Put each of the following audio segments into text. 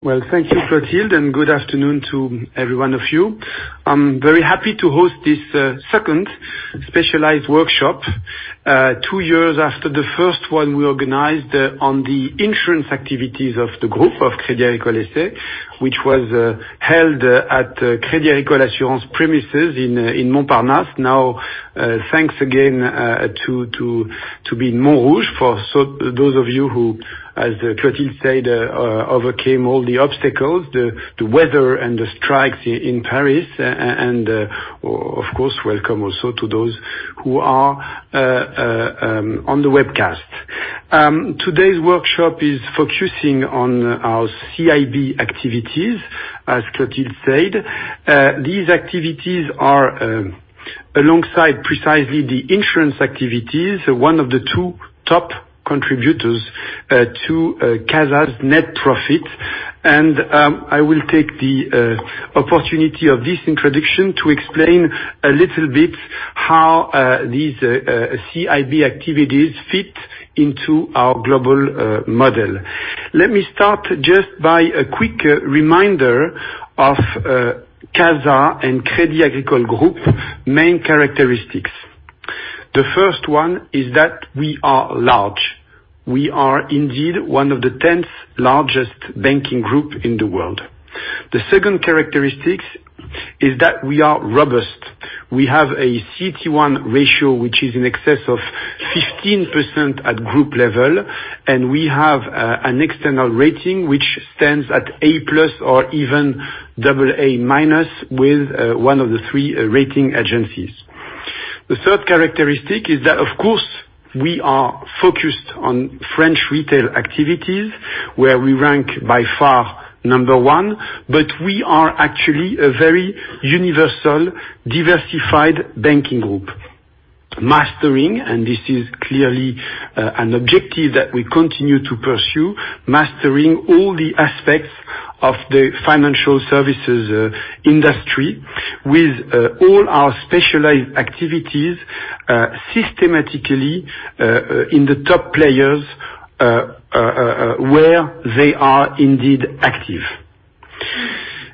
Well, thank you Clotilde. Good afternoon to every one of you. I'm very happy to host this second specialized workshop, two years after the first one we organized on the insurance activities of the group of Crédit Agricole S.A., which was held at Crédit Agricole Assurances premises in Montparnasse. Now, thanks again to be in Montrouge, for those of you who, as Clotilde said, overcame all the obstacles, the weather, and the strikes in Paris. Of course, welcome also to those who are on the webcast. Today's workshop is focusing on our CIB activities, as Clotilde said. These activities are, alongside precisely the insurance activities, one of the two top contributors to CASA's net profit. I will take the opportunity of this introduction to explain a little bit how these CIB activities fit into our global model. Let me start just by a quick reminder of CASA and Crédit Agricole Group main characteristics. The first one is that we are large. We are indeed one of the 10th largest banking group in the world. The second characteristic is that we are robust. We have a CET1 ratio which is in excess of 15% at group level, and we have an external rating which stands at A+ or even double A-, with one of the three rating agencies. The third characteristic is that, of course, we are focused on French retail activities, where we rank by far number one, but we are actually a very universal, diversified banking group. Mastering, and this is clearly an objective that we continue to pursue, mastering all the aspects of the financial services industry with all our specialized activities, systematically in the top players, where they are indeed active.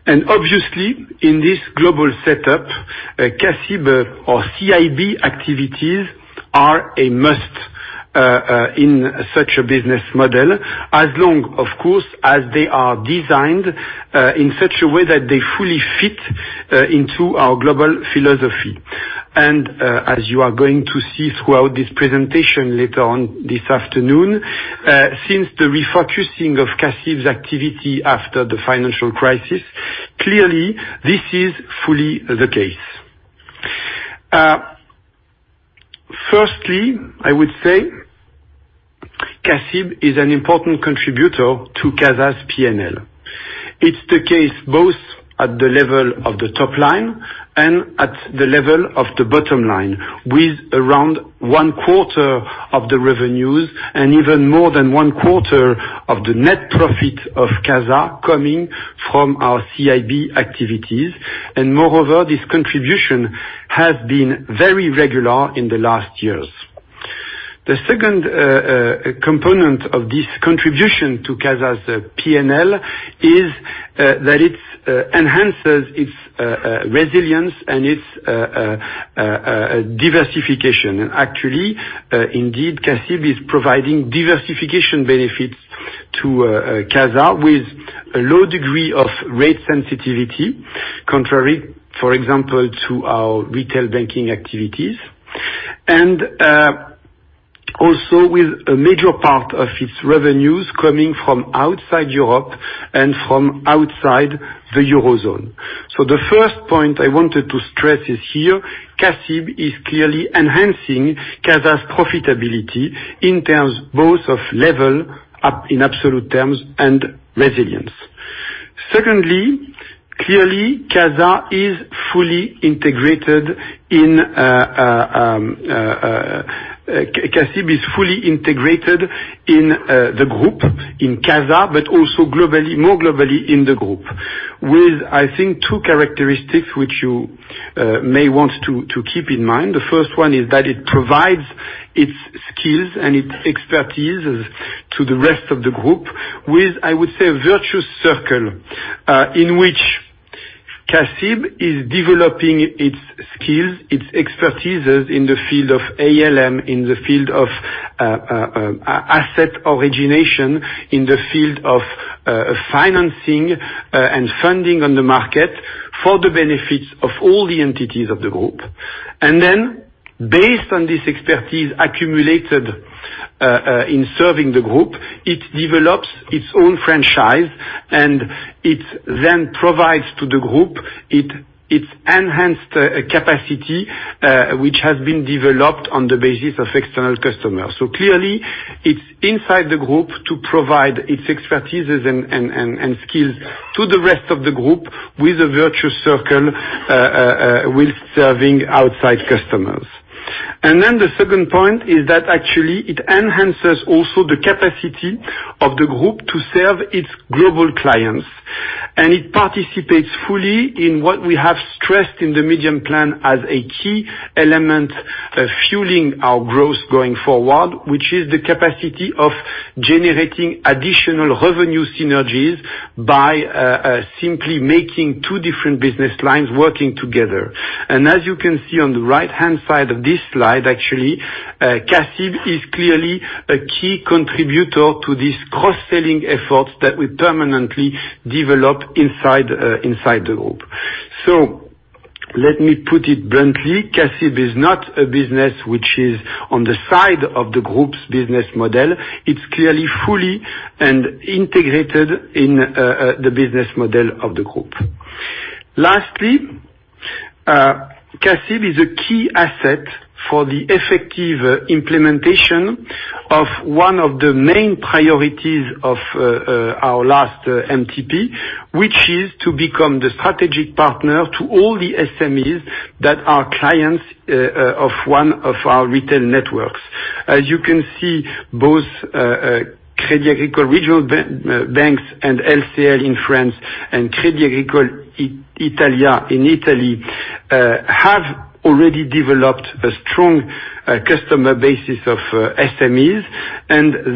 Obviously, in this global setup, CACIB, or CIB activities are a must in such a business model, as long, of course, as they are designed in such a way that they fully fit into our global philosophy. As you are going to see throughout this presentation later on this afternoon, since the refocusing of CACIB's activity after the financial crisis, clearly this is fully the case. Firstly, I would say CACIB is an important contributor to CASA's P&L. It's the case both at the level of the top line and at the level of the bottom line, with around one quarter of the revenues and even more than one quarter of the net profit of CASA coming from our CIB activities. Moreover, this contribution has been very regular in the last years. The second component of this contribution to CASA's P&L is that it enhances its resilience and its diversification. Actually, indeed, CACIB is providing diversification benefits to CASA with a low degree of rate sensitivity, contrary, for example, to our retail banking activities. Also with a major part of its revenues coming from outside Europe and from outside the Eurozone. The first point I wanted to stress is here, CACIB is clearly enhancing CASA's profitability in terms both of level in absolute terms and resilience. Secondly, clearly, CACIB is fully integrated in the Group, in CASA, but also more globally in the Group. With, I think, two characteristics which you may want to keep in mind. The first one is that it provides its skills and its expertise to the rest of the group with, I would say, a virtuous circle in which CACIB is developing its skills, its expertises in the field of ALM, in the field of asset origination, in the field of financing and funding on the market for the benefits of all the entities of the group. Based on this expertise accumulated in serving the group, it develops its own franchise, and it then provides to the group its enhanced capacity, which has been developed on the basis of external customers. Clearly, it's inside the group to provide its expertises and skills to the rest of the group with a virtuous circle, with serving outside customers. The second point is that actually it enhances also the capacity of the Group to serve its global clients. It participates fully in what we have stressed in the Medium Term Plan as a key element, fueling our growth going forward, which is the capacity of generating additional revenue synergies by simply making two different business lines working together. As you can see on the right-hand side of this slide, actually, CACIB is clearly a key contributor to these cross-selling efforts that we permanently develop inside the Group. Let me put it bluntly, CACIB is not a business which is on the side of the Group's business model. It's clearly fully and integrated in the business model of the Group. Lastly, CACIB is a key asset for the effective implementation of one of the main priorities of our last MTP, which is to become the strategic partner to all the SMEs that are clients of one of our retail networks. As you can see, both Crédit Agricole regional banks and LCL in France, Crédit Agricole Italia in Italy, have already developed a strong customer base of SMEs,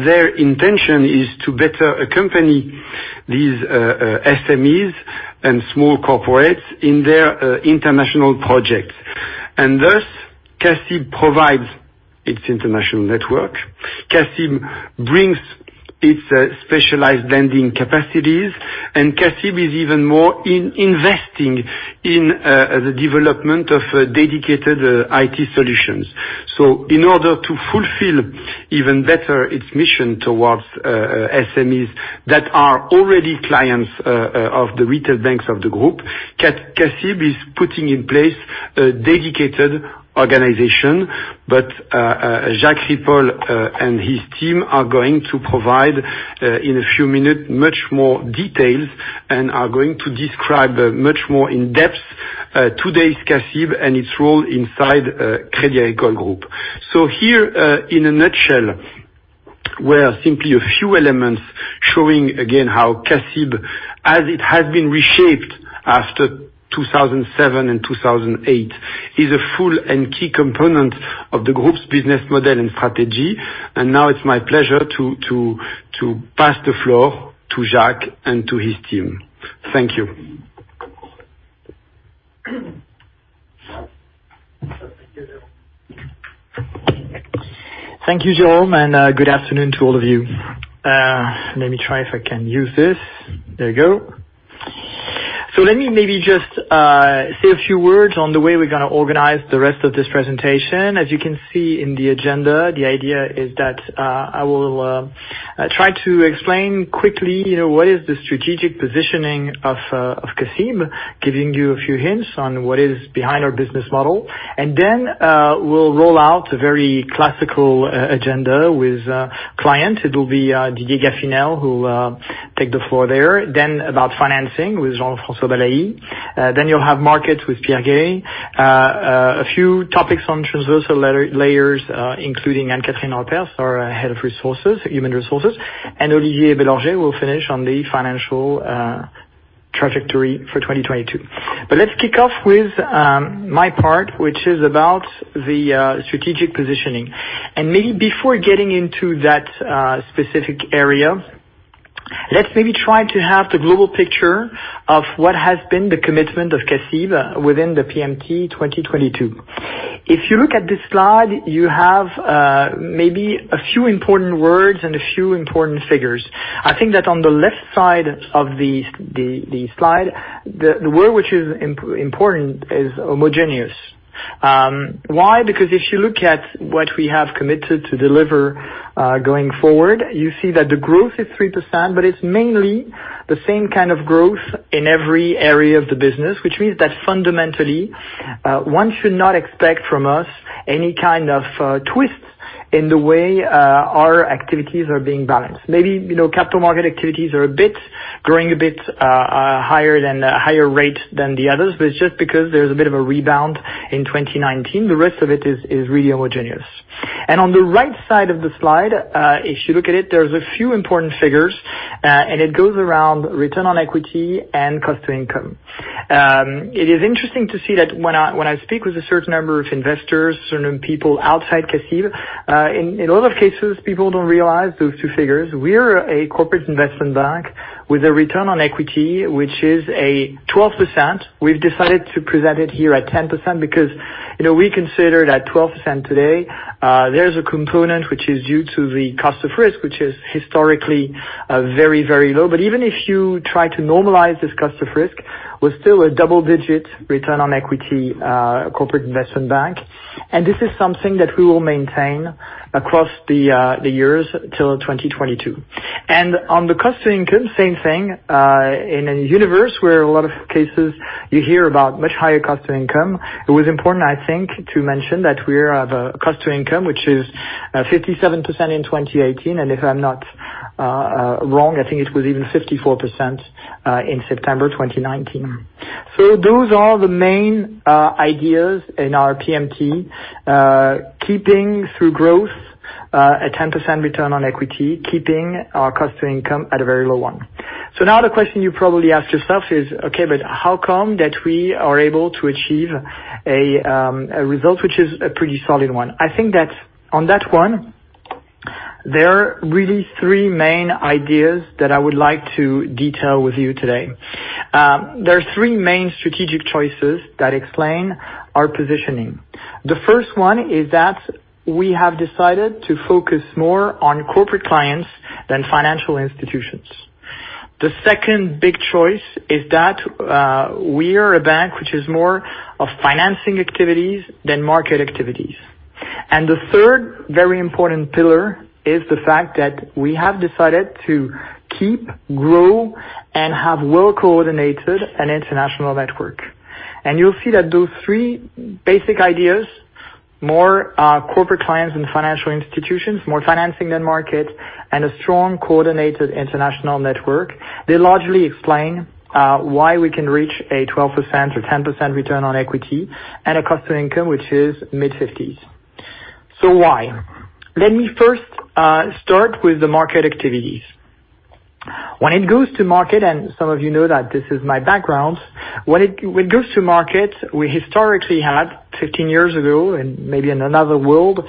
their intention is to better accompany these SMEs and small corporates in their international projects. Thus, CACIB provides its international network. CACIB brings its specialized lending capacities, and CACIB is even more in investing in the development of dedicated IT solutions. In order to fulfill even better its mission towards SMEs that are already clients of the retail banks of the group, CACIB is putting in place a dedicated organization. Jacques Ripoll and his team are going to provide, in a few minutes, much more details, and are going to describe much more in depth today's CACIB and its role inside Crédit Agricole Group. Here, in a nutshell, were simply a few elements showing again how CACIB, as it has been reshaped after 2007 and 2008, is a full and key component of the group's business model and strategy. Now it's my pleasure to pass the floor to Jacques and to his team. Thank you. Thank you, Jérôme, good afternoon to all of you. Let me try if I can use this. There you go. Let me maybe just say a few words on the way we're going to organize the rest of this presentation. As you can see in the agenda, the idea is that I will try to explain quickly, what is the strategic positioning of CACIB, giving you a few hints on what is behind our business model. We'll roll out a very classical agenda with clients. It will be Didier Gaffinel who take the floor there. About financing with Jean-François Balaÿ. You'll have markets with Pierre Gay. A few topics on transversal layers, including Anne-Catherine Ropers, our Head of Human Resources, and Olivier De Roge will finish on the financial trajectory for 2022. Let's kick off with my part, which is about the strategic positioning. Maybe before getting into that specific area, let's maybe try to have the global picture of what has been the commitment of CACIB within the MTP 2022. If you look at this slide, you have maybe a few important words and a few important figures. I think that on the left side of the slide, the word which is important is homogeneous. Why? Because if you look at what we have committed to deliver going forward, you see that the growth is 3%, but it's mainly the same kind of growth in every area of the business, which means that fundamentally, one should not expect from us any kind of twists in the way our activities are being balanced. Maybe capital market activities are growing a bit higher rate than the others, but it's just because there's a bit of a rebound in 2019. The rest of it is really homogeneous. On the right side of the slide, if you look at it, there's a few important figures, and it goes around return on equity and cost to income. It is interesting to see that when I speak with a certain number of investors, certain people outside CACIB, in a lot of cases, people don't realize those two figures. We are a corporate investment bank with a return on equity, which is a 12%. We've decided to present it here at 10% because we consider that 12% today, there's a component which is due to the cost of risk, which is historically very low. Even if you try to normalize this cost of risk, we're still a double-digit return on equity corporate investment bank, and this is something that we will maintain across the years till 2022. On the cost to income, same thing. In a universe where a lot of cases you hear about much higher cost to income, it was important, I think, to mention that we have a cost to income, which is 57% in 2018. If I'm not wrong, I think it was even 54% in September 2019. Those are the main ideas in our PMT, keeping through growth a 10% return on equity, keeping our cost to income at a very low one. Now the question you probably ask yourself is, okay, but how come that we are able to achieve a result which is a pretty solid one? I think that on that one, there are really three main ideas that I would like to detail with you today. There are three main strategic choices that explain our positioning. The first one is that we have decided to focus more on corporate clients than financial institutions. The second big choice is that we are a bank which is more of financing activities than market activities. The third very important pillar is the fact that we have decided to keep growing and have well-coordinated an international network. You'll see that those three basic ideas, more corporate clients and financial institutions, more financing than market, and a strong, coordinated international network, they largely explain why we can reach a 12% or 10% return on equity and a cost to income, which is mid-50s. Why? Let me first start with the market activities. When it goes to market, and some of you know that this is my background, when it goes to market, we historically had, 15 years ago and maybe in another world,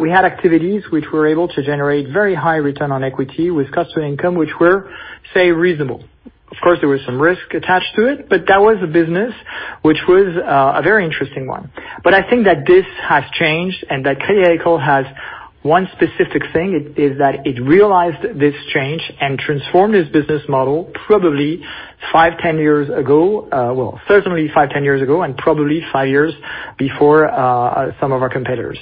we had activities which were able to generate very high return on equity with cost to income, which were, say, reasonable. Of course, there was some risk attached to it, but that was a business which was a very interesting one. I think that this has changed and that Crédit Agricole has one specific thing, is that it realized this change and transformed its business model probably five, 10 years ago. Well, certainly five, 10 years ago, and probably five years before some of our competitors.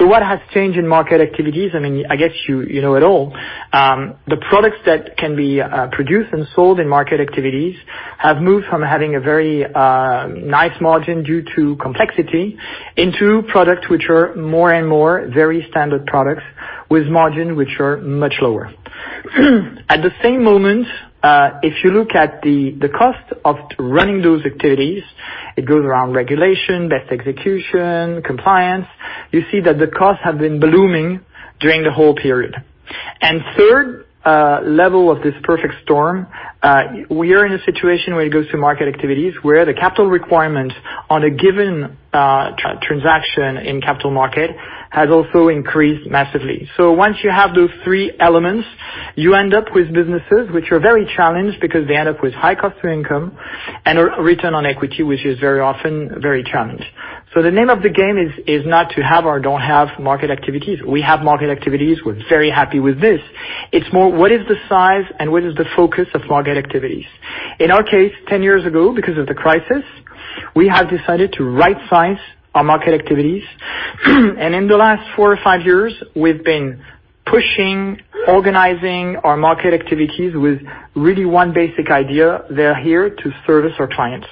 What has changed in market activities? I guess you know it all. The products that can be produced and sold in market activities have moved from having a very nice margin due to complexity into products which are more and more very standard products with margin, which are much lower. At the same moment, if you look at the cost of running those activities, it goes around regulation, best execution, compliance. You see that the costs have been blooming during the whole period. Third level of this perfect storm, we are in a situation where it goes to market activities, where the capital requirement on a given transaction in capital market has also increased massively. Once you have those three elements, you end up with businesses which are very challenged because they end up with high cost to income and a return on equity, which is very often very challenged. The name of the game is not to have or don't have market activities. We have market activities. We're very happy with this. It's more, what is the size and what is the focus of market activities? In our case, 10 years ago, because of the crisis, we have decided to right-size our market activities. In the last four or five years, we've been pushing, organizing our market activities with really one basic idea. They're here to service our clients.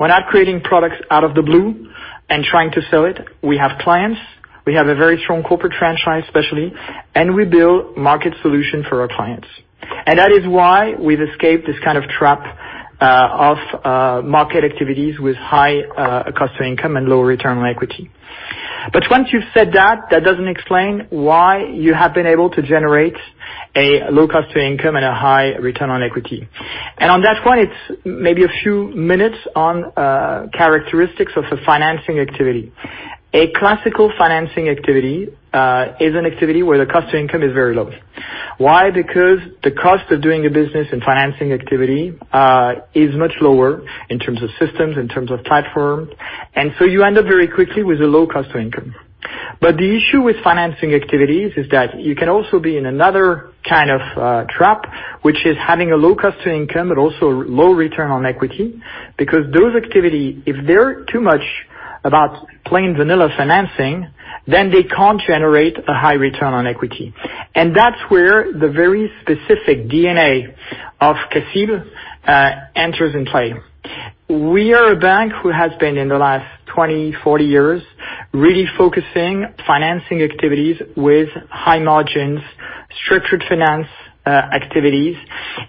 We're not creating products out of the blue and trying to sell it. We have clients. We have a very strong corporate franchise, especially, and we build market solution for our clients. That is why we've escaped this kind of trap of market activities with high cost to income and low return on equity. Once you've said that doesn't explain why you have been able to generate a low cost to income and a high return on equity. On that point, it's maybe a few minutes on characteristics of a financing activity. A classical financing activity is an activity where the cost to income is very low. Why? The cost of doing a business in financing activity is much lower in terms of systems, in terms of platforms, you end up very quickly with a low cost to income. The issue with financing activities is that you can also be in another kind of trap, which is having a low cost to income, but also low return on equity. Those activity, if they're too much about plain vanilla financing, then they can't generate a high return on equity. That's where the very specific DNA of CATIL enters in play. We are a bank who has been, in the last 20, 40 years, really focusing financing activities with high margins, structured finance activities,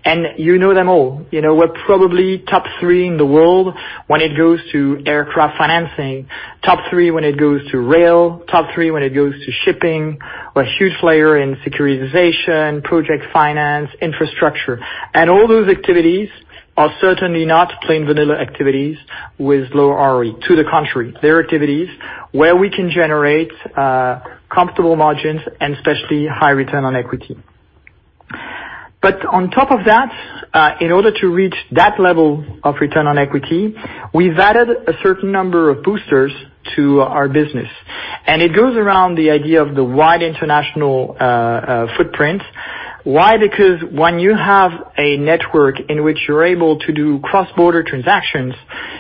and you know them all. You know we're probably top three in the world when it goes to aircraft financing, top three when it goes to rail, top three when it goes to shipping. We're a huge player in securitization, project finance, infrastructure, and all those activities are certainly not plain vanilla activities with low ROE. To the contrary, they're activities where we can generate comfortable margins and especially high return on equity. On top of that, in order to reach that level of return on equity, we've added a certain number of boosters to our business, and it goes around the idea of the wide international footprint. Why? When you have a network in which you're able to do cross-border transactions,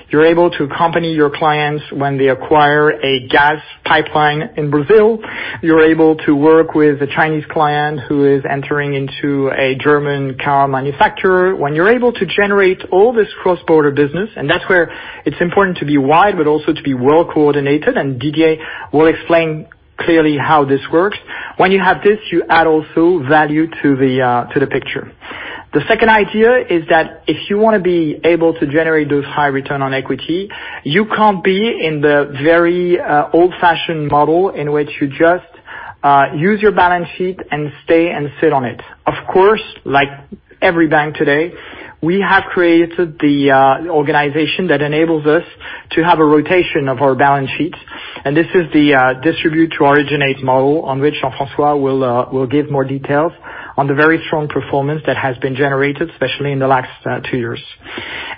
you're able to accompany your clients when they acquire a gas pipeline in Brazil, you're able to work with a Chinese client who is entering into a German car manufacturer. When you're able to generate all this cross-border business, and that's where it's important to be wide, but also to be well coordinated, and Didier will explain clearly how this works. When you have this, you add also value to the picture. The second idea is that if you want to be able to generate those high return on equity, you can't be in the very old-fashioned model in which you just use your balance sheet and stay and sit on it. Of course, like every bank today, we have created the organization that enables us to have a rotation of our balance sheet. This is the distribute to originate model on which Jean-François will give more details on the very strong performance that has been generated, especially in the last two years.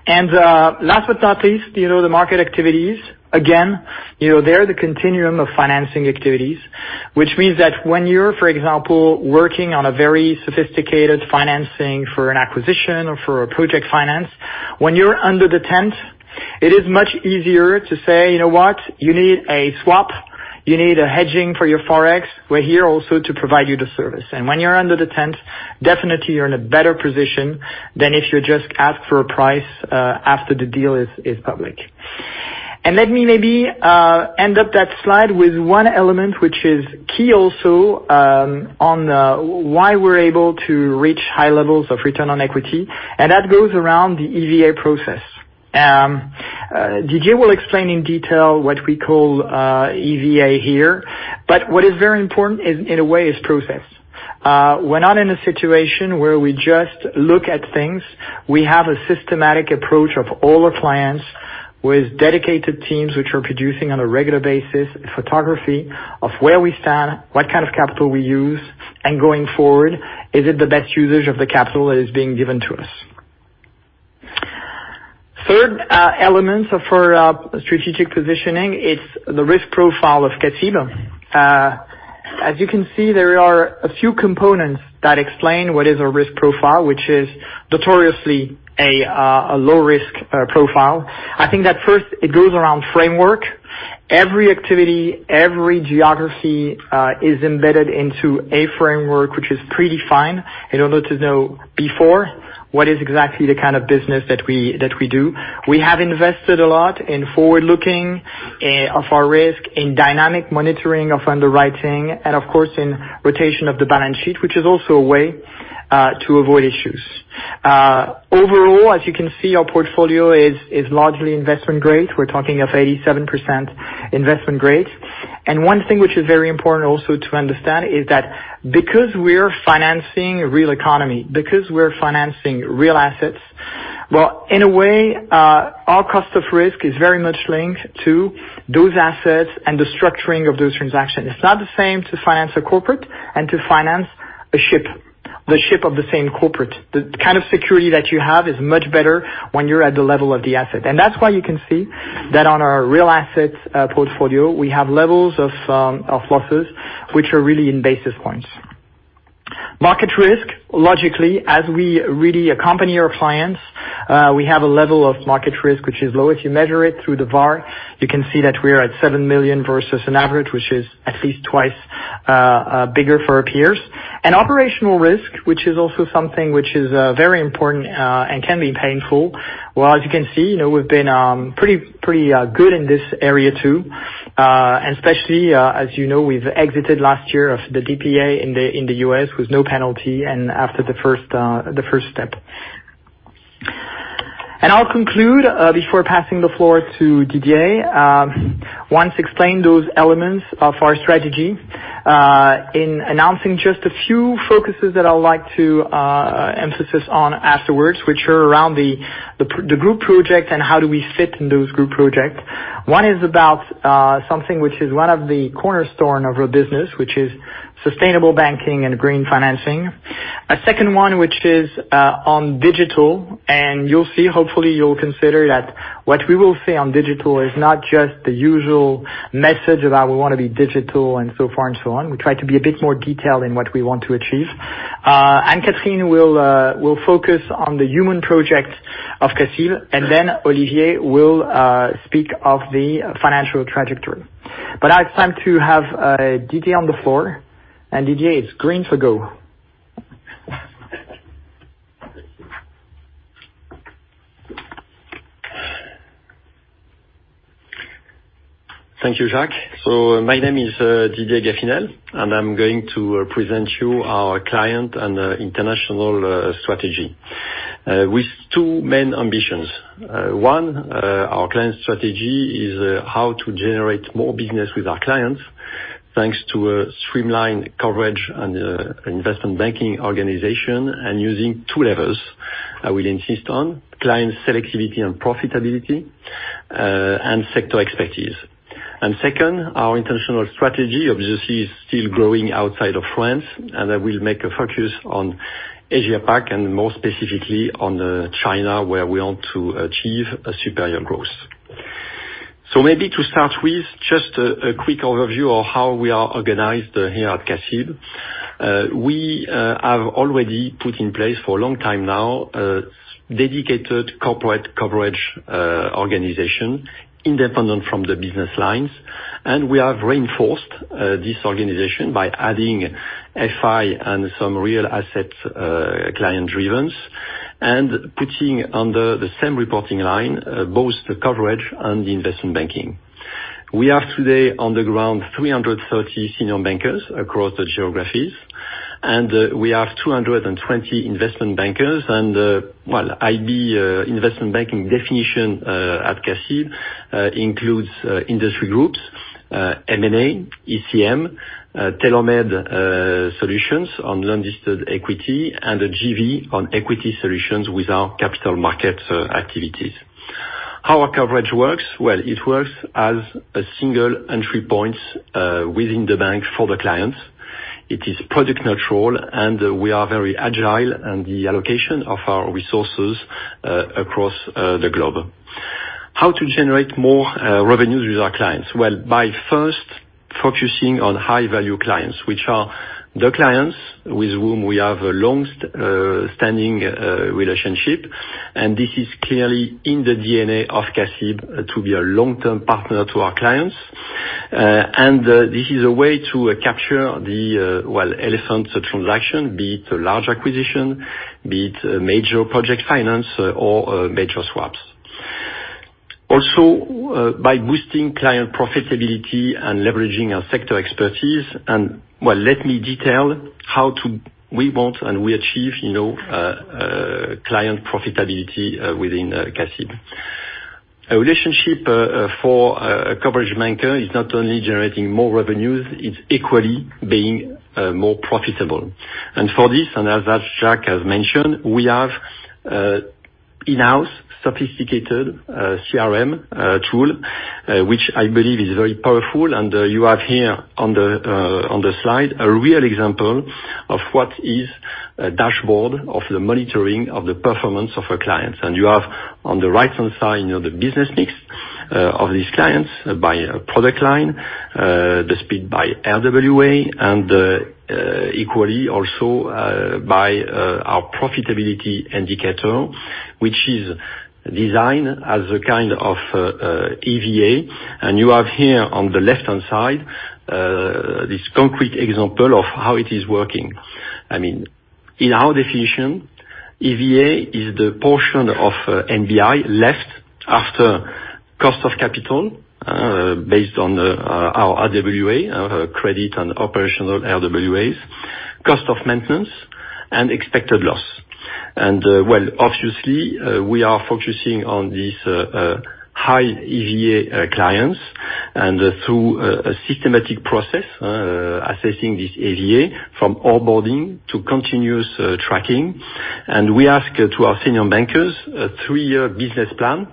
Last but not least, the market activities. Again, they're the continuum of financing activities, which means that when you're, for example, working on a very sophisticated financing for an acquisition or for a project finance, when you're under the tent, it is much easier to say, "You know what? You need a swap. You need a hedging for your Forex." We're here also to provide you the service. When you're under the tent, definitely you're in a better position than if you just ask for a price after the deal is public. Let me maybe end up that slide with one element which is key also on why we're able to reach high levels of return on equity, and that goes around the EVA process. Didier will explain in detail what we call EVA here, but what is very important in a way is process. We're not in a situation where we just look at things. We have a systematic approach of all our clients with dedicated teams which are producing on a regular basis, photography of where we stand, what kind of capital we use, and going forward, is it the best usage of the capital that is being given to us? Third element for strategic positioning, it's the risk profile of CACIB. As you can see, there are a few components that explain what is a risk profile, which is notoriously a low risk profile. I think that first it goes around framework. Every activity, every geography, is embedded into a framework which is pretty fine in order to know before what is exactly the kind of business that we do. We have invested a lot in forward-looking of our risk, in dynamic monitoring of underwriting, and of course in rotation of the balance sheet, which is also a way to avoid issues. Overall, as you can see, our portfolio is largely investment grade. We're talking of 87% investment grade. One thing which is very important also to understand is that because we're financing real economy, because we're financing real assets, well, in a way, our cost of risk is very much linked to those assets and the structuring of those transactions. It's not the same to finance a corporate and to finance a ship, the ship of the same corporate. The kind of security that you have is much better when you're at the level of the asset. That's why you can see that on our real assets portfolio, we have levels of losses which are really in basis points. Market risk, logically, as we really accompany our clients, we have a level of market risk, which is low. If you measure it through the VAR, you can see that we're at 7 million versus an average, which is at least twice bigger for our peers. Operational risk, which is also something which is very important, and can be painful. Well, as you can see, we've been pretty good in this area, too. Especially, as you know, we've exited last year of the DPA in the U.S. with no penalty and after the first step. I'll conclude, before passing the floor to Didier. Once explained those elements of our strategy, in announcing just a few focuses that I would like to emphasize on afterwards, which are around the group project and how do we fit in those group projects. One is about something which is one of the cornerstone of our business, which is sustainable banking and green financing. A second one, which is on digital, and you'll see, hopefully, you'll consider that what we will say on digital is not just the usual message about we want to be digital and so far and so on. We try to be a bit more detailed in what we want to achieve. Catherine will focus on the human project of CACIB, and then Olivier will speak of the financial trajectory. Now it's time to have Didier on the floor. Didier, it's green for go. Thank you, Jacques. My name is Didier Gaffinel, and I'm going to present you our client and international strategy. With two main ambitions. One, our client strategy is how to generate more business with our clients, thanks to a streamlined coverage and investment banking organization, and using two levers I will insist on, client selectivity and profitability, and sector expertise. Second, our international strategy obviously is still growing outside of France, and I will make a focus on Asia Pac and more specifically on China, where we want to achieve a superior growth. Maybe to start with just a quick overview of how we are organized here at CACIB. We have already put in place for a long time now a dedicated corporate coverage organization independent from the business lines. We have reinforced this organization by adding FI and some real asset client drivens and putting under the same reporting line both the coverage and the investment banking. We have today on the ground, 330 senior bankers across the geographies. We have 220 investment bankers. Well, IB investment banking definition at CACIB includes industry groups, M&A, ECM, tailor-made solutions on registered equity, and a JV on equity solutions with our capital market activities. How our coverage works, well, it works as a single entry point within the bank for the clients. It is product neutral. We are very agile in the allocation of our resources across the globe. How to generate more revenues with our clients? Well, by first focusing on high-value clients, which are the clients with whom we have a long-standing relationship, this is clearly in the DNA of CACIB to be a long-term partner to our clients. This is a way to capture the elephant transaction, be it a large acquisition, be it a major project finance or major swaps. Also, by boosting client profitability and leveraging our sector expertise, let me detail how we want and we achieve client profitability within CACIB. A relationship for a coverage banker is not only generating more revenues, it's equally being more profitable. For this, and as Jacques has mentioned, we have in-house sophisticated CRM tool, which I believe is very powerful. You have here on the slide, a real example of what is a dashboard of the monitoring of the performance of a client. You have on the right-hand side, the business mix of these clients by product line, the split by RWA, and equally also by our profitability indicator, which is designed as a kind of EVA. You have here on the left-hand side, this concrete example of how it is working. In our definition, EVA is the portion of NBI left after cost of capital based on our RWA, our credit and operational RWAs, cost of maintenance, and expected loss. Obviously, we are focusing on these high EVA clients and through a systematic process, assessing this EVA from onboarding to continuous tracking. We ask to our senior bankers, a three-year business plan,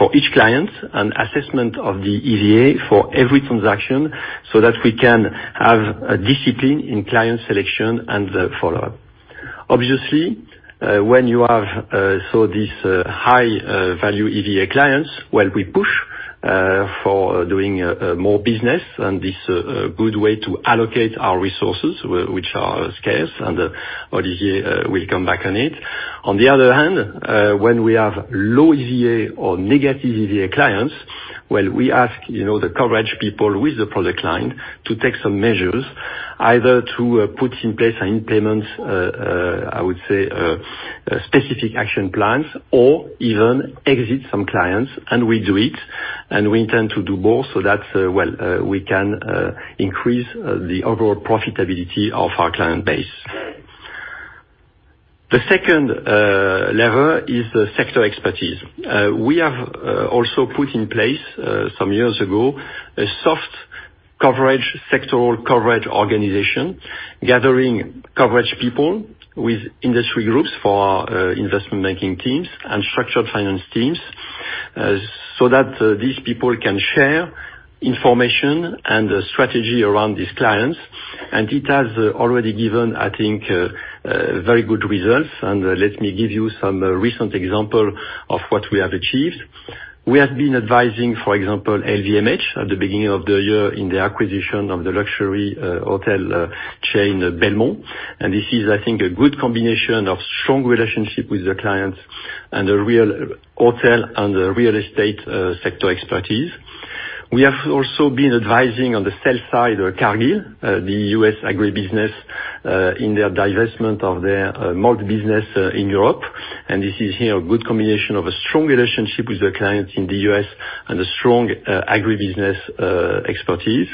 for each client, an assessment of the EVA for every transaction, so that we can have a discipline in client selection and follow-up. When you have these high-value EVA clients, we push for doing more business, this is a good way to allocate our resources, which are scarce. Olivier will come back on it. On the other hand, when we have low EVA or negative EVA clients, we ask the coverage people with the product line to take some measures, either to put in place and implement, I would say, specific action plans or even exit some clients, we do it, and we intend to do more so that we can increase the overall profitability of our client base. The second lever is the sector expertise. We have also put in place, some years ago, a soft sectoral coverage organization, gathering coverage people with industry groups for our investment banking teams and structured finance teams, so that these people can share information and strategy around these clients. It has already given, I think, very good results. Let me give you some recent example of what we have achieved. We have been advising, for example, LVMH at the beginning of the year in the acquisition of the luxury hotel chain, Belmond. This is, I think, a good combination of strong relationship with the clients and the real hotel and the real estate sector expertise. We have also been advising on the sell side, Cargill, the U.S. agribusiness, in their divestment of their malt business in Europe. This is here a good combination of a strong relationship with the clients in the U.S. and a strong agribusiness expertise.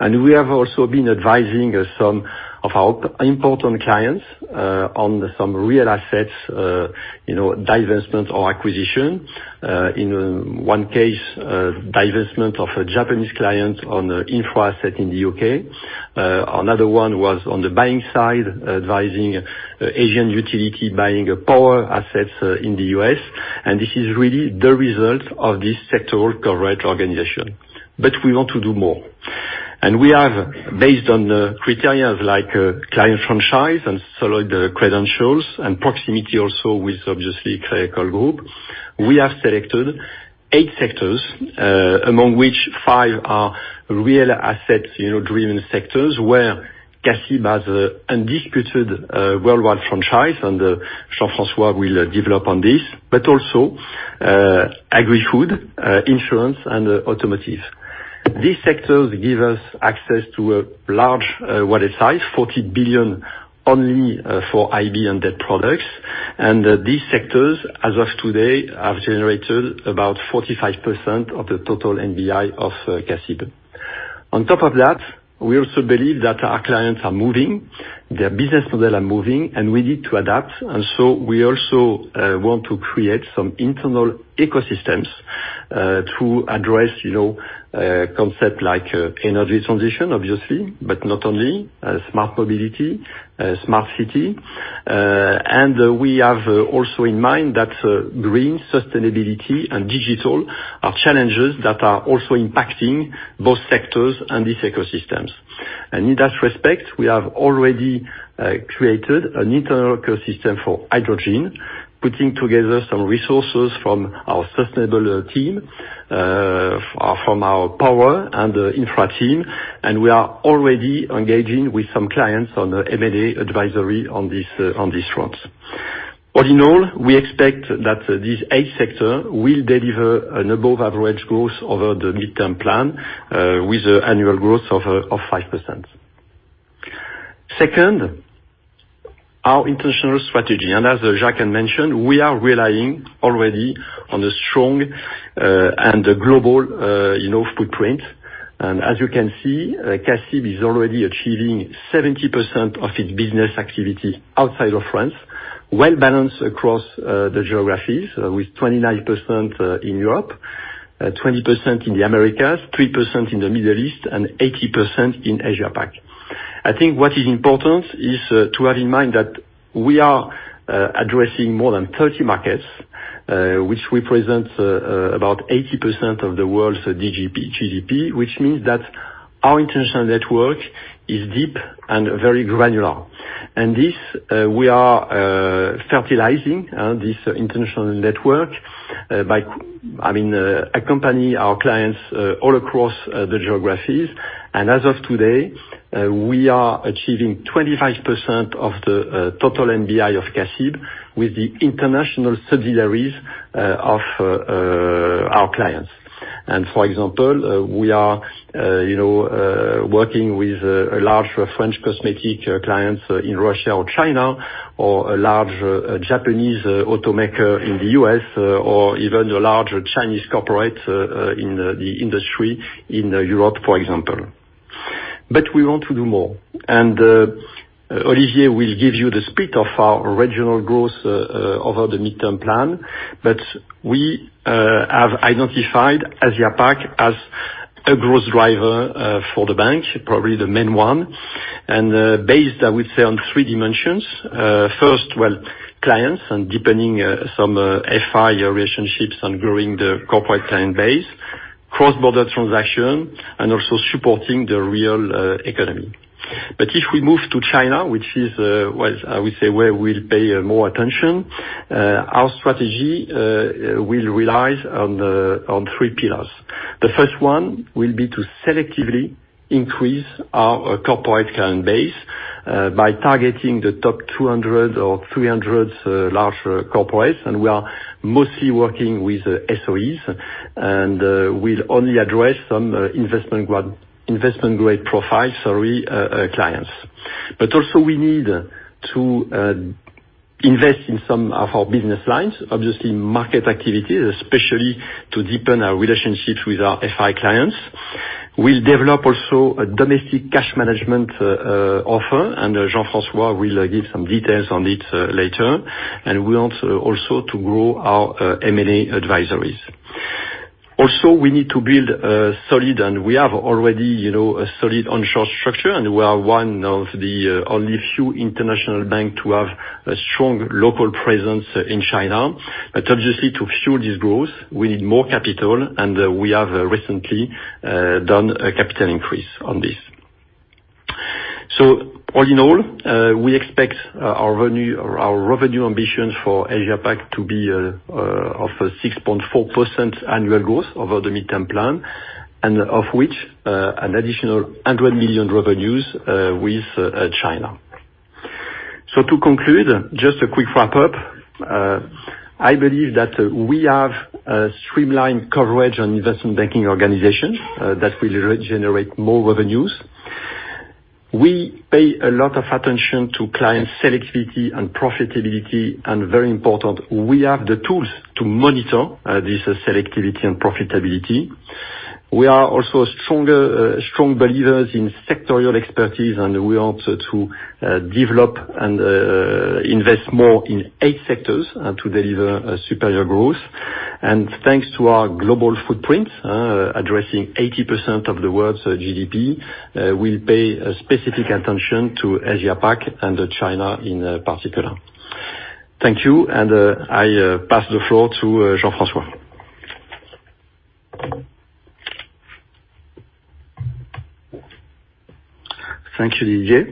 We have also been advising some of our important clients on some real assets divestment or acquisition. In one case, divestment of a Japanese client on an infra asset in the U.K. Another one was on the buying side, advising Asian utility buying power assets in the U.S. This is really the result of this sectoral coverage organization. We want to do more. We have, based on the criteria like client franchise and solid credentials and proximity also with, obviously, Crédit Agricole Group, we have selected 8 sectors, among which 5 are real asset-driven sectors, where CACIB has undisputed worldwide franchise. Jean-François will develop on this, but also agri-food, insurance, and automotive. These sectors give us access to a large wallet size, 40 billion only for IB and debt products. These sectors, as of today, have generated about 45% of the total NBI of CACIB. On top of that, we also believe that our clients are moving, their business models are moving, and we need to adapt. We also want to create some internal ecosystems to address concepts like energy transition, obviously, but not only, smart mobility, smart city. We have also in mind that green sustainability and digital are challenges that are also impacting both sectors and these ecosystems. In that respect, we have already created an internal ecosystem for hydrogen, putting together some resources from our sustainable team, from our power and infra team, and we are already engaging with some clients on M&A advisory on this front. All in all, we expect that these eight sectors will deliver an above-average growth over the midterm plan, with annual growth of 5%. Second, our international strategy. As Jacques mentioned, we are relying already on a strong and global footprint. As you can see, CACIB is already achieving 70% of its business activity outside of France, well-balanced across the geographies with 29% in Europe, 20% in the Americas, 3% in the Middle East, and 80% in Asia-Pac. I think what is important is to have in mind that we are addressing more than 30 markets, which represents about 80% of the world's GDP, which means that our international network is deep and very granular. This, we are fertilizing this international network by accompanying our clients all across the geographies. As of today, we are achieving 25% of the total NBI of CACIB with the international subsidiaries of our clients. For example, we are working with a large French cosmetic client in Russia or China, or a large Japanese automaker in the U.S., or even the large Chinese corporate in the industry in Europe, for example. We want to do more, and Olivier will give you the split of our regional growth over the midterm plan. We have identified Asia-Pac as a growth driver for the bank, probably the main one, and based, I would say, on three dimensions. First, clients and deepening some FI relationships and growing the corporate client base, cross-border transaction, and also supporting the real economy. If we move to China, which is I would say, where we'll pay more attention, our strategy will rely on three pillars. The first one will be to selectively increase our corporate client base by targeting the top 200 or 300 large corporates, and we are mostly working with SOEs, and we'll only address some investment grade profile clients. Also we need to invest in some of our business lines, obviously market activities, especially to deepen our relationships with our FI clients. We'll develop also a domestic cash management offer, and Jean-François will give some details on it later. We want also to grow our M&A advisories. Also, we need to build a solid, and we have already, a solid onshore structure, and we are one of the only few international banks to have a strong local presence in China. Obviously, to fuel this growth, we need more capital, and we have recently done a capital increase on this. All in all, we expect our revenue ambition for Asia-Pac to be of 6.4% annual growth over the midterm plan, and of which an additional 100 million revenues with China. To conclude, just a quick wrap-up. I believe that we have a streamlined coverage on investment banking organization that will generate more revenues. We pay a lot of attention to client selectivity and profitability, and very important, we have the tools to monitor this selectivity and profitability. We are also strong believers in sectorial expertise, and we want to develop and invest more in eight sectors to deliver superior growth. Thanks to our global footprint, addressing 80% of the world's GDP, we'll pay specific attention to Asia-Pac and China in particular. Thank you, and I pass the floor to Jean-François. Thank you, Olivier.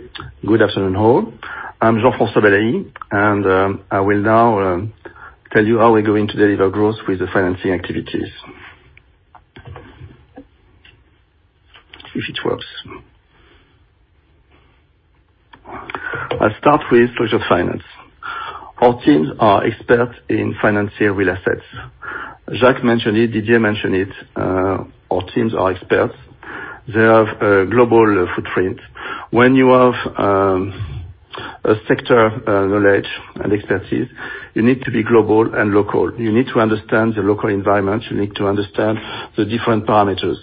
Good afternoon, all. I'm Jean-François Balaÿ. I will now tell you how we're going to deliver growth with the financing activities. If it works. I'll start with treasury finance. Our teams are experts in financial real assets. Jacques mentioned it, Didier mentioned it, our teams are experts. They have a global footprint. When you have a sector knowledge and expertise, you need to be global and local. You need to understand the local environment. You need to understand the different parameters.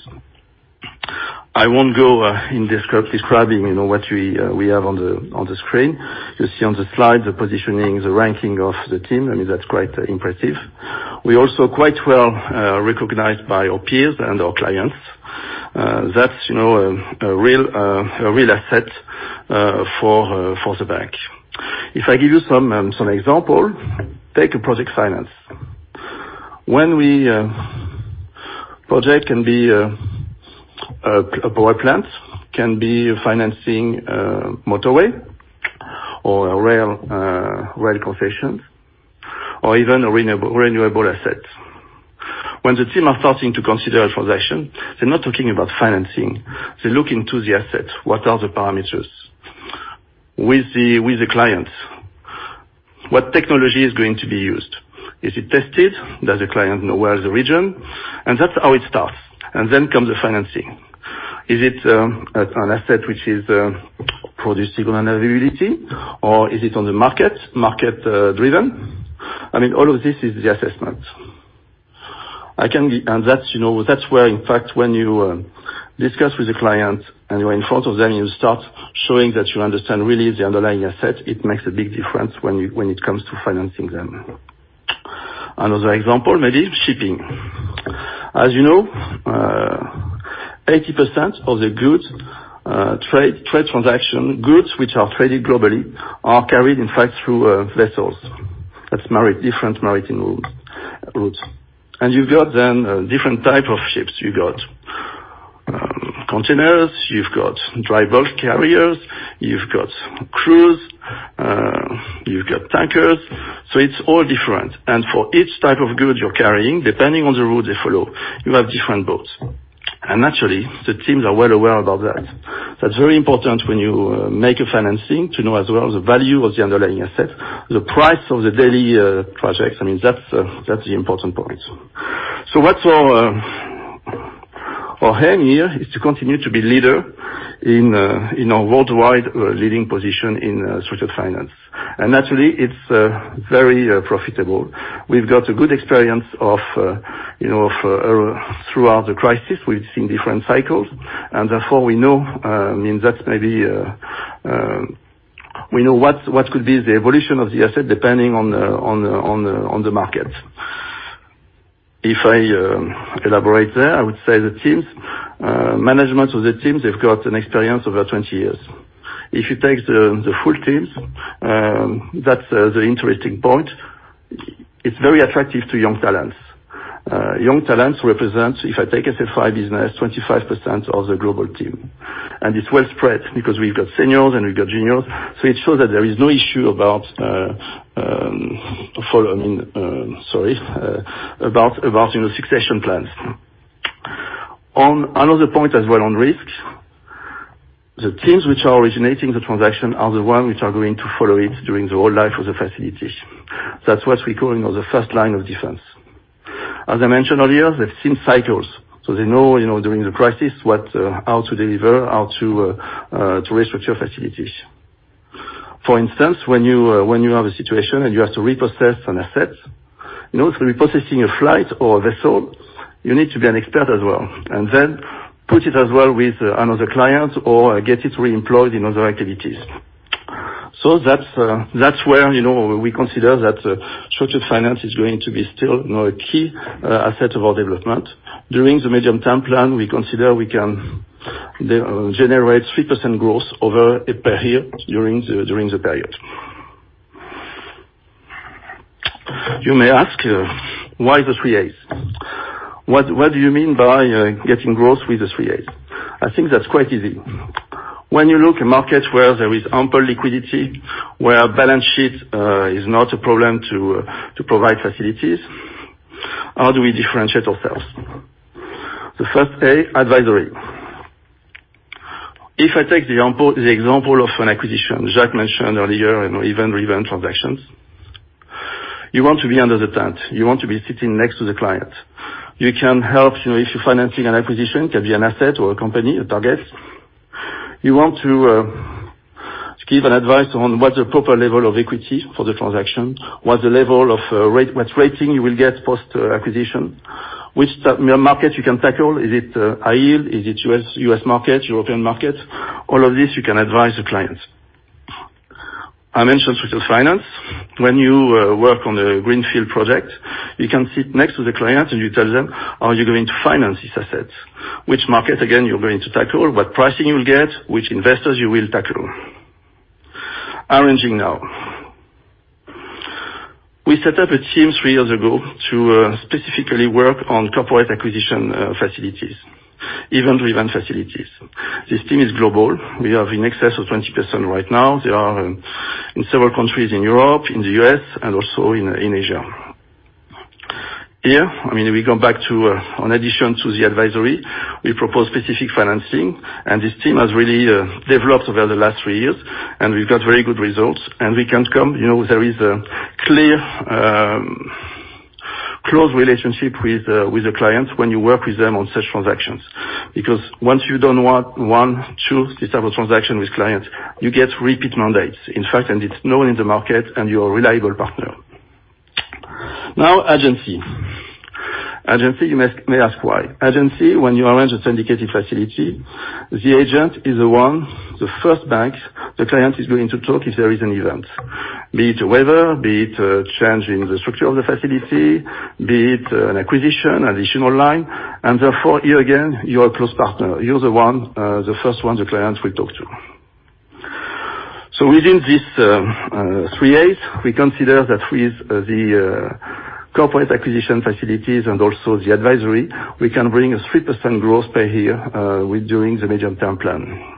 I won't go in describing what we have on the screen. You see on the slide, the positioning, the ranking of the team, that's quite impressive. We're also quite well recognized by our peers and our clients. That's a real asset for the bank. If I give you some examples, take project finance. Project can be a power plant, can be financing a motorway, or a rail concession, or even a renewable asset. When the team are starting to consider a transaction, they're not talking about financing. They look into the asset. What are the parameters? With the clients, what technology is going to be used? Is it tested? Does the client know where is the region? That's how it starts. Then comes the financing. Is it an asset which is producing reliability, or is it on the market driven? All of this is the assessment. That's where, in fact, when you discuss with the client, and you're in front of them, you start showing that you understand really the underlying asset. It makes a big difference when it comes to financing them. Another example, maybe shipping. As you know, 80% of the goods, trade transaction goods, which are traded globally, are carried, in fact, through vessels. That's different maritime routes. You've got then different type of ships. You've got containers, you've got dry bulk carriers, you've got cruise, you've got tankers. It's all different. For each type of good you're carrying, depending on the route they follow, you have different boats. Naturally, the teams are well aware about that. That's very important when you make a financing, to know as well the value of the underlying asset, the price of the daily rates. That's the important point. What's our aim here is to continue to be leader in our worldwide leading position in structured finance. Naturally, it's very profitable. We've got a good experience throughout the crisis. We've seen different cycles, and therefore we know what could be the evolution of the asset, depending on the market. If I elaborate there, I would say management of the teams, they've got an experience over 20 years. If you take the full teams, that's the interesting point. It's very attractive to young talents. Young talents represent, if I take SFI business, 25% of the global team. It's well spread, because we've got seniors and we've got juniors. It shows that there is no issue about succession plans. Another point as well on risks, the teams which are originating the transaction are the ones which are going to follow it during the whole life of the facility. That's what we're calling the first line of defense. As I mentioned earlier, they've seen cycles, so they know during the crisis how to deliver, how to restructure facilities. For instance, when you have a situation and you have to repossess an asset, in order to repossessing a flight or a vessel, you need to be an expert as well. Then put it as well with another client or get it reemployed in other activities. That's where we consider that structured finance is going to be still a key asset of our development. During the medium-term plan, we consider we can generate 3% growth per year during the period. You may ask, why the three As? What do you mean by getting growth with the three As? I think that's quite easy. When you look at markets where there is ample liquidity, where balance sheet is not a problem to provide facilities, how do we differentiate ourselves? The first A, advisory. If I take the example of an acquisition, Jacques mentioned earlier, event-driven transactions. You want to be under the tent. You want to be sitting next to the client. You can help if you're financing an acquisition, can be an asset or a company, a target. You want to give an advice on what's the proper level of equity for the transaction, what's rating you will get post-acquisition, which market you can tackle. Is it high yield? Is it U.S. market, European market? All of this, you can advise the clients. I mentioned social finance. When you work on a greenfield project, you can sit next to the client and you tell them, How are you going to finance this asset? Which market, again, you're going to tackle, what pricing you'll get, which investors you will tackle. Arranging now. We set up a team three years ago to specifically work on corporate acquisition facilities, event-driven facilities. This team is global. We have in excess of 20 people right now. They are in several countries in Europe, in the U.S., and also in Asia. Here, we go back to, in addition to the advisory, we propose specific financing, and this team has really developed over the last three years, and we've got very good results. We can come, there is a clear, close relationship with the clients when you work with them on such transactions. Once you don't want one, two, this type of transaction with clients, you get repeat mandates, in fact, and it's known in the market, and you're a reliable partner. Agency. Agency, you may ask why. Agency, when you arrange a syndicated facility, the agent is the one, the first bank the client is going to talk if there is an event, be it a waiver, be it a change in the structure of the facility, be it an acquisition, additional line. Therefore, here again, you are a close partner. You are the first one the client will talk to. Within these three As, we consider that with the corporate acquisition facilities and also the advisory, we can bring a 3% growth per year, with doing the Medium Term Plan.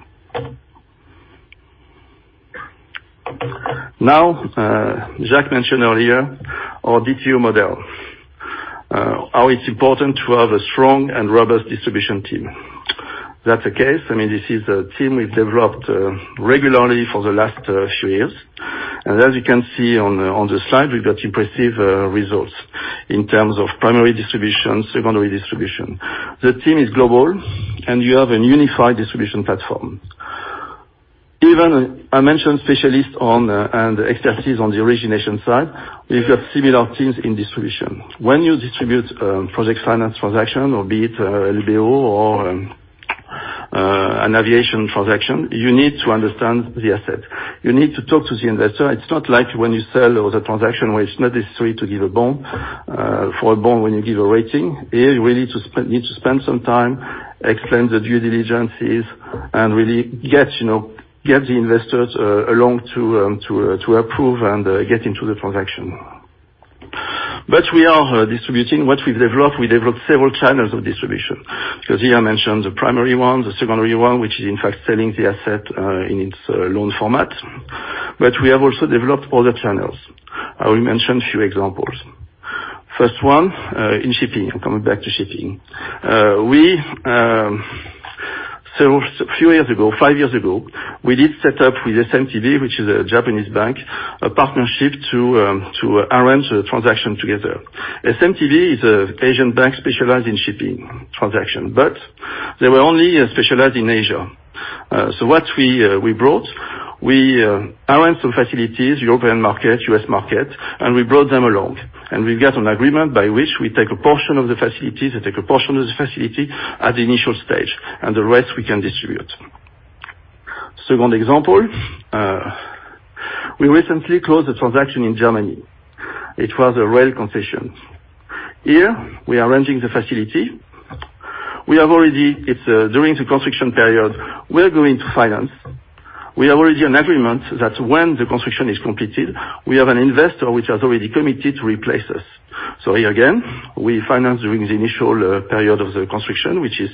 Now, Jacques mentioned earlier our DTO model. How it's important to have a strong and robust distribution team. That's the case. This is a team we've developed regularly for the last few years. As you can see on the slide, we've got impressive results in terms of primary distribution, secondary distribution. The team is global. You have a unified distribution platform. I mentioned specialists and expertise on the origination side, we've got similar teams in distribution. When you distribute project finance transaction, or be it LBO or an aviation transaction, you need to understand the asset. You need to talk to the investor. It's not like when you sell for a bond when you give a rating. Here, you really need to spend some time, explain the due diligences, and really get the investors along to approve and get into the transaction. We are distributing what we've developed. We developed several channels of distribution. Here I mentioned the primary one, the secondary one, which is, in fact, selling the asset, in its loan format. We have also developed other channels. I will mention a few examples. First one, in shipping. I'm coming back to shipping. A few years ago, 5 years ago, we did set up with SMTB, which is a Japanese bank, a partnership to arrange a transaction together. SMTB is an Asian bank specialized in shipping transactions. They were only specialized in Asia. What we brought, we arranged some facilities, European market, U.S. market, and we brought them along. We got an agreement by which we take a portion of the facilities, they take a portion of the facility at the initial stage, and the rest we can distribute. Second example, we recently closed a transaction in Germany. It was a rail concession. Here, we are arranging the facility. It's during the construction period, we are going to finance. We have already an agreement that when the construction is completed, we have an investor which has already committed to replace us. Here again, we finance during the initial period of the construction, which is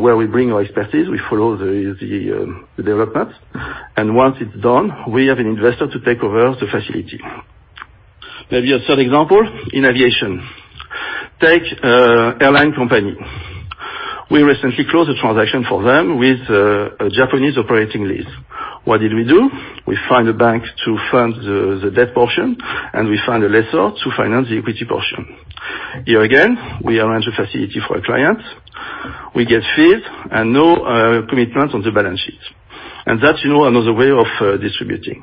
where we bring our expertise. We follow the development. Once it's done, we have an investor to take over the facility. Maybe a third example, in aviation. Take airline company. We recently closed a transaction for them with a Japanese operating lease. What did we do? We find a bank to fund the debt portion, and we find a lessor to finance the equity portion. Here again, we arrange a facility for a client. We get fees and no commitment on the balance sheet. That's another way of distributing.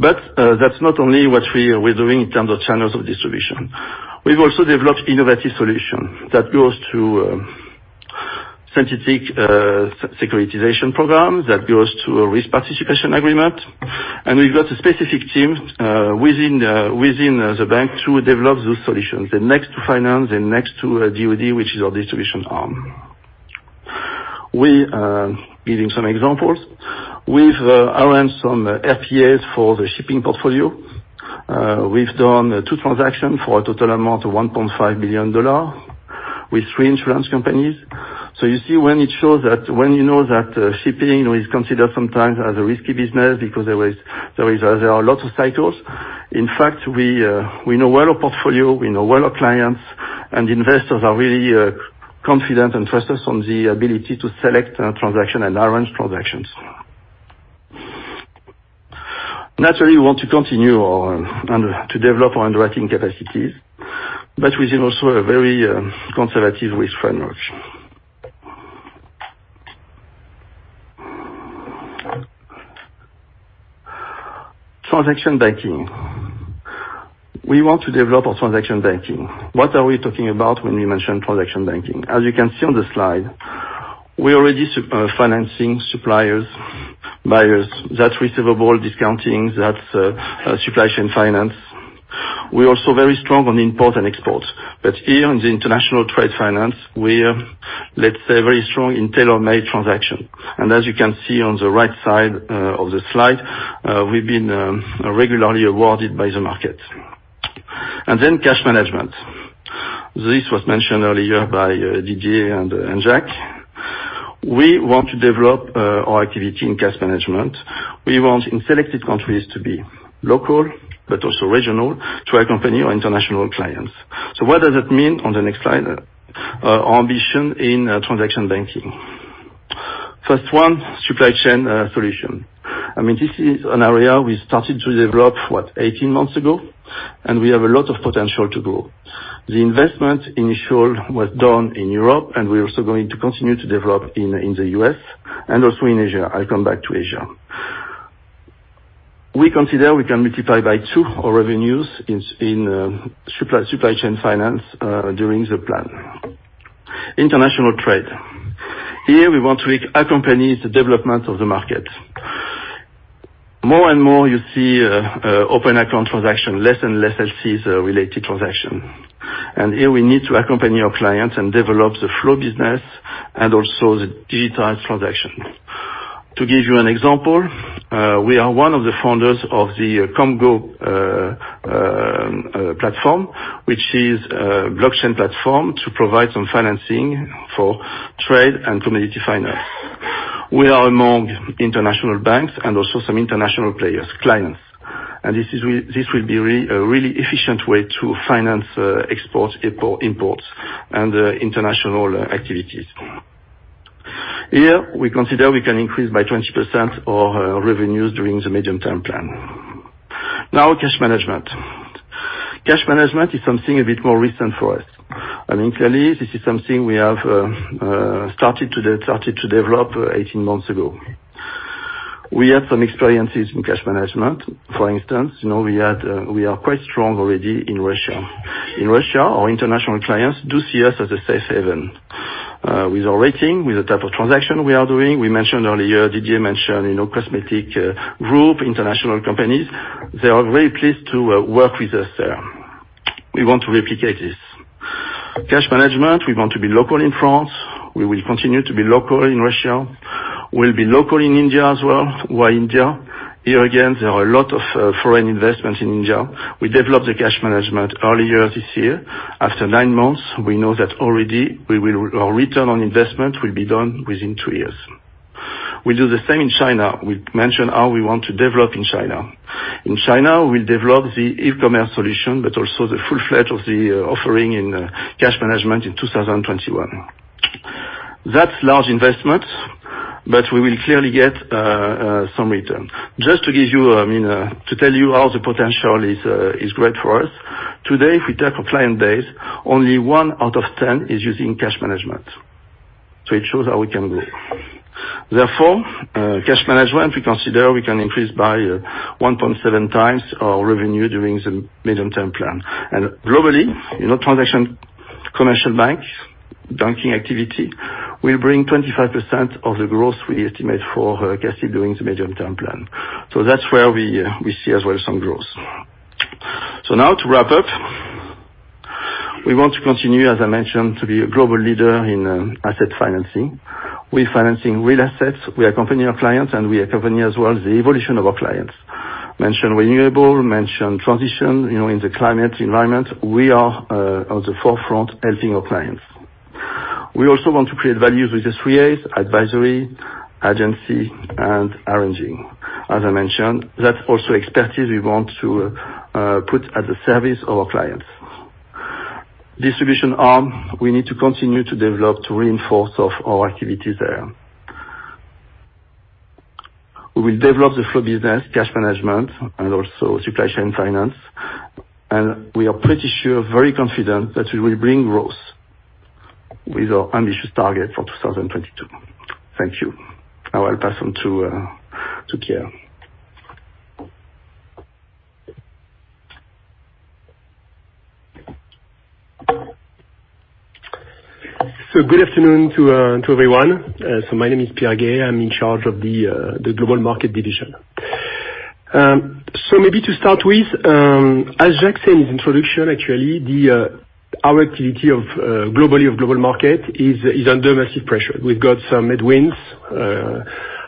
That's not only what we're doing in terms of channels of distribution. We've also developed innovative solution that goes to synthetic securitization program, that goes to a risk participation agreement. We've got a specific team within the bank to develop those solutions. They're next to finance, they're next to DoD, which is our distribution arm. We are giving some examples. We've arranged some RPAs for the shipping portfolio. We've done two transactions for a total amount of $1.5 billion with three insurance companies. You see when it shows that, when you know that shipping is considered sometimes as a risky business, because there are lots of cycles. In fact, we know well our portfolio, we know well our clients, and investors are really confident and trust us on the ability to select a transaction and arrange transactions. Naturally, we want to continue to develop our underwriting capacities, but within also a very conservative risk framework. Transaction banking. We want to develop our transaction banking. What are we talking about when we mention transaction banking? As you can see on the slide, we're already financing suppliers, buyers. That's receivable discounting, that's supply chain finance. We're also very strong on import and export. Here in the international trade finance, we're, let's say, very strong in tailor-made transaction. As you can see on the right side of the slide, we've been regularly awarded by the market. Cash management. This was mentioned earlier by Didier and Jacques. We want to develop our activity in cash management. We want in selected countries to be local but also regional to accompany our international clients. What does it mean on the next slide, our ambition in transaction banking? First one, supply chain solution. This is an area we started to develop 18 months ago, and we have a lot of potential to grow. The investment initial was done in Europe, and we're also going to continue to develop in the U.S. and also in Asia. I'll come back to Asia. We consider we can multiply by two our revenues in supply chain finance during the plan. International trade. Here, we want to accompany the development of the market. More and more you see open account transaction, less and less LCs related transaction. Here we need to accompany our clients and develop the flow business and also the digitized transaction. To give you an example, we are one of the founders of the Komgo platform, which is a blockchain platform to provide some financing for trade and commodity finance. We are among international banks and also some international players, clients. This will be a really efficient way to finance exports, imports, and international activities. Here, we consider we can increase by 20% our revenues during the medium-term plan. Cash management. Cash management is something a bit more recent for us. Clearly this is something we have started to develop 18 months ago. We had some experiences in cash management. For instance, we are quite strong already in Russia. In Russia, our international clients do see us as a safe haven. With our rating, with the type of transaction we are doing. We mentioned earlier, Didier mentioned Cosmetic Group, international companies, they are very pleased to work with us there. We want to replicate this. Cash management, we want to be local in France. We will continue to be local in Russia. We'll be local in India as well. Why India? There are a lot of foreign investments in India. We developed the cash management earlier this year. After nine months, we know that already our return on investment will be done within two years. We'll do the same in China. We mentioned how we want to develop in China. In China, we'll develop the e-commerce solution, but also the full-fledged of the offering in cash management in 2021. That's large investments, but we will clearly get some return. Just to tell you how the potential is great for us. Today, if we check our client base, only one out of 10 is using cash management. It shows how we can grow. Cash management, we consider we can increase by 1.7 times our revenue during the medium-term plan. Globally, transaction commercial bank, banking activity will bring 25% of the growth we estimate for CACIB during the Medium-Term Plan. That's where we see as well, some growth. Now to wrap up, we want to continue, as I mentioned, to be a global leader in asset financing. We're financing real assets. We accompany our clients, and we accompany as well, the evolution of our clients. We mentioned renewable, we mentioned transition, in the climate environment, we are on the forefront helping our clients. We also want to create values with the three A's, advisory, agency, and arranging. As I mentioned, that's also expertise we want to put at the service of our clients. Distribution arm, we need to continue to develop to reinforce of our activity there. We will develop the flow business, cash management, and also supply chain finance, and we are pretty sure, very confident that we will bring growth with our ambitious target for 2022. Thank you. Now I'll pass on to Pierre. Good afternoon to everyone. My name is Pierre Gay. I'm in charge of the Global Market division. Maybe to start with, as Jacques said in his introduction, actually, our activity of globally of global market is under massive pressure. We've got some headwinds.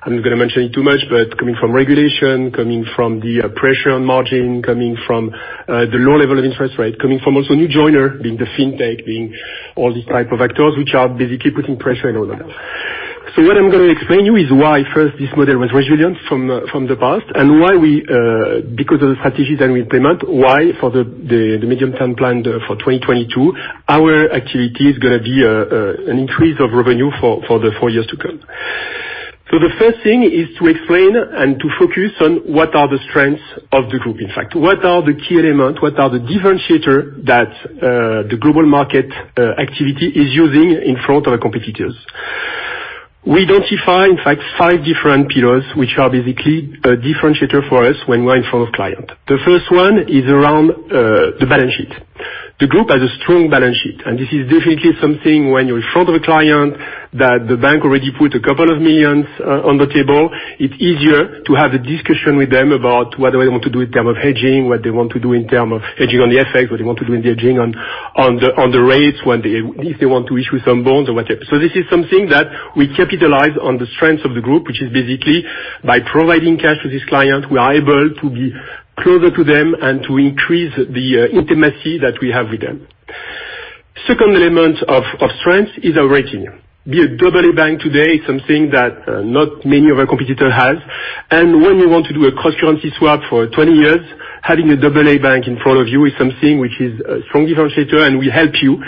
I'm not going to mention it too much, but coming from regulation, coming from the pressure on margin, coming from the low level of interest rate, coming from also new joiner, being the fintech, being all these type of actors, which are basically putting pressure and all that. What I'm going to explain you is why, first, this model was resilient from the past, and why we, because of the strategies that we implement, why for the medium-term plan for 2022, our activity is going to be an increase of revenue for the four years to come. The first thing is to explain and to focus on what are the strengths of the group. In fact, what are the key elements, what are the differentiator that the global market activity is using in front of the competitors. We identify, in fact, five different pillars, which are basically a differentiator for us when we're in front of client. The first one is around the balance sheet. The group has a strong balance sheet, and this is definitely something when you're in front of a client that the bank already put a couple of millions EUR on the table. It's easier to have a discussion with them about whether they want to do in term of hedging, what they want to do in term of hedging on the FX, what they want to do in the hedging on the rates, if they want to issue some bonds, or whatever. This is something that we capitalize on the strengths of the group, which is basically by providing cash to this client, we are able to be closer to them and to increase the intimacy that we have with them. Second element of strength is our rating. Be a double A bank today is something that not many of our competitors have. When you want to do a cross-currency swap for 20 years, having a double A bank in front of you is something which is a strong differentiator, and will help you.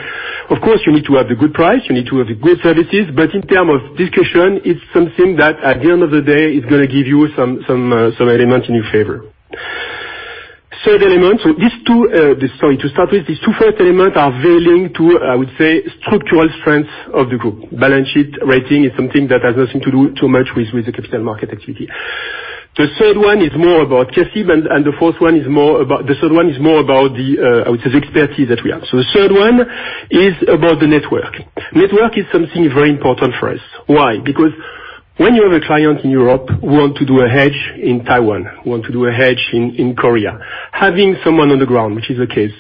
Of course, you need to have the good price, you need to have the good services, but in terms of discussion, it's something that at the end of the day, is going to give you some element in your favor. Third element. To start with, these two first elements are very linked to, I would say, structural strengths of the group. Balance sheet rating is something that has nothing to do too much with the capital market activity. The third one is more about cash, even, and the third one is more about the, I would say, the expertise that we have. The third one is about the network. Network is something very important for us. Why? When you have a client in Europe who want to do a hedge in Taiwan, who want to do a hedge in Korea, having someone on the ground, which is the case,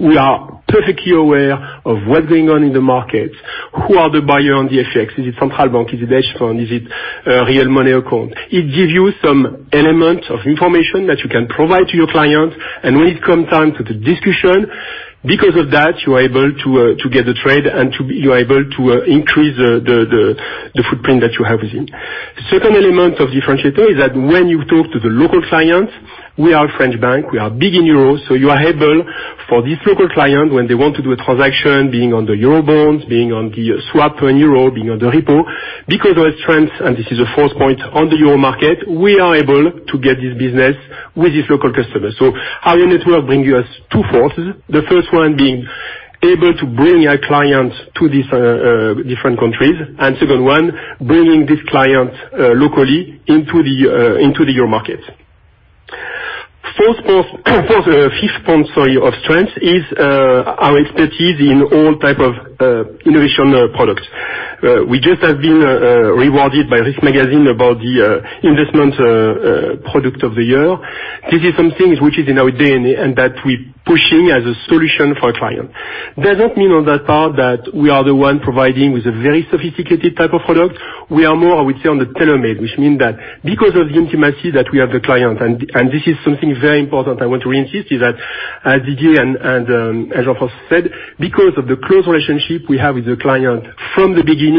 we are perfectly aware of what's going on in the market, who are the buyer on the FX. Is it central bank? Is it hedge fund? Is it a real money account? It gives you some element of information that you can provide to your client. When it comes time for the discussion, because of that, you are able to get the trade and you are able to increase the footprint that you have with him. The second element of differentiator is that when you talk to the local clients, we are a French bank, we are big in euros, so you are able, for this local client, when they want to do a transaction, being on the euro bonds, being on the swap to an euro, being on the repo, because of our strength, and this is a fourth point, on the euro market, we are able to get this business with this local customer. Our network bring us two fourths, the first one being able to bring our clients to these different countries, and second one, bringing this client locally into the euro market. Fifth point of strength is our expertise in all type of innovation products. We just have been rewarded by Risk Magazine about the investment product of the year. This is something which is in our DNA, and that we're pushing as a solution for our client. Doesn't mean on that part that we are the one providing with a very sophisticated type of product. We are more, I would say, on the tailor-made, which mean that because of the intimacy that we have the client, and this is something very important, I want to reinsist, is that as Didier and as Alphonse said, because of the close relationship we have with the client from the beginning,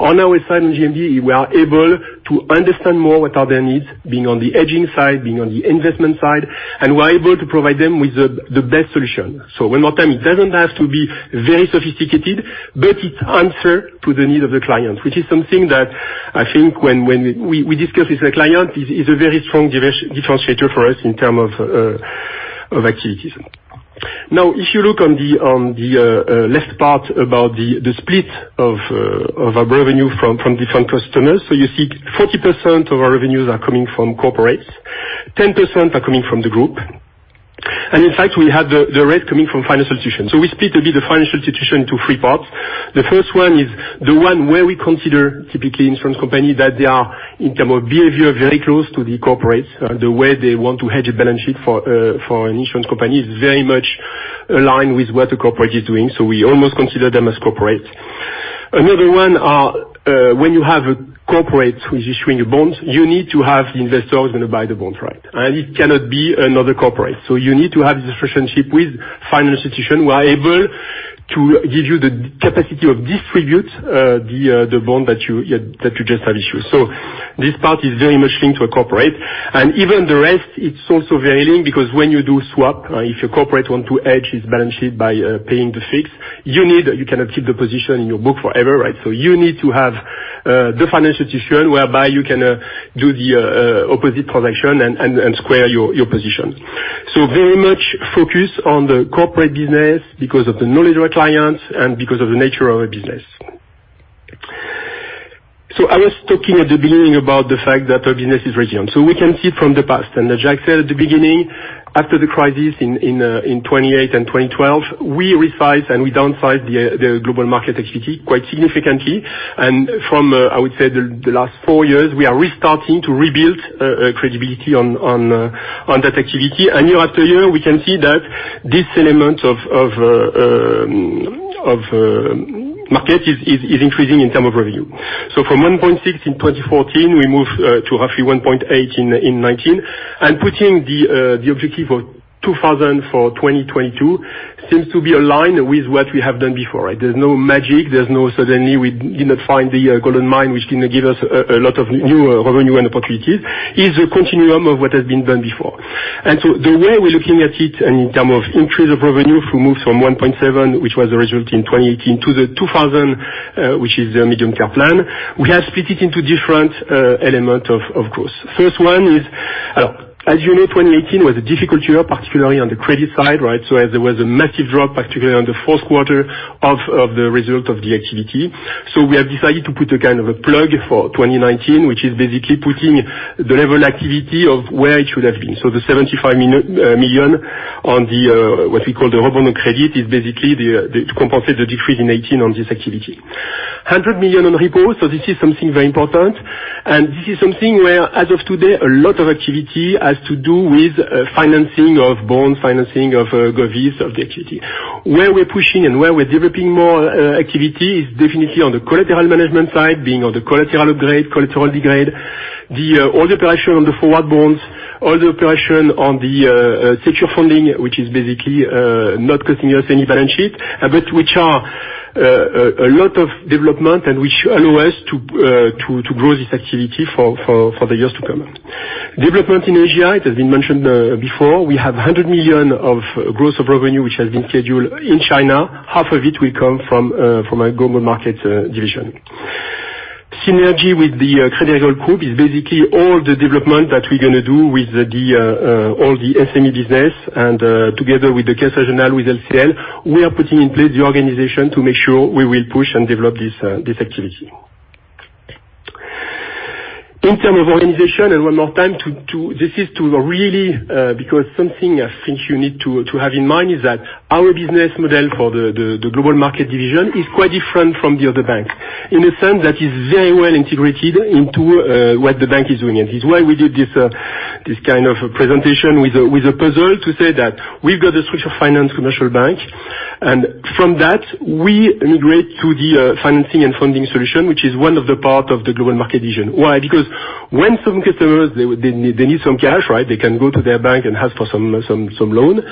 on our side, in GMD, we are able to understand more what are their needs, being on the hedging side, being on the investment side, and we're able to provide them with the best solution. One more time, it doesn't have to be very sophisticated, but it answer to the need of the client, which is something that I think when we discuss with the client, is a very strong differentiator for us in term of activities. Now, if you look on the left part about the split of our revenue from different customers. You see 40% of our revenues are coming from corporates, 10% are coming from the Group. In fact, we have the rest coming from financial institutions. We split the financial institution into three parts. The first one is the one where we consider, typically insurance company, that they are, in term of behavior, very close to the corporates. The way they want to hedge a balance sheet for an insurance company is very much aligned with what a corporate is doing, so we almost consider them as corporate. Another one are when you have a corporate who is issuing a bond, you need to have the investor who's going to buy the bond. It cannot be another corporate. You need to have this relationship with financial institution who are able to give you the capacity of distribute the bond that you just have issued. This part is very much linked to a corporate. Even the rest, it's also very linked, because when you do swap, if a corporate want to hedge his balance sheet by paying the fix, you cannot keep the position in your book forever. You need to have the financial institution whereby you can do the opposite transaction and square your position. Very much focused on the corporate business because of the knowledge of our clients and because of the nature of our business. I was talking at the beginning about the fact that our business is resilient, so we can see from the past. As Jacques said at the beginning, after the crisis in 2008 and 2012, we resize and we downsize the global market activity quite significantly. From, I would say, the last four years, we are restarting to rebuild credibility on that activity. Year after year, we can see that this element of market is increasing in terms of revenue. From 1.6 billion in 2014, we moved to roughly 1.8 billion in 2019. Putting the objective of 2,000 million for 2022 seems to be aligned with what we have done before. There is no magic. There is no suddenly we did not find the gold mine, which did not give us a lot of new revenue and opportunities. It is a continuum of what has been done before. The way we are looking at it in terms of increase of revenue from moves from 1.7 billion, which was the result in 2018, to the 2,000 million, which is the Medium Term Plan, we have split it into different elements, of course. First one is, as you know, 2018 was a difficult year, particularly on the credit side. There was a massive drop, particularly on the fourth quarter of the result of the activity. We have decided to put a kind of a plug for 2019, which is basically putting the level activity of where it should have been. The 75 million on the, what we call the revenue credit, is basically to compensate the decrease in 2018 on this activity. 100 million on repo, this is something very important. This is something where, as of today, a lot of activity has to do with financing of bond, financing of govies, of the activity. Where we're pushing and where we're developing more activity is definitely on the collateral management side, being on the collateral grade, collateral degrade. All the operation on the forward bonds, all the operation on the secure funding, which is basically not costing us any balance sheet, but which are a lot of development and which allow us to grow this activity for the years to come. Development in Asia, it has been mentioned before, we have 100 million of growth of revenue, which has been scheduled in China. Half of it will come from our global markets division. Synergy with the Crédit Agricole group is basically all the development that we're going to do with all the SME business. Together with the Caisse Régionale with LCL, we are putting in place the organization to make sure we will push and develop this activity. In term of organization, one more time, something I think you need to have in mind is that our business model for the Global Markets Division is quite different from the other banks. In a sense, that is very well integrated into what the bank is doing. It is why we did this kind of presentation with a puzzle to say that we've got a suite of finance commercial bank. From that, we integrate to the financing and funding solution, which is one of the part of the Global Markets Division. Why? When some customers, they need some cash, they can go to their bank and ask for some loan.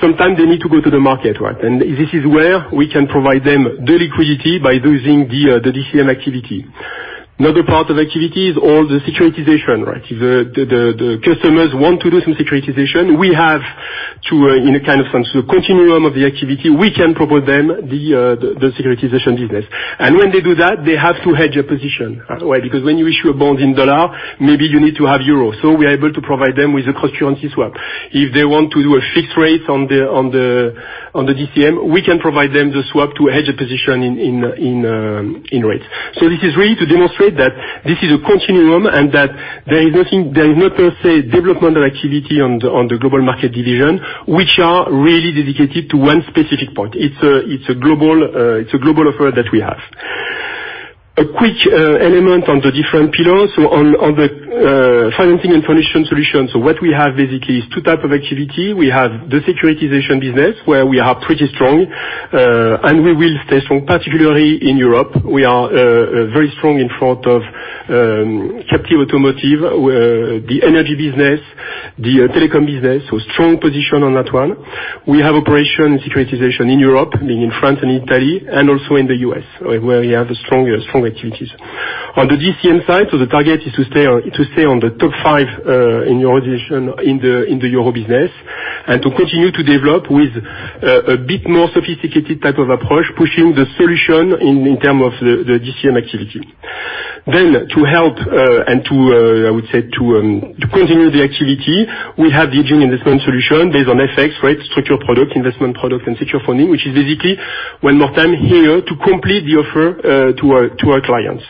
Sometime they need to go to the market. This is where we can provide them the liquidity by using the DCM activity. Another part of activity is all the securitization. If the customers want to do some securitization, we have to, in a kind of sense, a continuum of the activity, we can propose them the securitization business. When they do that, they have to hedge a position. Why? Because when you issue a bond in USD, maybe you need to have EUR. We are able to provide them with a currency swap. If they want to do a fixed rate on the DCM, we can provide them the swap to a hedge position in rates. This is really to demonstrate that this is a continuum and that there is no per se developmental activity on the global market division, which are really dedicated to one specific point. It's a global offer that we have. A quick element on the different pillars. On the financing and funding solution. What we have basically is 2 type of activity. We have the securitization business, where we are pretty strong. We will stay strong, particularly in Europe. We are very strong in front of captive automotive, the energy business, the telecom business, strong position on that one. We have operation securitization in Europe, meaning in France and in Italy, and also in the U.S., where we have strong activities. On the DCM side, the target is to stay on the top five in the organization in the Euro business, and to continue to develop with a bit more sophisticated type of approach, pushing the solution in terms of the DCM activity. To help, and to, I would say, to continue the activity, we have the hedging investment solution based on FX, structure product, investment product, and secure funding, which is basically, one more time here, to complete the offer to our clients.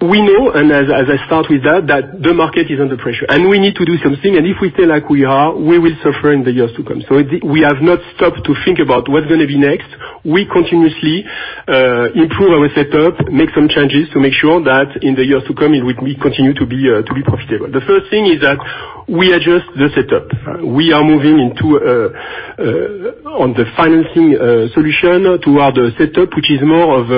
We know, and as I start with that the market is under pressure. We need to do something, and if we stay like we are, we will suffer in the years to come. We have not stopped to think about what's going to be next. We continuously improve our setup, make some changes to make sure that in the years to come, we continue to be profitable. The first thing is that we adjust the setup. We are moving on the financing solution toward the setup, which is more of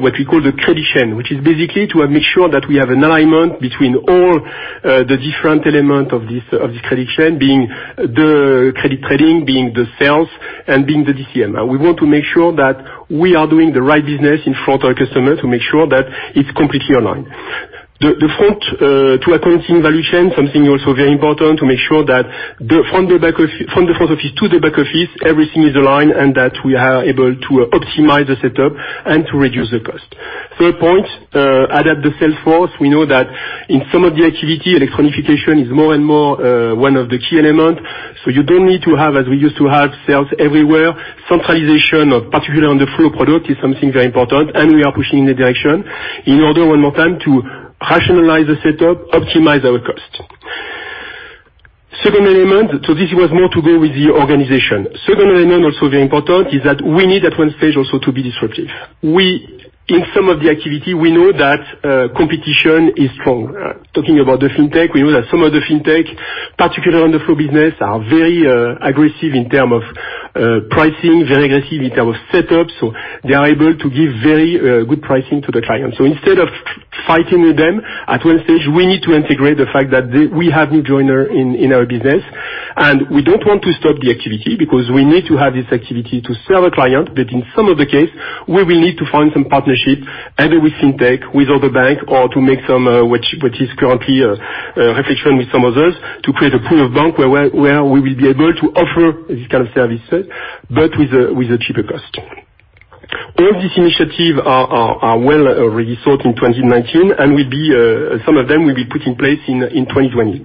what we call the credit chain, which is basically to make sure that we have an alignment between all the different element of this credit chain, being the credit trading, being the sales, and being the DCM. We want to make sure that we are doing the right business in front our customer to make sure that it's completely aligned. The front-to-accounting valuation, something also very important, to make sure that from the front office to the back office, everything is aligned and that we are able to optimize the setup and to reduce the cost. Third point, adapt the salesforce. We know that in some of the activity, electronification is more and more one of the key elements. You don't need to have, as we used to have, sales everywhere. Centralization, particularly on the flow product, is something very important, and we are pushing in that direction in order, one more time, to rationalize the setup, optimize our cost. Second element, so this was more to do with the organization. Second element, also very important, is that we need at one stage also to be disruptive. In some of the activity, we know that competition is strong. Talking about the fintech, we know that some of the fintech, particularly on the flow business, are very aggressive in terms of pricing, very aggressive in terms of setup. They are able to give very good pricing to the client. Instead of fighting with them, at one stage, we need to integrate the fact that we have new joiner in our business, and we don't want to stop the activity, because we need to have this activity to serve a client. In some of the case, we will need to find some partnership, either with fintech, with other bank, or to make some, which is currently a reflection with some others, to create a pool of bank where we will be able to offer this kind of service, but with a cheaper cost. All these initiative are well resourced in 2019, and some of them will be put in place in 2020.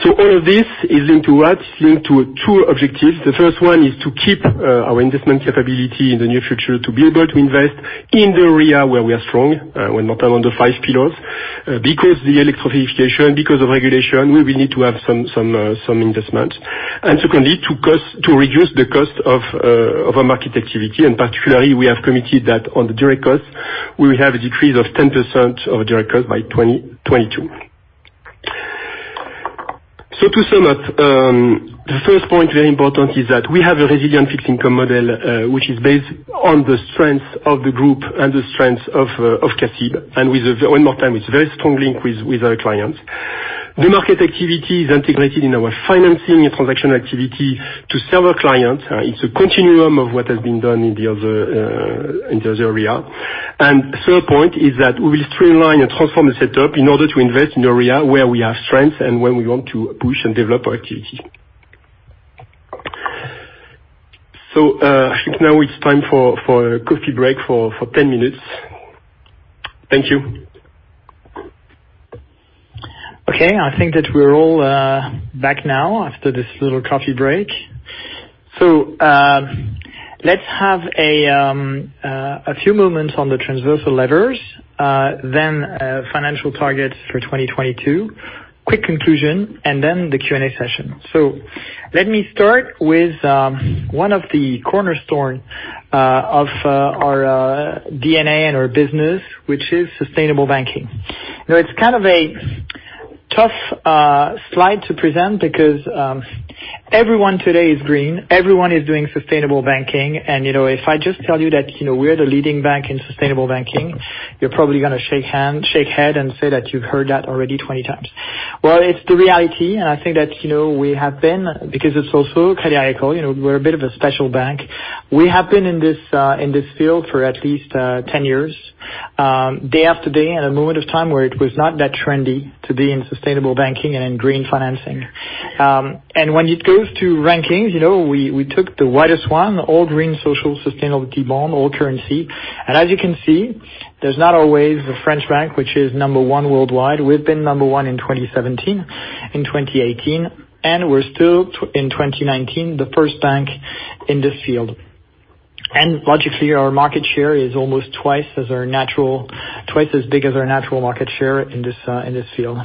All of this is linked to what? It's linked to two objectives. The first one is to keep our investment capability in the near future, to be able to invest in the area where we are strong, one more time on the five pillars. Because the electronification, because of regulation, we will need to have some investment. Secondly, to reduce the cost of our market activity, particularly, we have committed that on the direct cost, we will have a decrease of 10% of direct cost by 2022. To sum up, the first point, very important, is that we have a resilient fixed income model, which is based on the strength of the group and the strength of CACIB. One more time, it's very strong link with our clients. The market activity is integrated in our financing and transaction activity to serve our clients. It's a continuum of what has been done in the other area. Third point is that we will streamline and transform the setup in order to invest in the area where we have strengths and where we want to push and develop our activity. I think now it's time for a coffee break for 10 minutes. Thank you. I think that we're all back now after this little coffee break. Let's have a few moments on the transversal levers, then financial targets for 2022, quick conclusion, and then the Q&A session. Let me start with one of the cornerstone of our DNA and our business, which is sustainable banking. It's kind of a tough slide to present because everyone today is green. Everyone is doing sustainable banking, and if I just tell you that we're the leading bank in sustainable banking, you're probably going to shake head and say that you've heard that already 20 times. Well, it's the reality, and I think that we have been, because it's also Crédit Agricole, we're a bit of a special bank. We have been in this field for at least 10 years, day after day, at a moment of time where it was not that trendy to be in sustainable banking and in green financing. When it goes to rankings, we took the widest one, All Green Social Sustainability Bond, all currency. As you can see, there's not always a French bank, which is number one worldwide. We've been number one in 2017, in 2018, and we're still, in 2019, the first bank in this field. Logically, our market share is almost twice as big as our natural market share in this field.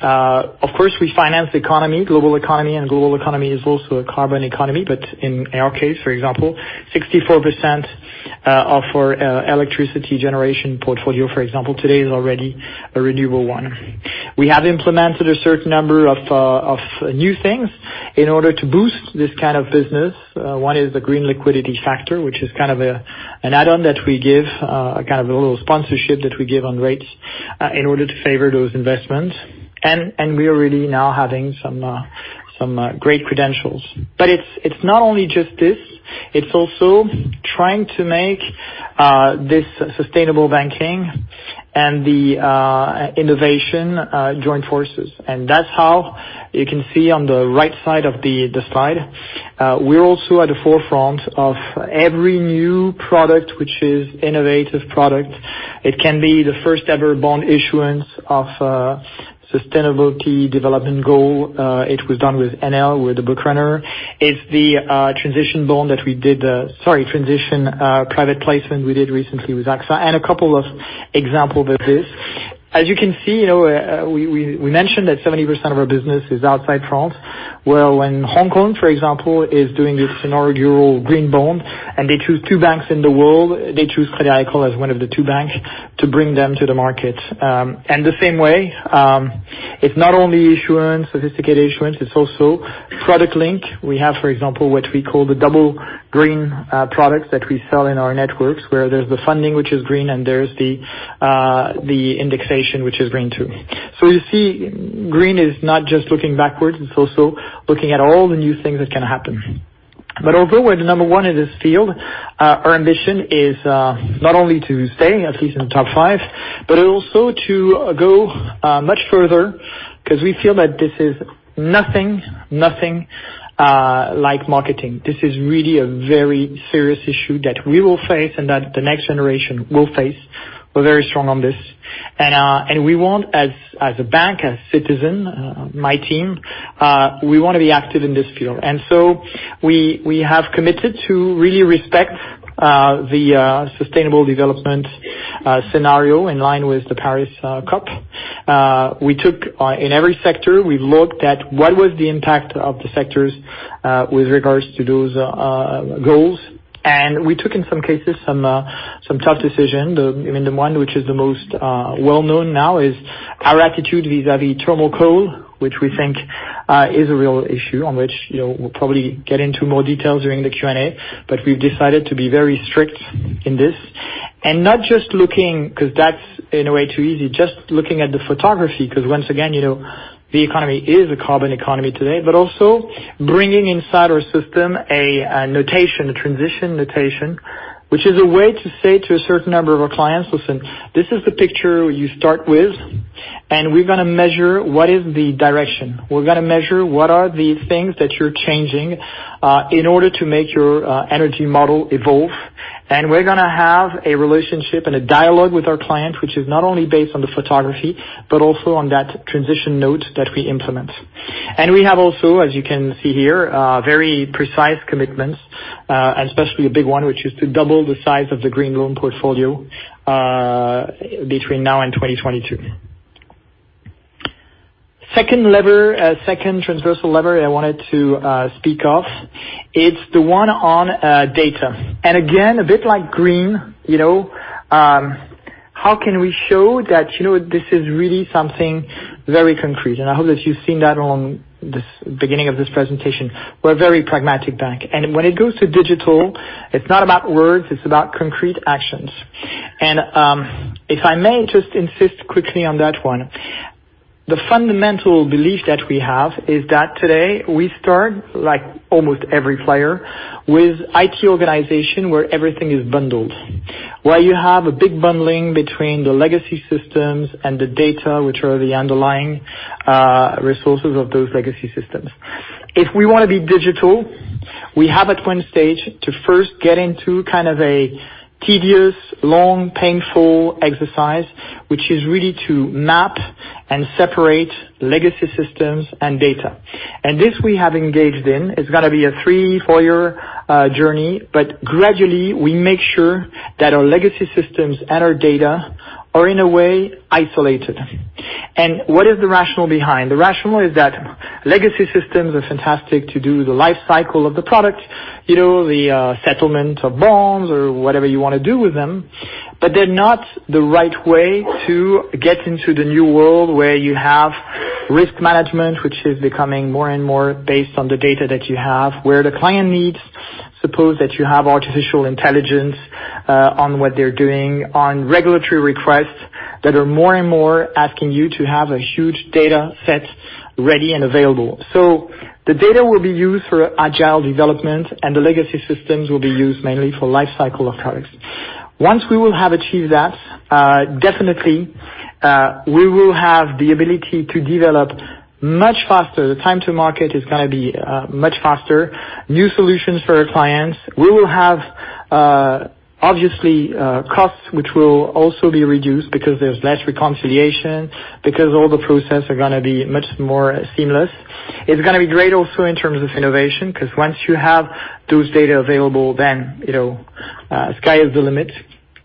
Of course, we finance the economy, global economy, and global economy is also a carbon economy, but in our case, for example, 64% of our electricity generation portfolio, for example, today is already a renewable one. We have implemented a certain number of new things in order to boost this kind of business. One is the green liquidity factor, which is kind of an add-on that we give, a kind of a little sponsorship that we give on rates, in order to favor those investments. We're really now having some great credentials. It's not only just this, it's also trying to make this sustainable banking and the innovation join forces. That's how you can see on the right side of the slide, we're also at the forefront of every new product, which is innovative product. It can be the first ever bond issuance of Sustainable Development Goal. It was done with Enel with the book runner. It's the transition private placement we did recently with AXA, and a couple of examples of this. As you can see, we mentioned that 70% of our business is outside France. Well, when Hong Kong, for example, is doing its inaugural green bond, and they choose two banks in the world, they choose Crédit Agricole as one of the two banks to bring them to the market. The same way, it's not only issuance, sophisticated issuance, it's also product link. We have, for example, what we call the double green products that we sell in our networks, where there's the funding, which is green, and there's the indexation, which is green, too. You see, green is not just looking backwards, it's also looking at all the new things that can happen. Although we're the number one in this field, our ambition is not only to stay at least in the top five, but also to go much further, because we feel that this is nothing like marketing. This is really a very serious issue that we will face, and that the next generation will face. We're very strong on this. We want, as a bank, as citizen, my team, we want to be active in this field. We have committed to really respect the sustainable development scenario in line with the Paris COP. In every sector, we looked at what was the impact of the sectors, with regards to those goals. We took, in some cases, some tough decisions. The one which is the most well-known now is our attitude vis-à-vis thermal coal, which we think is a real issue on which we'll probably get into more details during the Q&A, but we've decided to be very strict in this. Not just looking, because that's in a way too easy, just looking at the photography, because once again, the economy is a carbon economy today. Also bringing inside our system a notation, a transition notation, which is a way to say to a certain number of our clients, "Listen, this is the picture you start with, and we're going to measure what is the direction. We're going to measure what are the things that you're changing, in order to make your energy model evolve. We're going to have a relationship and a dialogue with our client, which is not only based on the photography, but also on that transition note that we implement. We have also, as you can see here, very precise commitments, especially a big one, which is to double the size of the green loan portfolio between now and 2022. Second transversal lever I wanted to speak of, it's the one on data. Again, a bit like green, how can we show that this is really something very concrete? I hope that you've seen that on this beginning of this presentation. We're a very pragmatic bank, and when it goes to digital, it's not about words, it's about concrete actions. If I may just insist quickly on that one. The fundamental belief that we have is that today we start, like almost every player, with IT organization where everything is bundled, where you have a big bundling between the legacy systems and the data, which are the underlying resources of those legacy systems. If we want to be digital, we have at one stage to first get into kind of a tedious, long, painful exercise, which is really to map and separate legacy systems and data. This we have engaged in, it's going to be a three, four-year journey, but gradually we make sure that our legacy systems and our data are in a way isolated. What is the rationale behind? The rationale is that legacy systems are fantastic to do the life cycle of the product, the settlement of bonds or whatever you want to do with them, but they're not the right way to get into the new world where you have risk management, which is becoming more and more based on the data that you have, where the client needs, suppose that you have artificial intelligence, on what they're doing, on regulatory requests that are more and more asking you to have a huge data set ready and available. The data will be used for agile development, and the legacy systems will be used mainly for life cycle of products. Once we will have achieved that, definitely, we will have the ability to develop much faster. The time to market is going to be much faster, new solutions for our clients. We will have, obviously, costs which will also be reduced because there's less reconciliation, because all the process are going to be much more seamless. It's going to be great also in terms of innovation, because once you have those data available, then sky is the limit.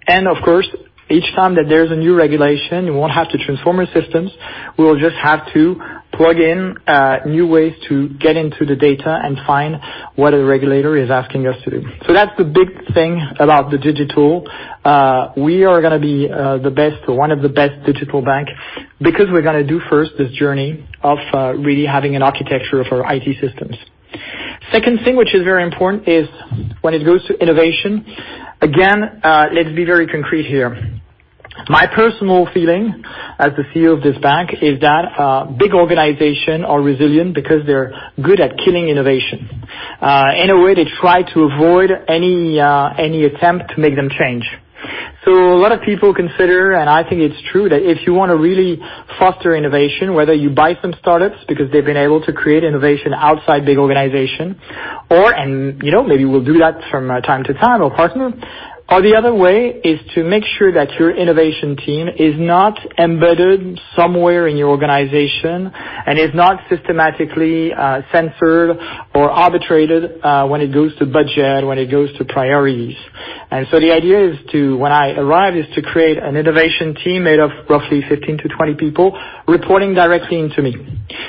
Of course, each time that there's a new regulation, you won't have to transform your systems. We will just have to plug in new ways to get into the data and find what a regulator is asking us to do. That's the big thing about the digital. We are going to be one of the best digital bank because we're going to do first this journey of really having an architecture of our IT systems. Second thing, which is very important is when it goes to innovation, again, let's be very concrete here. My personal feeling as the CEO of this bank is that big organization are resilient because they're good at killing innovation. In a way, they try to avoid any attempt to make them change. A lot of people consider, and I think it's true, that if you want to really foster innovation, whether you buy some startups, because they've been able to create innovation outside big organization, or maybe we'll do that from time to time or partner. The other way is to make sure that your innovation team is not embedded somewhere in your organization and is not systematically censored or arbitrated when it goes to budget, when it goes to priorities. The idea when I arrive is to create an innovation team made of roughly 15 to 20 people reporting directly into me,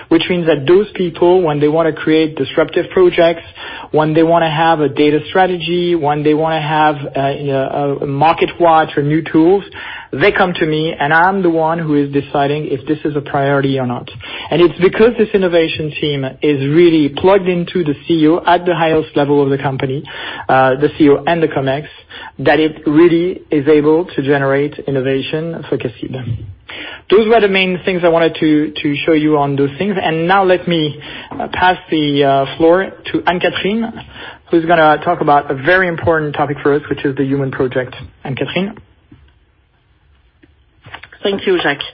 which means that those people, when they want to create disruptive projects, when they want to have a data strategy, when they want to have a market watch or new tools, they come to me and I'm the one who is deciding if this is a priority or not. It's because this innovation team is really plugged into the CEO at the highest level of the company, the CEO and the Comex, that it really is able to generate innovation for CACIB. Those were the main things I wanted to show you on those things. Now let me pass the floor to Anne-Catherine, who's going to talk about a very important topic for us, which is the human project. Anne-Catherine? Thank you, Jacques.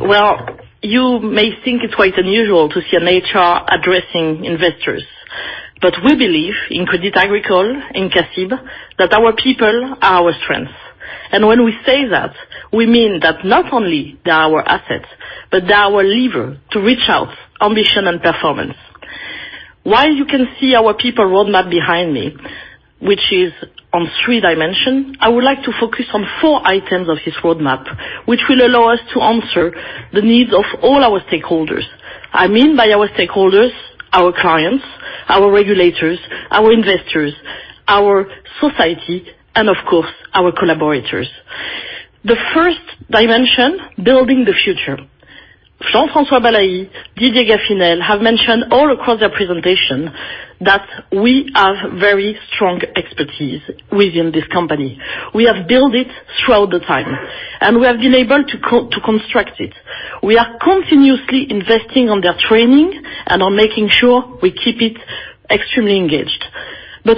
Well, you may think it's quite unusual to see an HR addressing investors. We believe in Crédit Agricole, in CACIB, that our people are our strength. When we say that, we mean that not only they are our assets, but they are our lever to reach out ambition and performance. While you can see our people roadmap behind me, which is on three dimension, I would like to focus on four items of this roadmap, which will allow us to answer the needs of all our stakeholders. I mean by our stakeholders, our clients, our regulators, our investors, our society, and of course, our collaborators. The first dimension, building the future. Jean-François Balaÿ, Didier Gaffinel, have mentioned all across their presentation that we have very strong expertise within this company. We have built it throughout the time, and we have been able to construct it. We are continuously investing on their training and on making sure we keep it extremely engaged.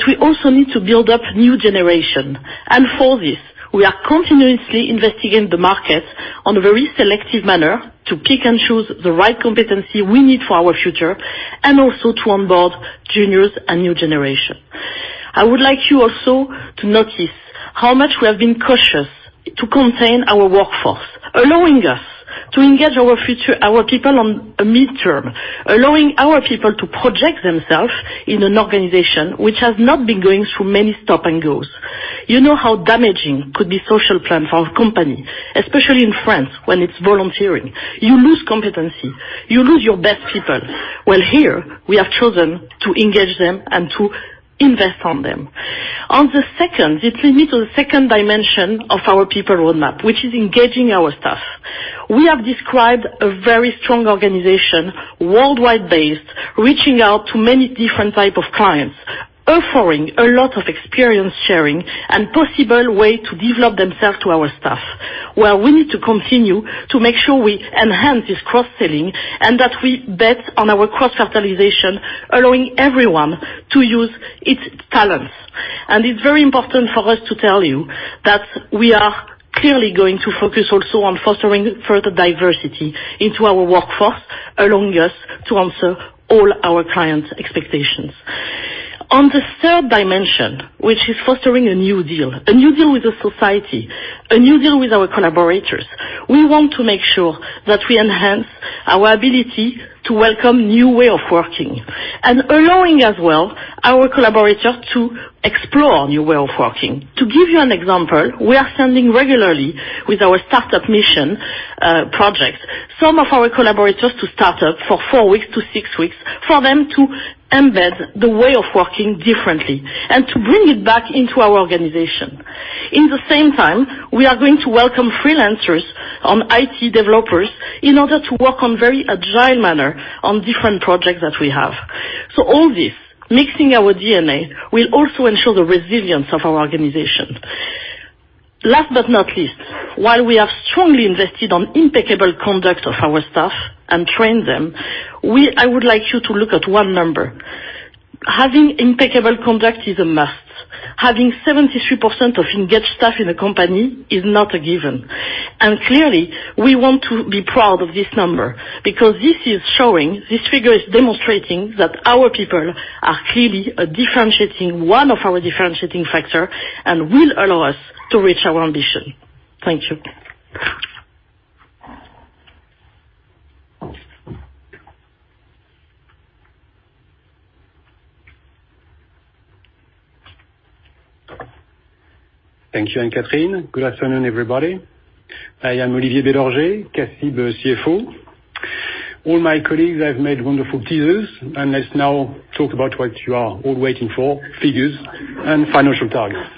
We also need to build up new generation. For this, we are continuously investigating the market on a very selective manner to pick and choose the right competency we need for our future, and also to onboard juniors and new generation. I would like you also to notice how much we have been cautious to contain our workforce, allowing us to engage our people on a midterm, allowing our people to project themselves in an organization which has not been going through many stop and goes. You know how damaging could be social plan for a company, especially in France, when it's volunteering. You lose competency. You lose your best people. Well, here, we have chosen to engage them and to invest on them. On the second, this leads me to the second dimension of our people roadmap, which is engaging our staff. We have described a very strong organization, worldwide-based, reaching out to many different type of clients, offering a lot of experience sharing and possible way to develop themselves to our staff. Where we need to continue to make sure we enhance this cross-selling, and that we bet on our cross-fertilization, allowing everyone to use its talents. It's very important for us to tell you that we are clearly going to focus also on fostering further diversity into our workforce, allowing us to answer all our clients' expectations. On the third dimension, which is fostering a new deal, a new deal with the society, a new deal with our collaborators. We want to make sure that we enhance our ability to welcome new way of working, and allowing as well our collaborators to explore new way of working. To give you an example, we are sending regularly, with our startup mission projects, some of our collaborators to startup for four weeks to six weeks, for them to embed the way of working differently, and to bring it back into our organization. In the same time, we are going to welcome freelancers on IT developers in order to work on very agile manner on different projects that we have. All this, mixing our DNA, will also ensure the resilience of our organization. Last but not least, while we have strongly invested on impeccable conduct of our staff and train them, I would like you to look at one number. Having impeccable conduct is a must. Having 73% of engaged staff in a company is not a given. Clearly, we want to be proud of this number, because this figure is demonstrating that our people are clearly one of our differentiating factor and will allow us to reach our ambition. Thank you. Thank you, Anne-Catherine. Good afternoon, everybody. I am Olivier de Rogé CIB CFO. All my colleagues have made wonderful teasers, and let's now talk about what you are all waiting for, figures and financial targets.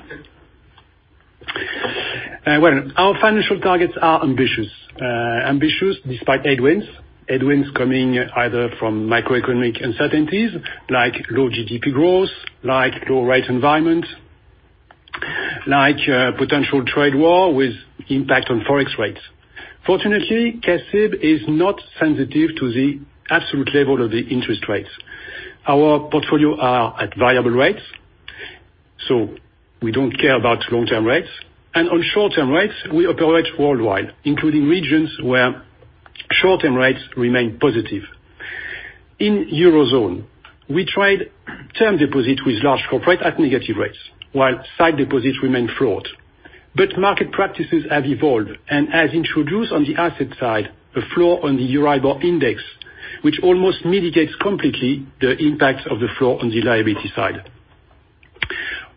Well, our financial targets are ambitious. Ambitious despite headwinds. Headwinds coming either from macroeconomic uncertainties, like low GDP growth, like low rate environment, like potential trade war with impact on Forex rates. Fortunately, CIB is not sensitive to the absolute level of the interest rates. Our portfolio are at variable rates, so we don't care about long-term rates. On short-term rates, we operate worldwide, including regions where short-term rates remain positive. In Eurozone, we trade term deposit with large corporate at negative rates, while sight deposits remain fraught. Market practices have evolved, and have introduced on the asset side, a floor on the EURIBOR index, which almost mitigates completely the impact of the floor on the liability side.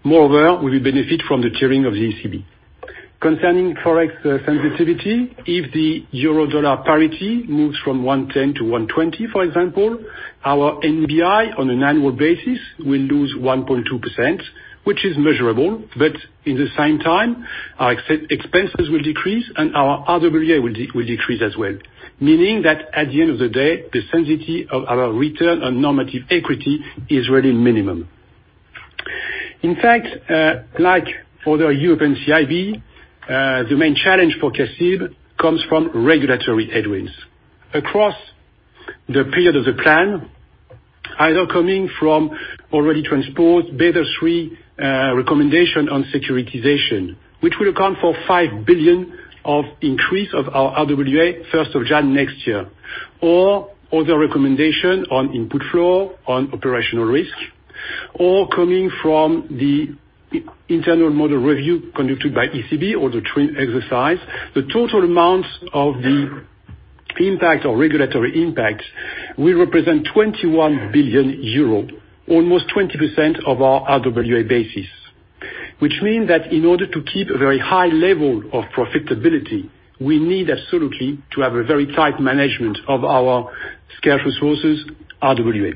Moreover, we will benefit from the tiering of the ECB. Concerning Forex sensitivity, if the euro dollar parity moves from 110 to 120, for example, our NBI on an annual basis will lose 1.2%, which is measurable, but at the same time, our expenses will decrease and our RWA will decrease as well. Meaning that at the end of the day, the sensitivity of our return on normative equity is really minimum. In fact, like for the European CIB, the main challenge for CIB comes from regulatory headwinds. Across the period of the plan, either coming from already transpose Basel III recommendation on securitization, which will account for 5 billion of increase of our RWA, 1st of January next year. Other recommendation on input flow, on operational risk, or coming from the internal model review conducted by ECB or the TRIM exercise. The total amount of the impact or regulatory impact will represent 21 billion euro, almost 20% of our RWA basis. Which mean that in order to keep a very high level of profitability, we need absolutely to have a very tight management of our scarce resources, RWA.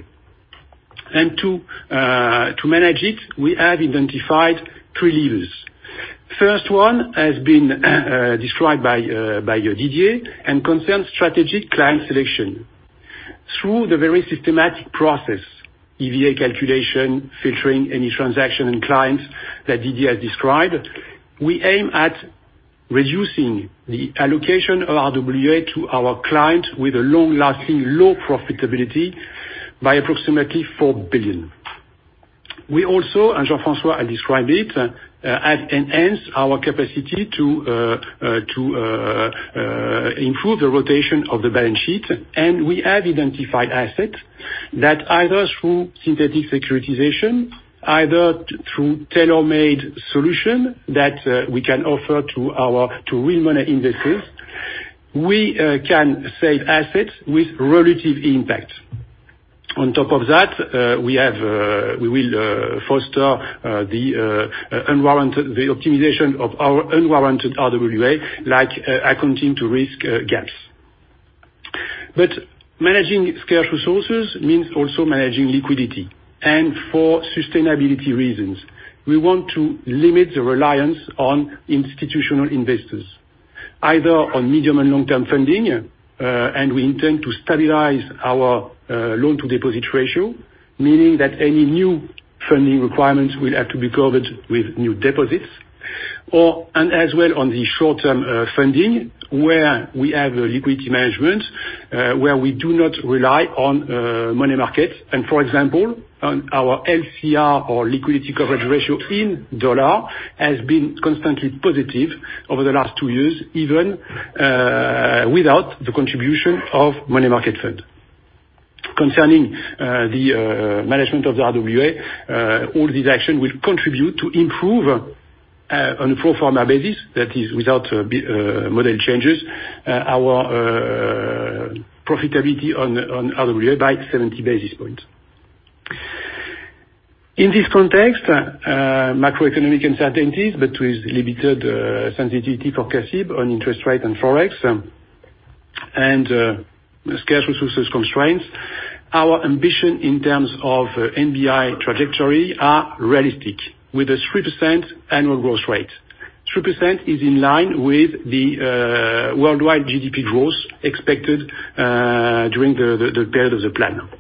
To manage it, we have identified three levers. First one has been described by Didier and concerns strategic client selection. Through the very systematic process, EVA calculation, filtering any transaction and clients that Didier has described, we aim at reducing the allocation of RWA to our clients with a long-lasting low profitability by approximately 4 billion. We also, and Jean-François has described it, have enhanced our capacity to improve the rotation of the balance sheet, and we have identified assets that either through synthetic securitization, either through tailor-made solution that we can offer to real money investors, we can save assets with relative impact. On top of that, we will foster the optimization of our unwarranted RWA, like accounting to risk gaps. Managing scarce resources means also managing liquidity. For sustainability reasons, we want to limit the reliance on institutional investors, either on medium and long-term funding, and we intend to stabilize our loan-to-deposit ratio, meaning that any new funding requirements will have to be covered with new deposits. As well on the short-term funding, where we have a liquidity management, where we do not rely on money markets. For example, on our LCR or liquidity coverage ratio in EUR has been constantly positive over the last two years, even without the contribution of money market fund. Concerning the management of the RWA, all these action will contribute to improve, on a pro forma basis, that is without model changes, our profitability on RWA by 70 basis points. In this context, macroeconomic uncertainties, but with limited sensitivity for CIB on interest rate and Forex, and scarce resources constraints. Our ambition in terms of NBI trajectory are realistic, with a 3% annual growth rate. 3% is in line with the worldwide GDP growth expected during the period of the plan.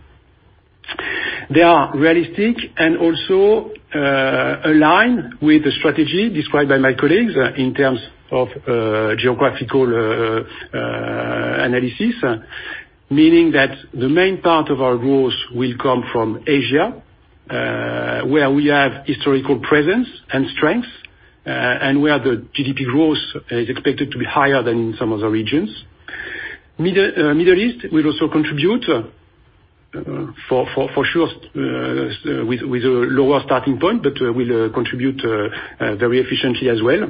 They are realistic and also align with the strategy described by my colleagues in terms of geographical analysis. Meaning that the main part of our growth will come from Asia, where we have historical presence and strength, and where the GDP growth is expected to be higher than in some other regions. Middle East will also contribute, for sure, with a lower starting point, but will contribute very efficiently as well.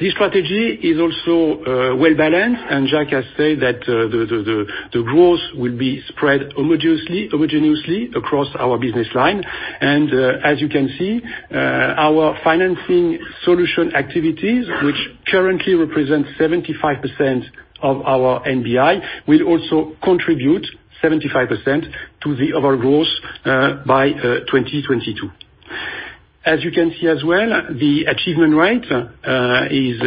This strategy is also well-balanced. Jacques has said that the growth will be spread homogeneously across our business line. As you can see, our financing solution activities, which currently represent 75% of our NBI, will also contribute 75% to the overall growth by 2022. As you can see as well, the achievement rate is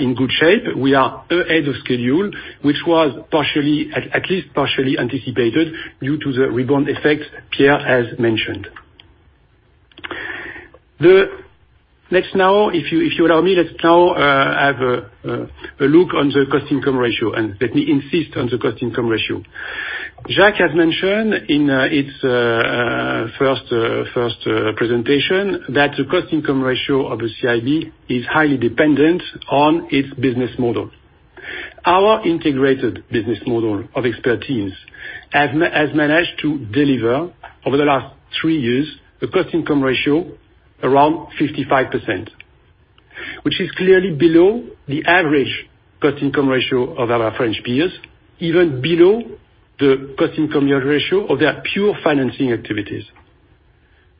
in good shape. We are ahead of schedule, which was at least partially anticipated due to the rebound effect Pierre has mentioned. If you allow me, let's now have a look on the cost-income ratio. Let me insist on the cost-income ratio. Jacques has mentioned in his first presentation that the cost-income ratio of the CIB is highly dependent on its business model. Our integrated business model of expertise has managed to deliver, over the last three years, a cost-income ratio around 55%, which is clearly below the average cost-income ratio of our French peers, even below the cost-income ratio of their pure financing activities.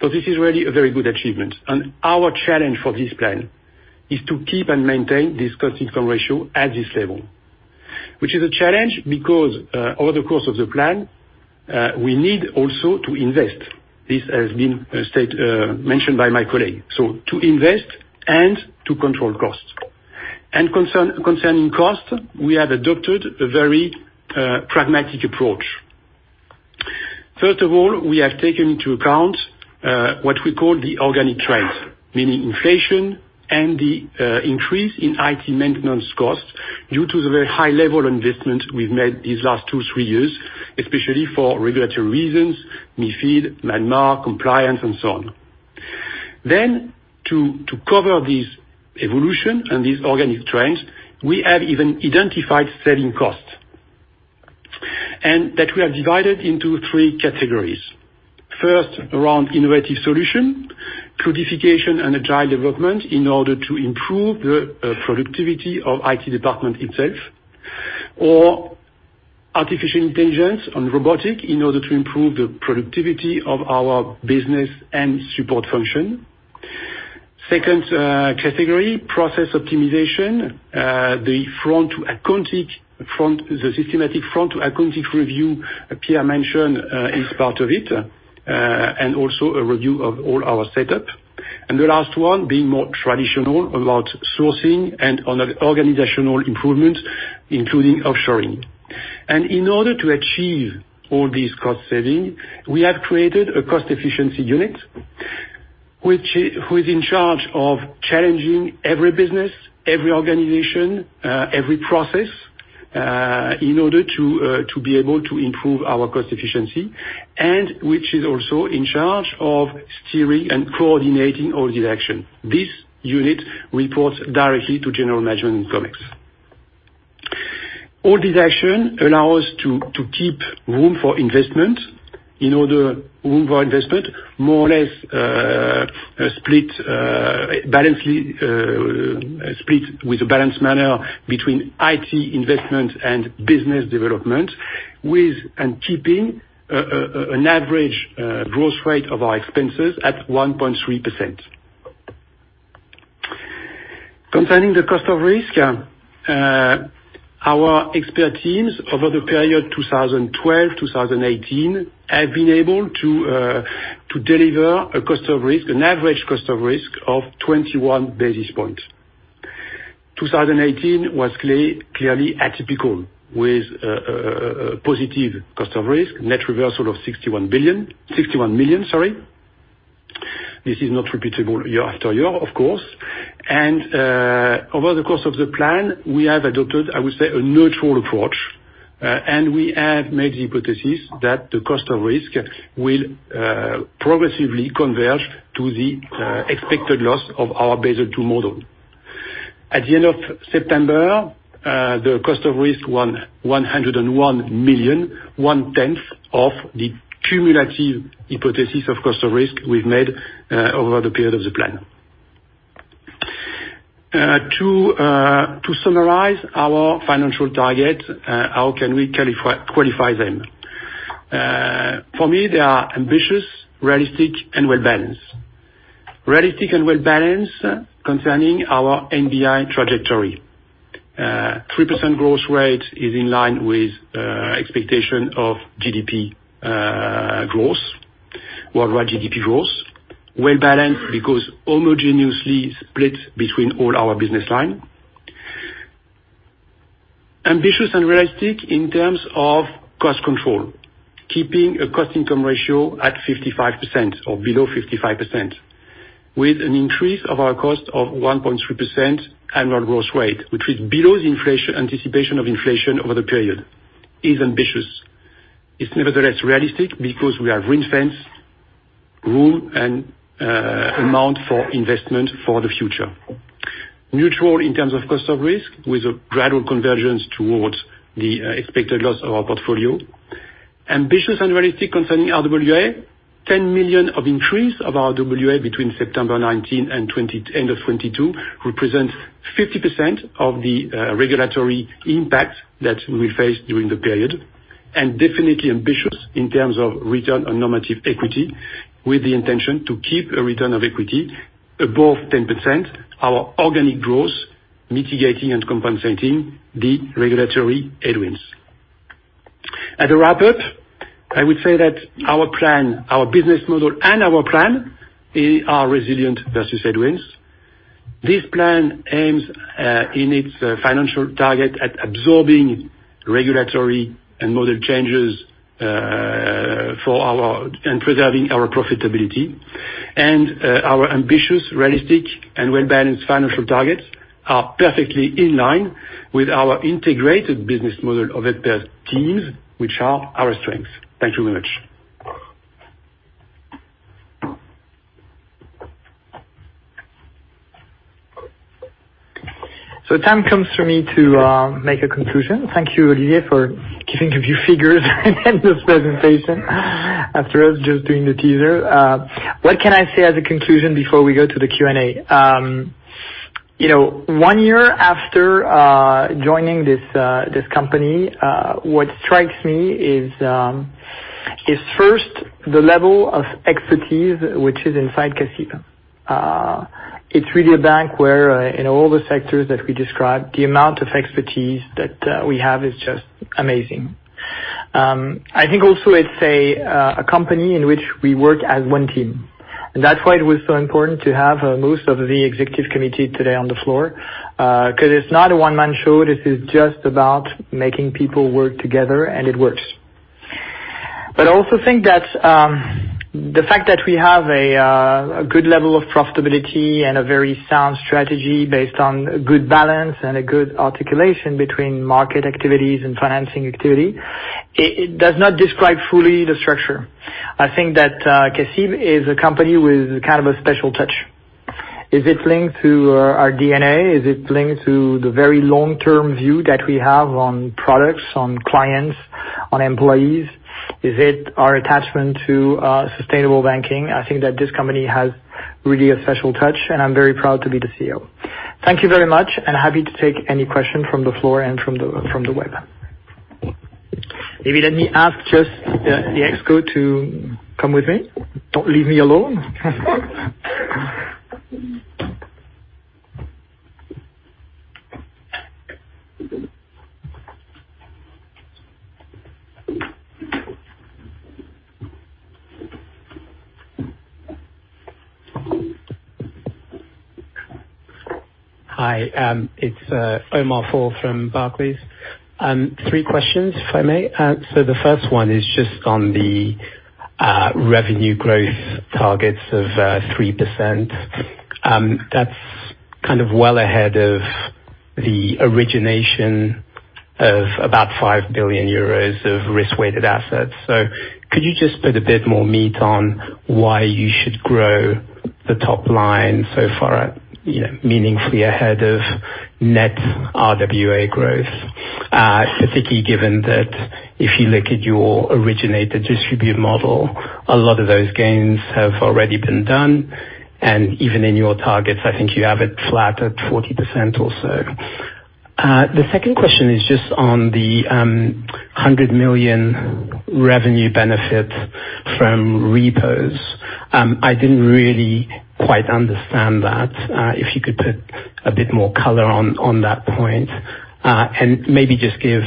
This is really a very good achievement. Our challenge for this plan is to keep and maintain this cost-income ratio at this level. Which is a challenge because, over the course of the plan, we need also to invest. This has been mentioned by my colleague. To invest and to control costs. Concerning cost, we have adopted a very pragmatic approach. First of all, we have taken into account what we call the organic trends, meaning inflation and the increase in IT maintenance costs due to the very high level investment we've made these last two, three years, especially for regulatory reasons, MiFID, EMIR, compliance, and so on. To cover this evolution and these organic trends, we have even identified selling costs. That we have divided into 3 categories. First, around innovative solution, cloudification, and agile development in order to improve the productivity of IT department itself, or artificial intelligence on robotic in order to improve the productivity of our business and support function. Second category, process optimization, the systematic front-to-back accounting review Pierre mentioned is part of it, and also a review of all our setup. The last one, being more traditional about sourcing and on organizational improvements, including offshoring. In order to achieve all these cost saving, we have created a cost efficiency unit, who is in charge of challenging every business, every organization, every process, in order to be able to improve our cost efficiency, and which is also in charge of steering and coordinating all these actions. This unit reports directly to general management in Comex. All this action allow us to keep room for investment, more or less split with a balanced manner between IT investment and business development, with and keeping an average growth rate of our expenses at 1.3%. Concerning the cost of risk, our expert teams over the period 2012-2018, have been able to deliver an average cost of risk of 21 basis points. 2018 was clearly atypical with a positive cost of risk, net reversal of 61 million. This is not repeatable year after year, of course. Over the course of the plan, we have adopted, I would say, a neutral approach, and we have made the hypothesis that the cost of risk will progressively converge to the expected loss of our Basel II model. At the end of September, the cost of risk, 101 million, one tenth of the cumulative hypothesis of cost of risk we've made over the period of the plan. To summarize our financial targets, how can we qualify them? For me, they are ambitious, realistic, and well-balanced. Realistic and well-balanced concerning our NBI trajectory. 3% growth rate is in line with expectation of worldwide GDP growth. Well-balanced because homogeneously split between all our business line. Ambitious and realistic in terms of cost control, keeping a cost-income ratio at 55% or below 55%, with an increase of our cost of 1.3% annual growth rate, which is below the anticipation of inflation over the period, is ambitious. It's nevertheless realistic because we have ring-fence room and amount for investment for the future. Neutral in terms of cost of risk, with a gradual convergence towards the expected loss of our portfolio. Ambitious and realistic concerning RWA, 10 million of increase of RWA between September 2019 and end of 2022 represents 50% of the regulatory impact that we face during the period, and definitely ambitious in terms of Return on Normative Equity, with the intention to keep a return of equity above 10%, our organic growth mitigating and compensating the regulatory headwinds. At a wrap-up, I would say that our business model and our plan are resilient versus headwinds. This plan aims, in its financial target, at absorbing regulatory and model changes and preserving our profitability. Our ambitious, realistic, and well-balanced financial targets are perfectly in line with our integrated business model of experts teams, which are our strength. Thank you very much. Time comes for me to make a conclusion. Thank you, Olivier, for giving a few figures in this presentation after us just doing the teaser. What can I say as a conclusion before we go to the Q&A? One year after joining this company, what strikes me is first, the level of expertise which is inside CACIB. It's really a bank where in all the sectors that we described, the amount of expertise that we have is just amazing. I think also it's a company in which we work as one team, and that's why it was so important to have most of the Executive Committee today on the floor. Because it's not a one-man show. This is just about making people work together, and it works. I also think that the fact that we have a good level of profitability and a very sound strategy based on good balance and a good articulation between market activities and financing activity, it does not describe fully the structure. I think that CACIB is a company with kind of a special touch. Is it linked to our DNA? Is it linked to the very long-term view that we have on products, on clients, on employees? Is it our attachment to sustainable banking? I think that this company has really a special touch, and I'm very proud to be the CEO. Thank you very much, and happy to take any questions from the floor and from the web. Maybe let me ask just the ExCo to come with me. Don't leave me alone. Hi, it's Omar Fall from Barclays. Three questions, if I may. The first one is just on the revenue growth targets of 3%. That's kind of well ahead of the origination of about 5 billion euros of risk-weighted assets. Could you just put a bit more meat on why you should grow the top line so far meaningfully ahead of net RWA growth? Specifically given that if you look at your Originate-to-Distribute model, a lot of those gains have already been done. Even in your targets, I think you have it flat at 40% or so. The second question is just on the 100 million revenue benefit from repos. I didn't really quite understand that. If you could put a bit more color on that point, and maybe just give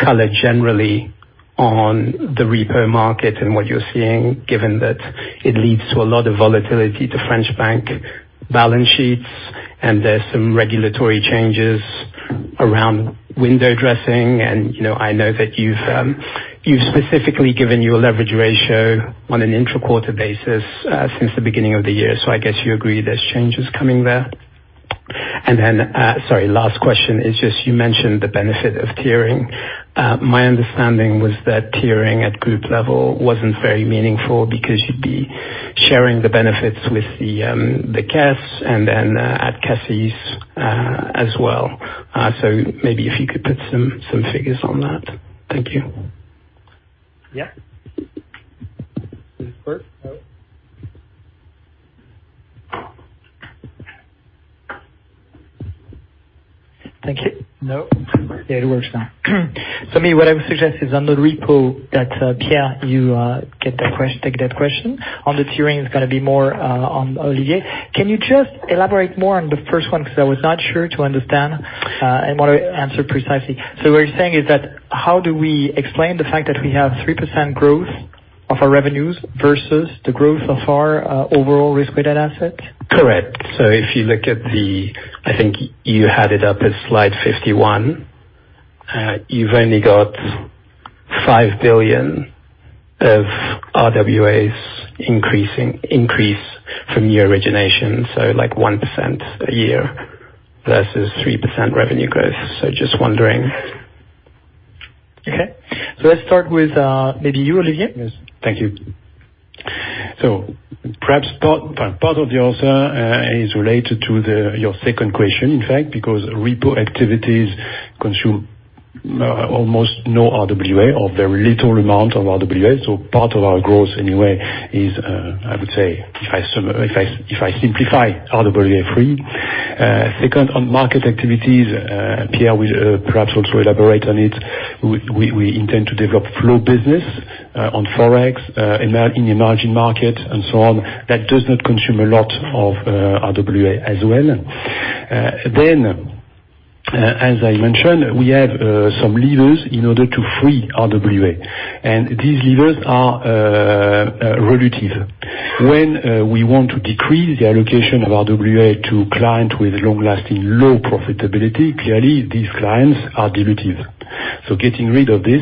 color generally on the repo market and what you're seeing, given that it leads to a lot of volatility to French bank balance sheets, and there's some regulatory changes around window dressing. I know that you've specifically given your leverage ratio on an intra-quarter basis, since the beginning of the year. I guess you agree there's changes coming there. Then, sorry, last question is just you mentioned the benefit of tiering. My understanding was that tiering at group level wasn't very meaningful because you'd be sharing the benefits with the CASA and then at CASA as well. Maybe if you could put some figures on that. Thank you. Yeah. Does it work? Oh. Thank you. No. There, it works now. Maybe what I would suggest is on the repo that, Pierre, you take that question. On the tiering, it's gonna be more on Olivier. Can you just elaborate more on the first one, because I was not sure to understand, and want to answer precisely? What you're saying is that how do we explain the fact that we have 3% growth of our revenues versus the growth of our overall risk-weighted asset? Correct. If you look at the I think you had it up at slide 51. You've only got 5 billion of RWAs increase from your origination, like 1% a year versus 3% revenue growth. Just wondering. Okay. Let's start with maybe you, Olivier. Yes. Thank you. Perhaps part of the answer is related to your second question, in fact, because repo activities consume almost no RWA or very little amount of RWA. Part of our growth anyway is, I would say, if I simplify RWA free. Second, on market activities, Pierre will perhaps also elaborate on it. We intend to develop flow business on Forex, in emerging markets and so on. That does not consume a lot of RWA as well. As I mentioned, we have some levers in order to free RWA. These levers are relative. When we want to decrease the allocation of RWA to client with long-lasting low profitability, clearly these clients are dilutive. Getting rid of this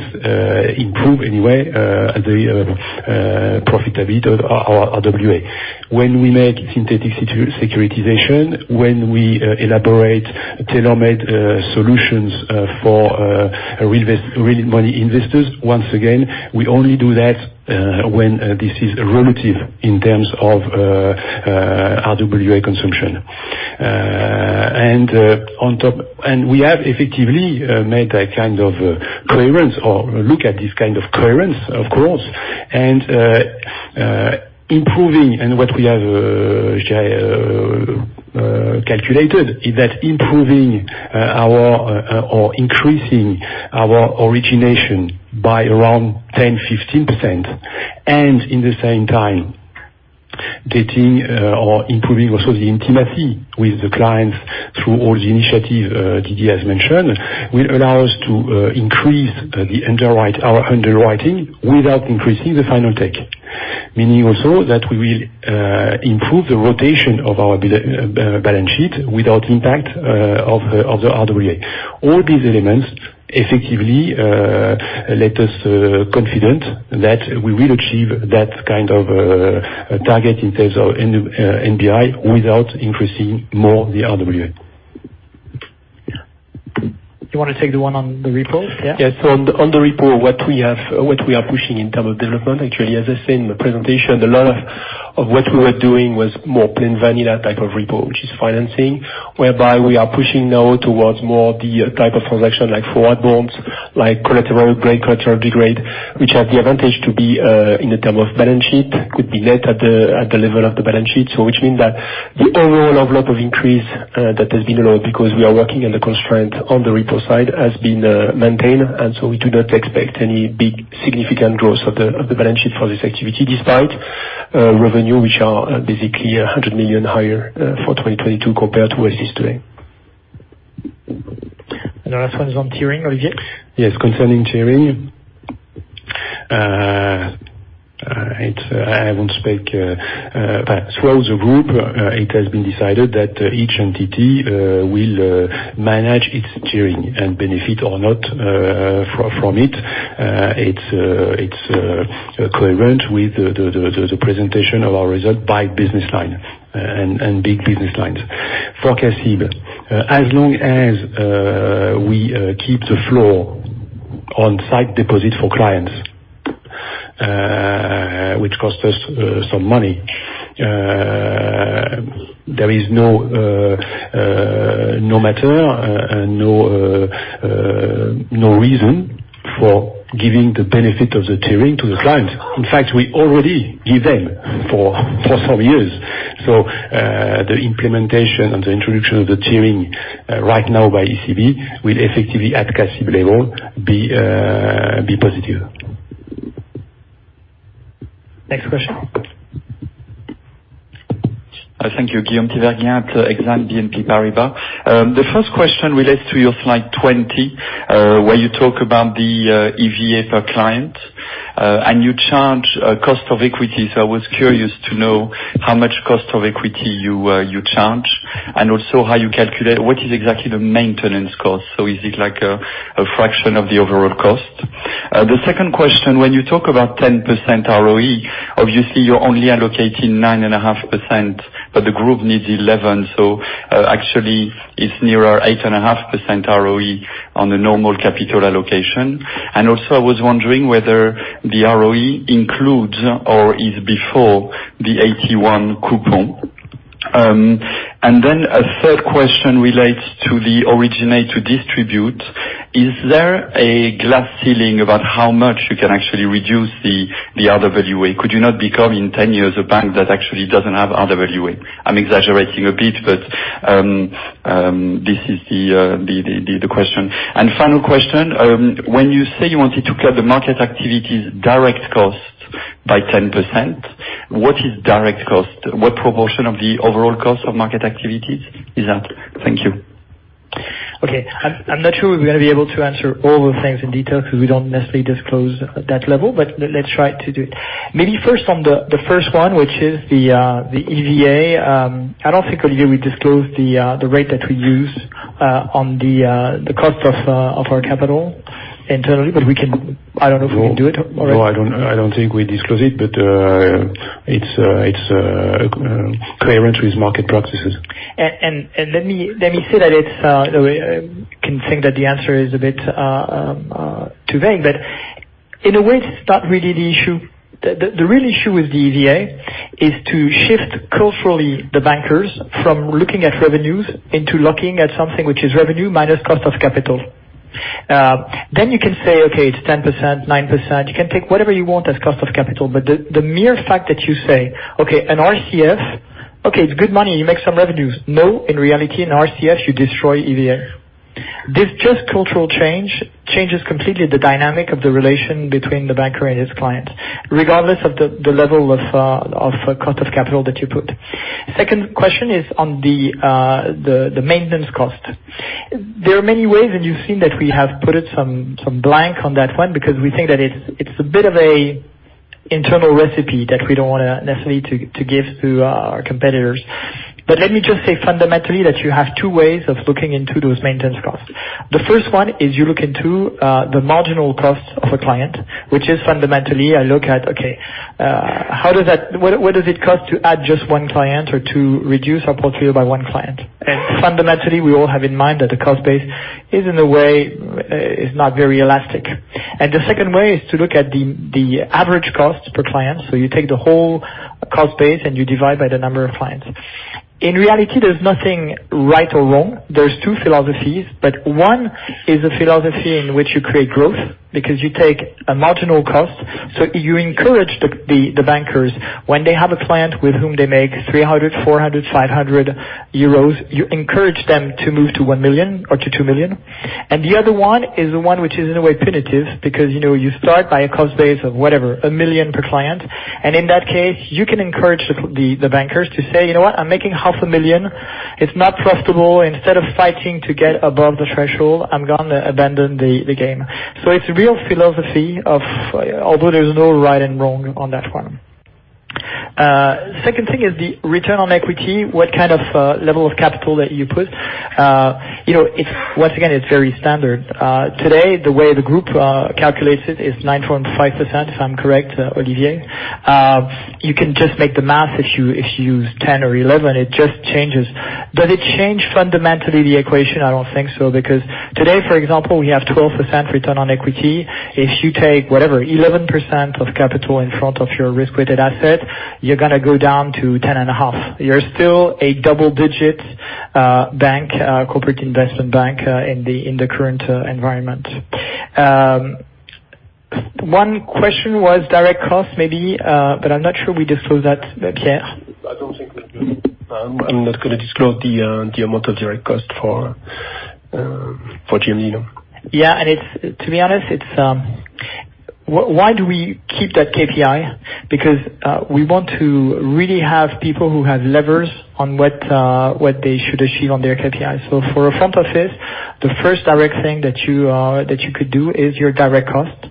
improve anyway the profitability of our RWA. When we make synthetic securitization, when we elaborate tailor-made solutions for real money investors, once again, we only do that when this is relative in terms of RWA consumption. We have effectively made a kind of clearance or look at this kind of clearance, of course. What we have calculated is that improving or increasing our origination by around 10%-15%, and in the same time, getting or improving also the intimacy with the clients through all the initiatives Didier has mentioned, will allow us to increase our underwriting without increasing the final take. Meaning also that we will improve the rotation of our balance sheet without impact of the RWA. All these elements effectively let us confident that we will achieve that kind of target in terms of NBI without increasing more the RWA. You want to take the one on the repo, Pierre? Yes. On the repo, what we are pushing in term of development, actually, as I said in the presentation, a lot of what we were doing was more plain vanilla type of repo, which is financing, whereby we are pushing now towards more the type of transaction like forward bonds, like collateral grade, which have the advantage to be, in the term of balance sheet, could be net at the level of the balance sheet. Which mean that the overall envelope of increase that has been low because we are working on the constraint on the repo side has been maintained, and so we do not expect any big significant growth of the balance sheet for this activity, despite revenue which are basically 100 million higher for 2022 compared to where it is today. The last one is on tiering, Olivier. Yes, concerning tiering. I won't speak. Throughout the group, it has been decided that each entity will manage its tiering and benefit or not from it. It's coherent with the presentation of our result by business line and big business lines. For CACIB, as long as we keep the floor on site deposit for clients, which cost us some money, there is no matter and no reason for giving the benefit of the tiering to the clients. We already give them for some years. The implementation and the introduction of the tiering right now by ECB will effectively at CACIB level be positive. Next question. Thank you. Guillaume Tiberghien at Exane BNP Paribas. The first question relates to your slide 20, where you talk about the EVA per client, and you charge cost of equity. I was curious to know how much cost of equity you charge, and also how you calculate what is exactly the maintenance cost. Is it like a fraction of the overall cost? The second question, when you talk about 10% ROE, obviously you're only allocating 9.5%, but the group needs 11%. Actually it's nearer 8.5% ROE on a normal capital allocation. Also, I was wondering whether the ROE includes or is before the AT-1 coupon. A third question relates to the originate-to-distribute. Is there a glass ceiling about how much you can actually reduce the RWA? Could you not become, in 10 years, a bank that actually doesn't have RWA? I'm exaggerating a bit, but this is the question. Final question, when you say you wanted to cut the market activities direct cost by 10%, what is direct cost? What proportion of the overall cost of market activities is that? Thank you. Okay. I'm not sure we're going to be able to answer all the things in detail because we don't necessarily disclose at that level. Let's try to do it. Maybe first on the first one, which is the EVA. I don't think, Olivier, we disclose the rate that we use on the cost of our capital internally, I don't know if we can do it. No, I don't think we disclose it, but it's clear entries market practices. Let me say that can think that the answer is a bit too vague, but in a way, it's not really the issue. The real issue with the EVA is to shift culturally the bankers from looking at revenues into looking at something which is revenue minus cost of capital. You can say, okay, it's 10%, 9%. You can take whatever you want as cost of capital, but the mere fact that you say, okay, an RCF, okay, it's good money, you make some revenues. No, in reality, in RCF, you destroy EVA. This just cultural change, changes completely the dynamic of the relation between the banker and his client, regardless of the level of cost of capital that you put. Second question is on the maintenance cost. There are many ways, and you've seen that we have put some blank on that one because we think that it's a bit of a internal recipe that we don't want to necessarily to give to our competitors. Let me just say fundamentally, that you have two ways of looking into those maintenance costs. The first one is you look into the marginal cost of a client, which is fundamentally a look at, okay, what does it cost to add just one client or to reduce our portfolio by one client? Fundamentally, we all have in mind that the cost base is in a way, is not very elastic. The second way is to look at the average cost per client. You take the whole cost base, and you divide by the number of clients. In reality, there's nothing right or wrong. There's two philosophies. One is a philosophy in which you create growth because you take a marginal cost. You encourage the bankers, when they have a client with whom they make 300, 400, 500 euros, you encourage them to move to 1 million or to 2 million. The other one is the one which is in a way punitive because you start by a cost base of whatever, 1 million per client. In that case, you can encourage the bankers to say, "You know what? I'm making half a million. It's not profitable. Instead of fighting to get above the threshold, I'm gonna abandon the game." It's a real philosophy of, although there's no right and wrong on that one. Second thing is the return on equity, what kind of level of capital that you put. Once again, it's very standard. Today, the way the group calculates it is 9.5%, if I'm correct, Olivier. You can just make the math if you use 10 or 11, it just changes. Does it change fundamentally the equation? I don't think so, because today, for example, we have 12% return on equity. If you take whatever, 11% of capital in front of your risk-weighted asset, you're gonna go down to 10.5%. You're still a double-digit bank, corporate investment bank in the current environment. One question was direct cost maybe, but I'm not sure we disclose that, Pierre. I don't think we do. I'm not going to disclose the amount of direct cost for in a year. Yeah. To be honest, why do we keep that KPI? We want to really have people who have levers on what they should achieve on their KPI. For a front office, the first direct thing that you could do is your direct cost.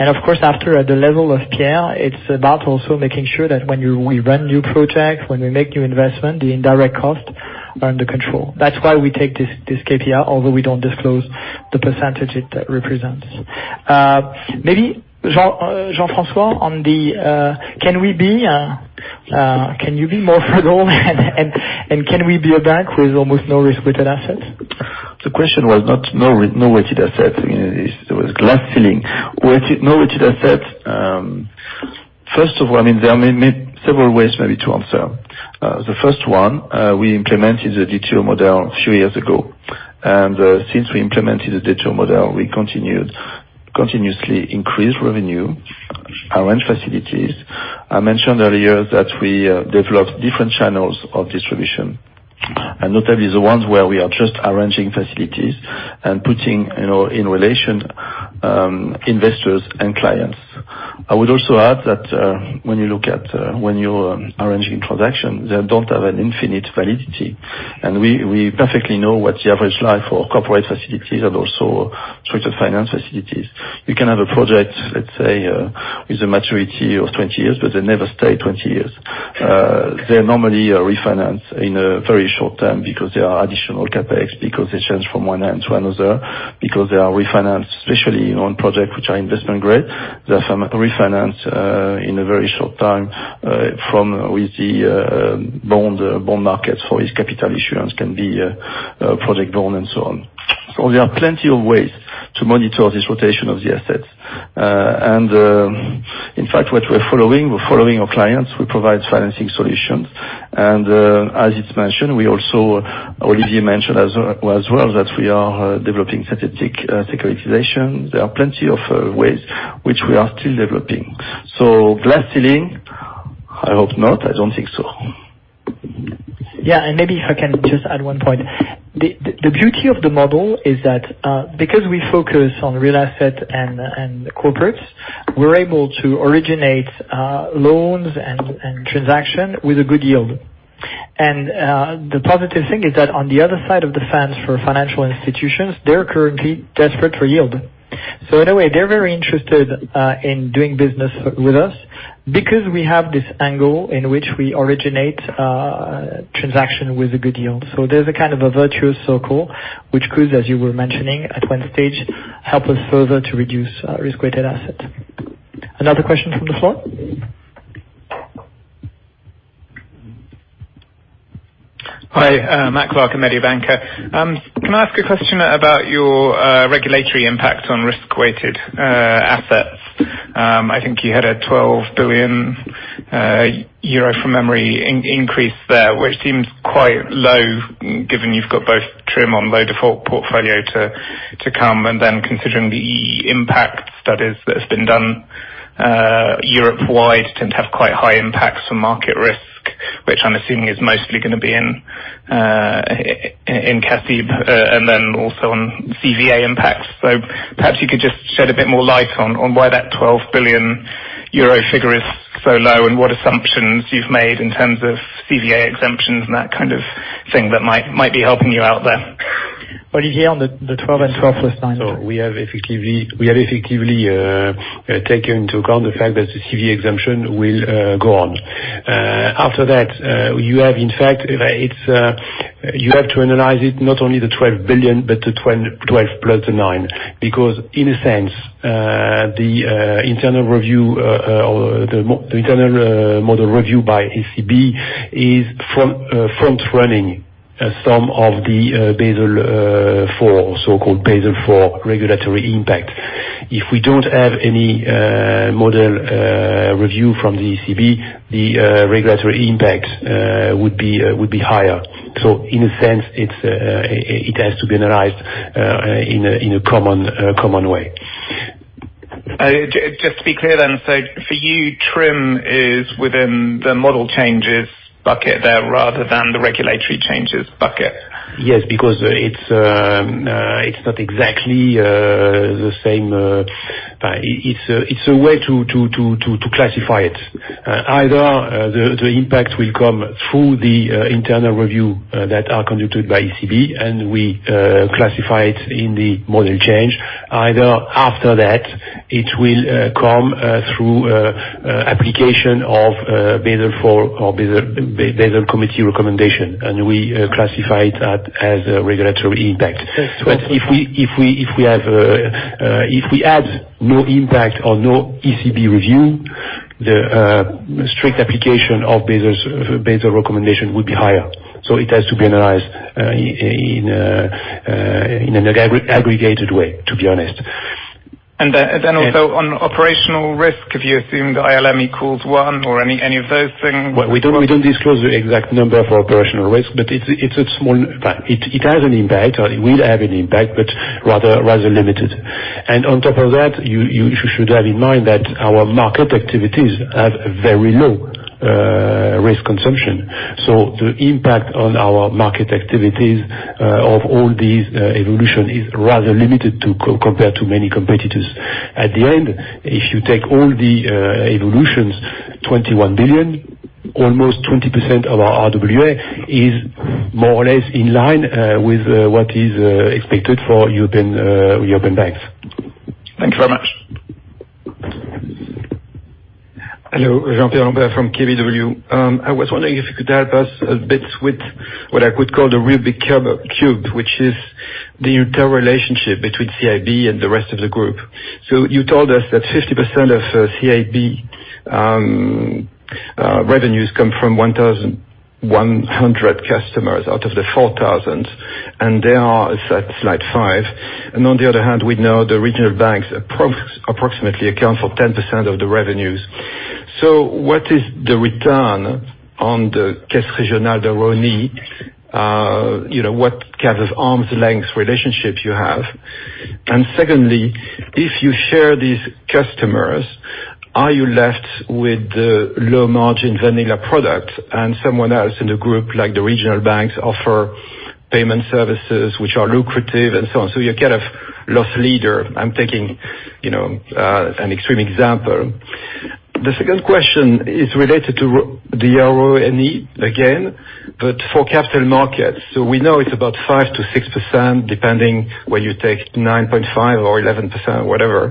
Of course, after, at the level of Pierre, it's about also making sure that when we run new projects, when we make new investment, the indirect costs are under control. That's why we take this KPI, although we don't disclose the percentage it represents. Maybe, Jean-François, can you be more frugal and can we be a bank with almost no risk-weighted assets? The question was not no weighted assets. It was glass ceiling. No weighted assets. First of all, there are several ways maybe to answer. The first one, we implemented the OTD model three years ago. Since we implemented the OTD model, we continuously increased revenue, arrange facilities. I mentioned earlier that we developed different channels of distribution, and notably the ones where we are just arranging facilities and putting in relation investors and clients. I would also add that when you're arranging transactions, they don't have an infinite validity. We perfectly know what the average life for corporate facilities and also structured finance facilities. We can have a project, let's say, with a maturity of 20 years, but they never stay 20 years. They normally are refinanced in a very short time because there are additional CapEx, because they change from one hand to another, because they are refinanced, especially on projects which are investment grade. They are sometimes refinanced in a very short time with the bond markets for its capital issuance can be project bond and so on. There are plenty of ways to monitor this rotation of the assets. In fact, what we're following, we're following our clients. We provide financing solutions. As it's mentioned, Olivier mentioned as well that we are developing strategic securitization. There are plenty of ways which we are still developing. Glass ceiling, I hope not. I don't think so. Maybe if I can just add one point. The beauty of the model is that, because we focus on real assets and corporates, we're able to originate loans and transactions with a good yield. The positive thing is that on the other side of the fence for financial institutions, they're currently desperate for yield. In a way, they're very interested in doing business with us because we have this angle in which we originate transactions with a good yield. There's a kind of a virtuous circle, which could, as you were mentioning, at one stage, help us further to reduce risk-weighted assets. Another question from the floor? Hi, Matthew Clark, Mediobanca. Can I ask a question about your regulatory impact on risk-weighted assets? I think you had a €12 billion from memory increase there, which seems quite low given you've got both TRIM on low default portfolio to come, and then considering the EE impact studies that have been done Europe-wide tend to have quite high impacts on market risk, which I'm assuming is mostly going to be in CACIB, and then also on CVA impacts. Perhaps you could just shed a bit more light on why that €12 billion figure is so low, and what assumptions you've made in terms of CVA exemptions and that kind of thing that might be helping you out there. Olivier on the 12 and 12 plus nine. We have effectively taken into account the fact that the CVA exemption will go on. After that, you have to analyze it, not only the 12 billion, but the 12 plus the nine. In a sense, the internal model review by ECB is front-running some of the so-called Basel IV regulatory impact. If we don't have any model review from the ECB, the regulatory impact would be higher. In a sense, it has to be analyzed in a common way. Just to be clear then, for you, TRIM is within the model changes bucket there rather than the regulatory changes bucket? It's not exactly the same. It's a way to classify it. The impact will come through the internal review that are conducted by ECB, and we classify it in the model change. After that, it will come through application of Basel Committee recommendation, and we classify it as a regulatory impact. If we add no impact or no ECB review, the strict application of Basel recommendation would be higher. It has to be analyzed in an aggregated way, to be honest. Also on operational risk, have you assumed ILM equals one or any of those things? We don't disclose the exact number for operational risk, but it has an impact, or it will have an impact, but rather limited. On top of that, you should have in mind that our market activities have very low risk consumption. The impact on our market activities of all these evolutions is rather limited compared to many competitors. At the end, if you take all the evolutions, 21 billion, almost 20% of our RWA, is more or less in line with what is expected for European banks. Thank you very much. Hello, Jean-Pierre Lambert from KBW. I was wondering if you could help us a bit with what I could call the Rubik cube, which is the interrelationship between CIB and the rest of the group. You told us that 50% of CIB- Revenues come from 1,100 customers out of the 4,000, it's at slide five. On the other hand, we know the regional banks approximately account for 10% of the revenues. What is the return on the Caisse Régionale de Rhône-Alpes? What kind of arm's length relationship you have? Secondly, if you share these customers, are you left with the low margin vanilla product and someone else in the group, like the regional banks, offer payment services which are lucrative and so on. You're kind of loss leader. I'm taking an extreme example. The second question is related to the RONE again for capital markets. We know it's about 5%-6% depending where you take 9.5% or 11%, whatever.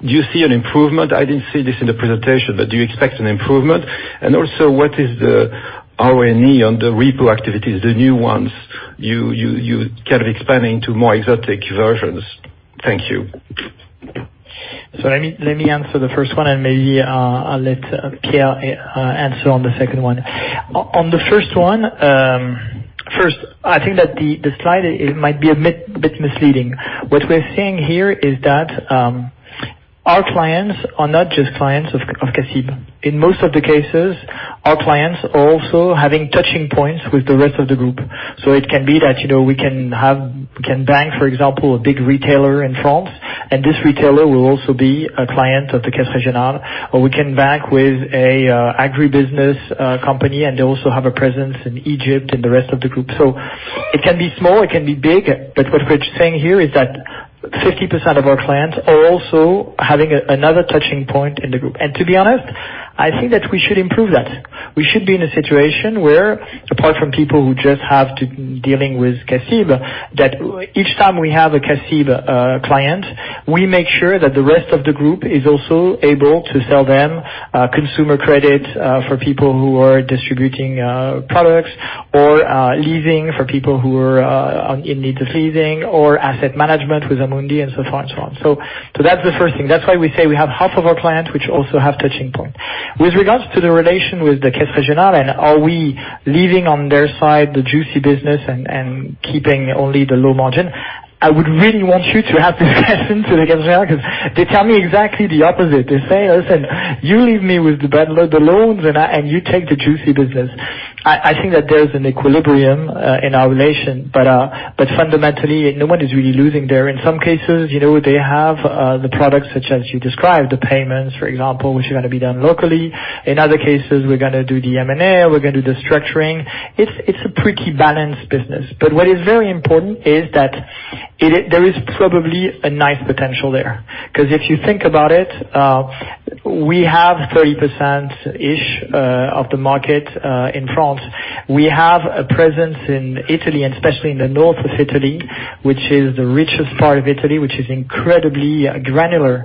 Do you see an improvement? I didn't see this in the presentation, do you expect an improvement? Also, what is the RONE on the repo activities, the new ones, you kind of expanding to more exotic versions? Thank you. Let me answer the first one, and maybe I'll let Pierre answer on the second one. On the first one, first, I think that the slide it might be a bit misleading. What we're saying here is that our clients are not just clients of CACIB. In most of the cases, our clients are also having touching points with the rest of the group. It can be that we can bank, for example, a big retailer in France, and this retailer will also be a client of the Caisse Régionale. We can bank with a agribusiness company, and they also have a presence in Egypt and the rest of the group. It can be small, it can be big, but what we're saying here is that 50% of our clients are also having another touching point in the group. To be honest, I think that we should improve that. We should be in a situation where, apart from people who just have to dealing with CACIB, that each time we have a CACIB client, we make sure that the rest of the group is also able to sell them consumer credit, for people who are distributing products, or leasing for people who are in need of leasing, or asset management with Amundi and so on. That's the first thing. That's why we say we have half of our clients which also have touching point. With regards to the relation with the Caisse Régionale and are we leaving on their side the juicy business and keeping only the low margin, I would really want you to have this lesson to the customer because they tell me exactly the opposite. They say, "Listen, you leave me with the bad load, the loans, and you take the juicy business." I think that there's an equilibrium in our relation. Fundamentally, no one is really losing there. In some cases, they have the products such as you described, the payments, for example, which are gonna be done locally. In other cases, we're gonna do the M&A, we're gonna do the structuring. It's a pretty balanced business. What is very important is that there is probably a nice potential there. If you think about it, we have 30%-ish of the market in France. We have a presence in Italy, and especially in the north of Italy, which is the richest part of Italy, which is incredibly granular.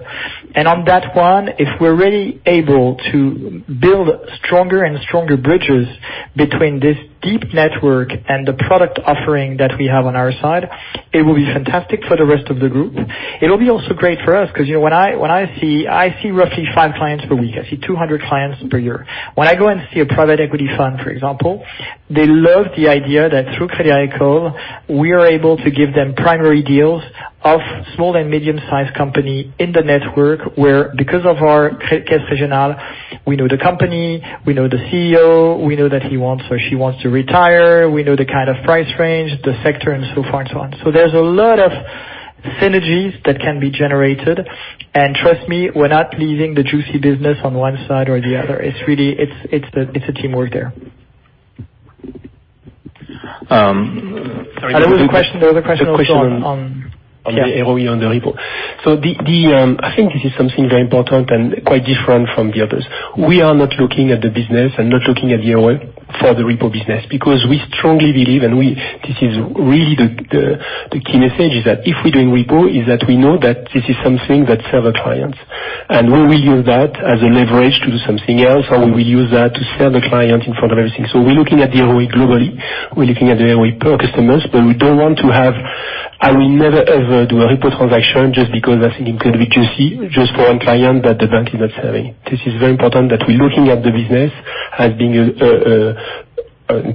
On that one, if we're really able to build stronger and stronger bridges between this deep network and the product offering that we have on our side, it will be fantastic for the rest of the group. It will be also great for us because when I see roughly five clients per week. I see 200 clients per year. When I go and see a private equity fund, for example, they love the idea that through Crédit Agricole, we are able to give them primary deals of small and medium-sized company in the network where, because of our Caisse Régionale, we know the company, we know the CEO, we know that he wants or she wants to retire, we know the kind of price range, the sector, and so far and so on. There's a lot of synergies that can be generated, and trust me, we're not leaving the juicy business on one side or the other. It's a teamwork there. Sorry- There was a question also on- On the ROE on the repo. I think this is something very important and quite different from the others. We are not looking at the business and not looking at the ROE for the repo business because we strongly believe, and this is really the key message is that, if we're doing repo, is that we know that this is something that serve a client. We will use that as a leverage to do something else, or we will use that to sell the client in front of everything. We're looking at the ROE globally. We're looking at the ROE per customers, we don't want to I will never, ever do a repo transaction just because I think it could be juicy just for one client that the bank is not serving. This is very important that we're looking at the business as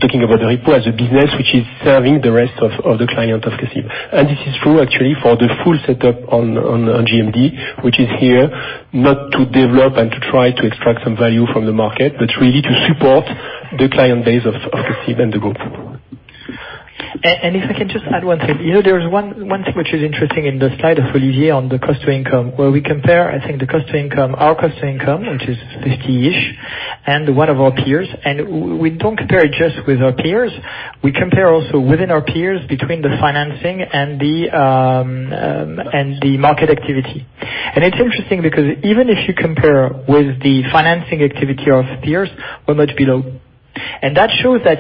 talking about the repo as a business which is serving the rest of the client of CACIB. This is true actually for the full setup on GMD, which is here not to develop and to try to extract some value from the market, but really to support the client base of CACIB and the group. If I can just add one thing. There is one thing which is interesting in the slide of Olivier on the cost to income, where we compare, I think the cost to income, our cost to income, which is 50-ish, and one of our peers. We don't compare it just with our peers. We compare also within our peers between the financing and the market activity. It's interesting because even if you compare with the financing activity of peers, we're much below. That shows that,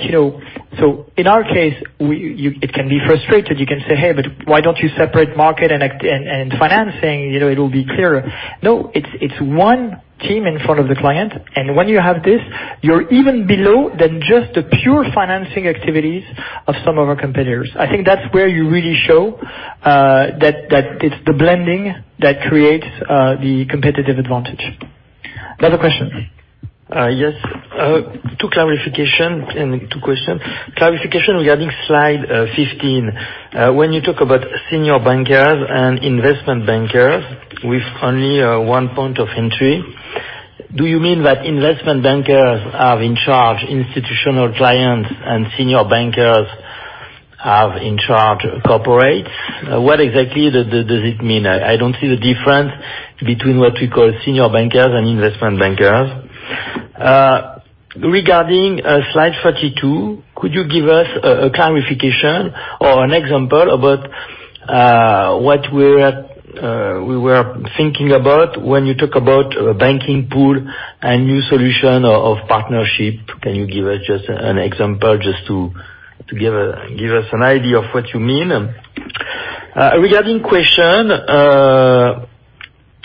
so in our case, it can be frustrated. You can say, "Hey, but why don't you separate market and financing? It will be clearer." No, it's one team in front of the client, and when you have this. You're even below than just the pure financing activities of some of our competitors. I think that's where you really show that it's the blending that creates the competitive advantage. The other question. Yes. Two clarification and two question. Clarification regarding slide 15. When you talk about senior bankers and investment bankers with only one point of entry, do you mean that investment bankers are in charge institutional clients and senior bankers are in charge corporate? What exactly does it mean? I don't see the difference between what we call senior bankers and investment bankers. Regarding slide 32, could you give us a clarification or an example about what we were thinking about when you talk about a banking pool and new solution of partnership? Can you give us just an example just to give us an idea of what you mean? Regarding question,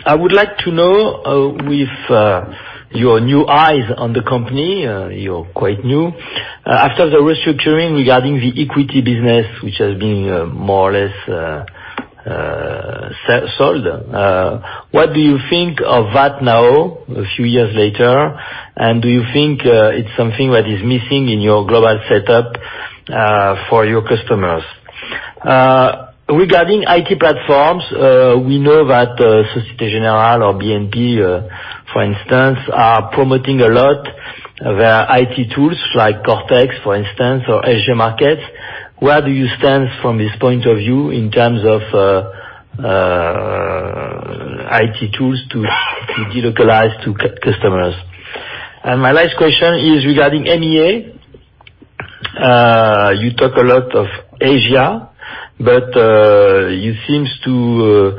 I would like to know with your new eyes on the company, you're quite new. After the restructuring regarding the equity business, which has been more or less sold, what do you think of that now, a few years later? Do you think it's something that is missing in your global setup for your customers? Regarding IT platforms, we know that Société Générale or BNP, for instance, are promoting a lot their IT tools like Cortex, for instance, or Asian markets. Where do you stand from this point of view in terms of IT tools to delocalize to customers? My last question is regarding MEA. You talk a lot of Asia, but you seems to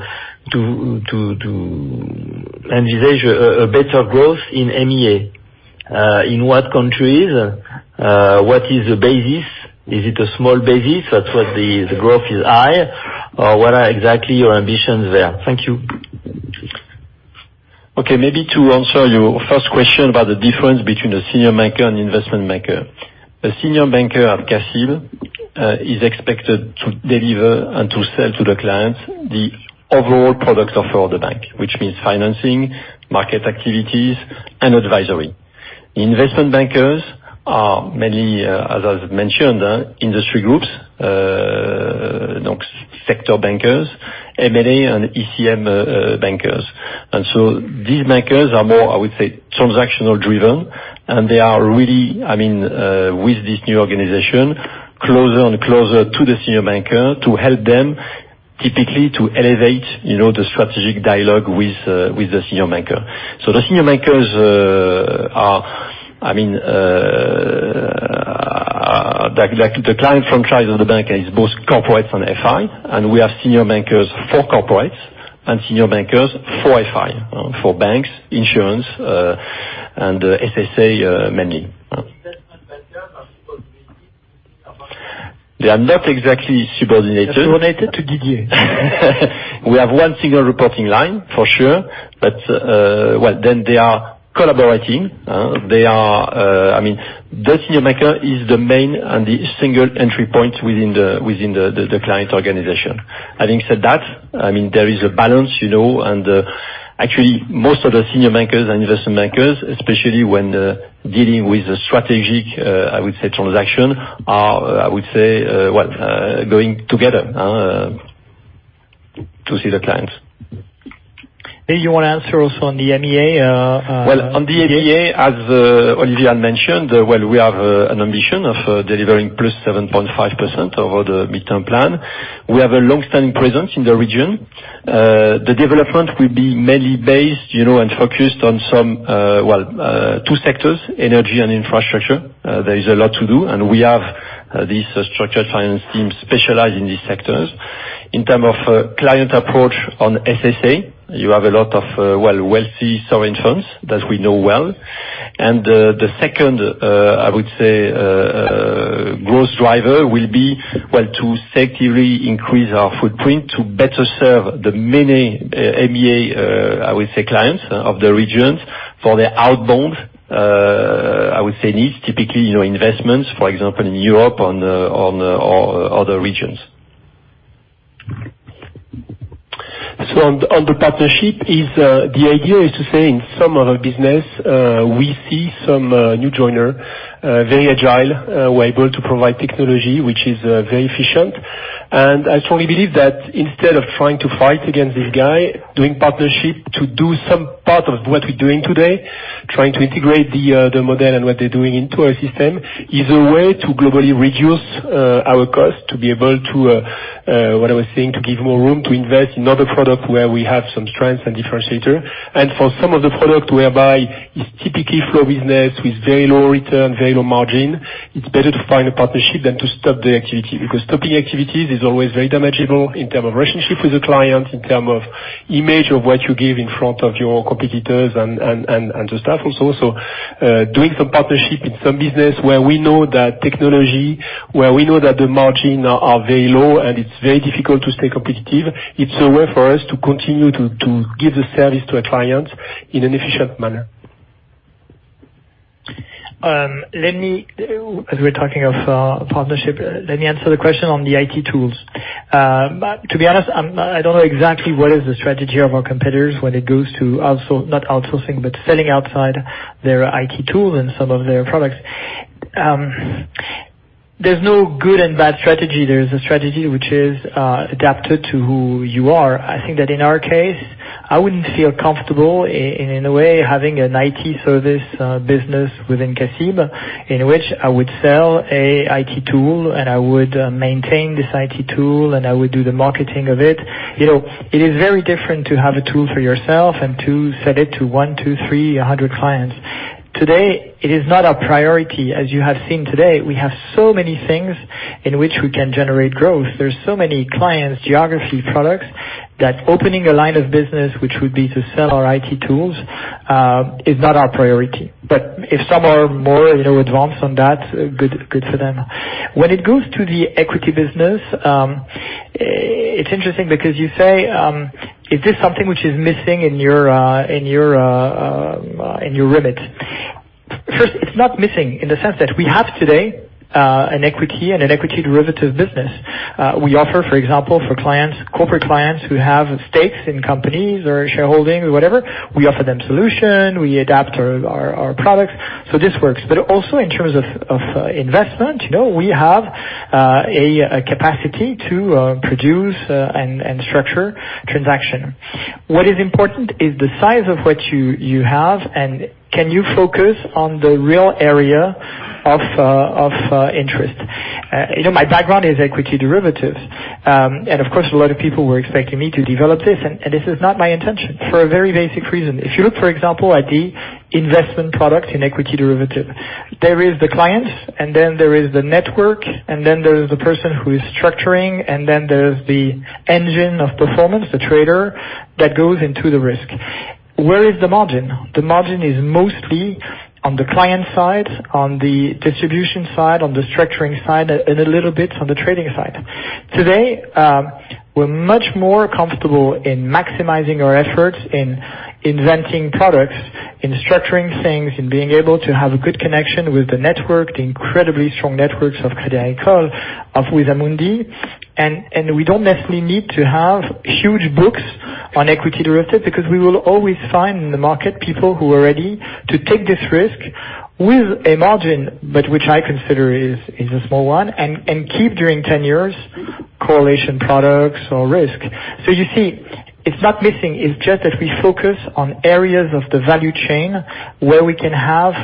envisage a better growth in MEA. In what countries, what is the basis? Is it a small basis, that's why the growth is high, or what are exactly your ambitions there? Thank you. Maybe to answer your first question about the difference between a senior banker and investment banker. A senior banker at CACIB is expected to deliver and to sell to the clients the overall product offer of the bank, which means financing, market activities, and advisory. Investment bankers are mainly, as I've mentioned, industry groups, sector bankers, M&A and ECM bankers. These bankers are more, I would say, transactional driven, and they are really with this new organization, closer and closer to the senior banker to help them typically to elevate the strategic dialogue with the senior banker. The senior bankers are, the client franchise of the bank is both corporates and FI, and we have senior bankers for corporates and senior bankers for FI, for banks, insurance, and SSA, mainly. Investment bankers are subordinated. They are not exactly subordinated. Subordinated to Didier. We have one single reporting line, for sure, they are collaborating. The senior banker is the main and the single entry point within the client organization. Having said that, there is a balance, most of the senior bankers and investment bankers, especially when dealing with strategic, I would say transaction, are going together to see the clients. Did you want to answer also on the MEA? Well, on the MEA, as Olivier mentioned, we have an ambition of delivering plus 7.5% over the midterm plan. We have a long-standing presence in the region. The development will be mainly based and focused on two sectors, energy and infrastructure. There is a lot to do, and we have this structured finance team specialized in these sectors. In term of client approach on SSA, you have a lot of wealthy sovereign funds that we know well. The second, I would say, growth driver will be to safely increase our footprint to better serve the many MEA clients of the regions for their outbound needs, typically investments, for example, in Europe on other regions. On the partnership, the idea is to say in some of our business, we see some new joiner, very agile, we're able to provide technology, which is very efficient. I strongly believe that instead of trying to fight against this guy, doing partnership to do some part of what we're doing today, trying to integrate the model and what they're doing into our system, is a way to globally reduce our cost to be able to, what I was saying, to give more room to invest in other product where we have some strengths and differentiator. For some of the product whereby it's typically flow business with very low return, very low margin, it's better to find a partnership than to stop the activity, because stopping activities is always very damageable in term of relationship with the client, in term of image of what you give in front of your competitors and the staff also. Doing some partnership in some business where we know that technology, where we know that the margin are very low and it's very difficult to stay competitive, it's a way for us to continue to give the service to a client in an efficient manner. We're talking of partnership, let me answer the question on the IT tools. To be honest, I don't know exactly what is the strategy of our competitors when it goes to selling outside their IT tool and some of their products. There's no good and bad strategy. There is a strategy which is adapted to who you are. I think that in our case, I wouldn't feel comfortable, in a way, having an IT service business within CACIB, in which I would sell a IT tool, and I would maintain this IT tool, and I would do the marketing of it. It is very different to have a tool for yourself and to sell it to one, two, three, 100 clients. Today, it is not our priority. You have seen today, we have so many things in which we can generate growth. There's so many clients, geography, products, that opening a line of business, which would be to sell our IT tools, is not our priority. If some are more advanced on that, good for them. When it goes to the equity business, it's interesting because you say, is this something which is missing in your remit? First, it's not missing in the sense that we have today an equity and an equity derivative business. We offer, for example, for corporate clients who have stakes in companies or shareholding or whatever, we offer them solution, we adapt our products. This works. Also in terms of investment, we have a capacity to produce and structure transaction. What is important is the size of what you have, and can you focus on the real area of interest. My background is equity derivatives. Of course, a lot of people were expecting me to develop this, and this is not my intention for a very basic reason. If you look, for example, at the investment product in equity derivative, there is the client, and then there is the network, and then there is the person who is structuring, and then there's the engine of performance, the trader that goes into the risk. Where is the margin? The margin is mostly on the client side, on the distribution side, on the structuring side, and a little bit on the trading side. Today, we're much more comfortable in maximizing our efforts in inventing products, in structuring things, in being able to have a good connection with the network, the incredibly strong networks of Crédit Agricole, of Amundi. We don't necessarily need to have huge books on equity derivatives, because we will always find in the market people who are ready to take this risk with a margin, but which I consider is a small one, and keep during 10 years correlation products or risk. You see, it's not missing. It's just that we focus on areas of the value chain where we can have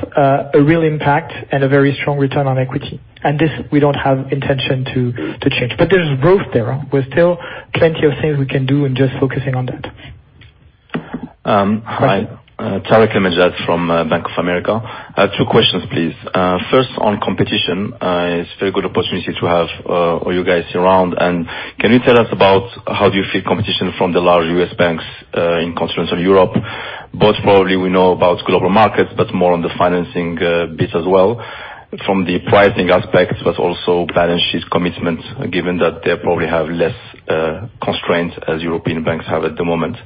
a real impact and a very strong return on equity. This we don't have intention to change. There's growth there. We're still plenty of things we can do and just focusing on that. Hi. Tarik El Mejjad from Bank of America. Two questions, please. First, on competition, it's very good opportunity to have all you guys around. Can you tell us about how do you feel competition from the large U.S. banks in constraints of Europe? Both probably we know about global markets, but more on the financing bit as well from the pricing aspect, but also balance sheet commitments, given that they probably have less constraints as European banks have at the moment.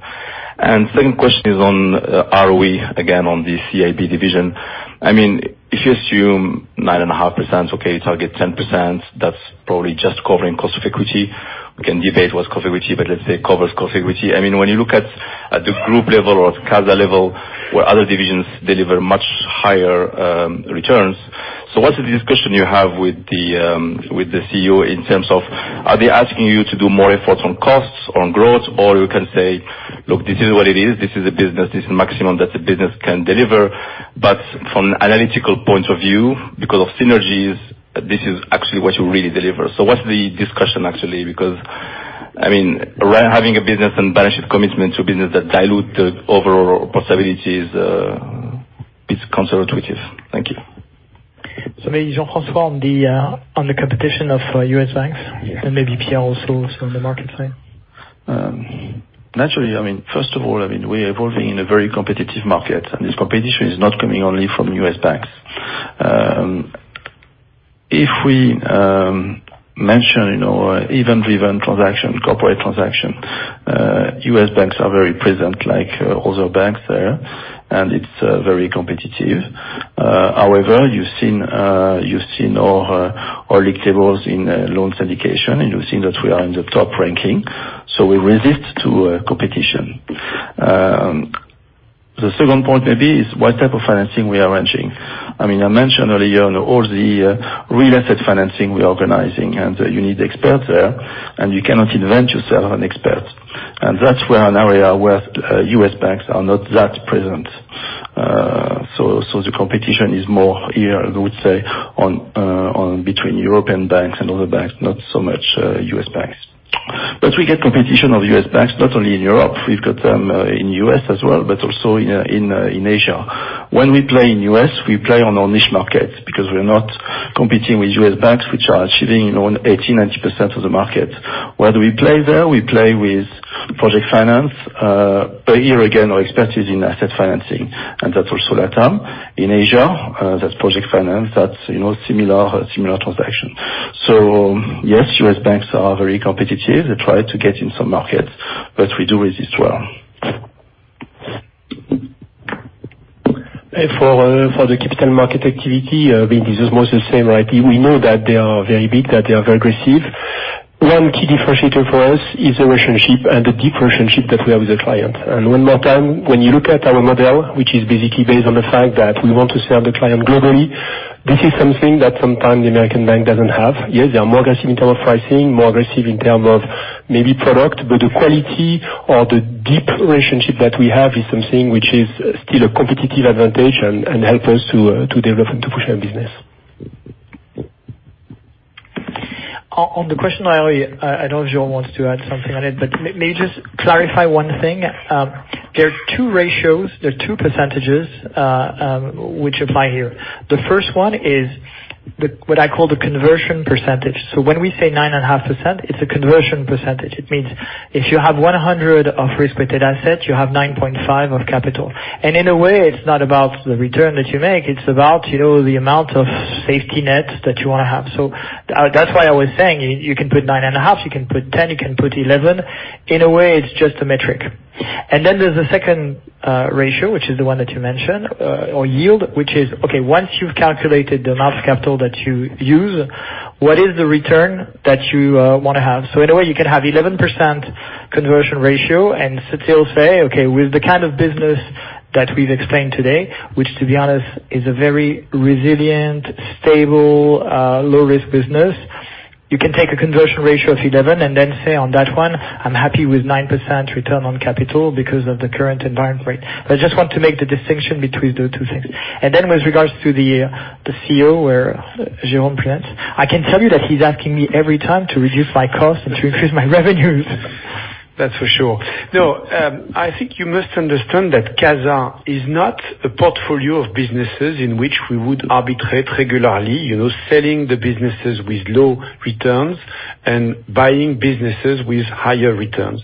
Second question is on ROE, again, on the CIB division. If you assume 9.5%, okay, target 10%, that's probably just covering cost of equity. We can debate what's covered with equity, but let's say covers cost of equity. When you look at the group level or CASA level where other divisions deliver much higher returns. What's the discussion you have with the CEO in terms of, are they asking you to do more efforts on costs, on growth, or you can say, "Look, this is what it is. This is a business. This is maximum that the business can deliver." From analytical point of view, because of synergies, this is actually what you really deliver. What's the discussion actually? Having a business and balance sheet commitment to business that dilute the overall possibilities is counterintuitive. Thank you. Maybe Jean-François on the competition of U.S. banks, and maybe Pierre also from the market side. Naturally, first of all, we're evolving in a very competitive market, and this competition is not coming only from U.S. banks. If we mention event-driven transaction, corporate transaction, U.S. banks are very present like other banks there, and it's very competitive. However, you've seen our league tables in loans indication, and you've seen that we are in the top ranking, so we resist to competition. The second point maybe is what type of financing we are arranging. I mentioned earlier on all the real asset financing we're organizing, and you need expert there, and you cannot invent yourself an expert. That's where an area where U.S. banks are not that present. The competition is more here, I would say between European banks and other banks, not so much U.S. banks. We get competition of U.S. banks, not only in Europe, we've got them in U.S. as well, but also in Asia. When we play in U.S., we play on our niche market because we're not competing with U.S. banks, which are achieving on 80%-90% of the market. Where do we play there? We play with project finance. Here again, our expertise in asset financing, and that's also Latam. In Asia, that's project finance. That's similar transaction. Yes, U.S. banks are very competitive. They try to get in some markets, but we do resist well. For the capital market activity, this is mostly the same, right? We know that they are very big, that they are very aggressive. One key differentiator for us is the relationship and the deep relationship that we have with the client. One more time, when you look at our model, which is basically based on the fact that we want to serve the client globally, this is something that sometimes the American bank doesn't have. They are more aggressive in term of pricing, more aggressive in term of maybe product, but the quality or the deep relationship that we have is something which is still a competitive advantage and help us to develop and to push our business. On the question, I don't know if Jérôme wants to add something on it, but I may just clarify one thing. There are two ratios. There are two percentages which apply here. The first one is what I call the conversion percentage. When we say 9.5%, it's a conversion percentage. It means if you have 100 of risk-weighted assets, you have 9.5 of capital. In a way, it's not about the return that you make, it's about the amount of safety net that you want to have. That's why I was saying you can put 9.5, you can put 10, you can put 11. In a way, it's just a metric. There's a second ratio, which is the one that you mentioned, or yield, which is, okay, once you've calculated the amount of capital that you use, what is the return that you want to have? In a way, you can have 11% conversion ratio and still say, okay, with the kind of business that we've explained today, which to be honest is a very resilient, stable, low risk business. You can take a conversion ratio of 11 and say, on that one, I'm happy with 9% return on capital because of the current environment rate. I just want to make the distinction between the two things. With regards to the CEO, where Jérôme presents, I can tell you that he's asking me every time to reduce my cost and to increase my revenues. That's for sure. No, I think you must understand that CASA is not a portfolio of businesses in which we would arbitrate regularly, selling the businesses with low returns and buying businesses with higher returns.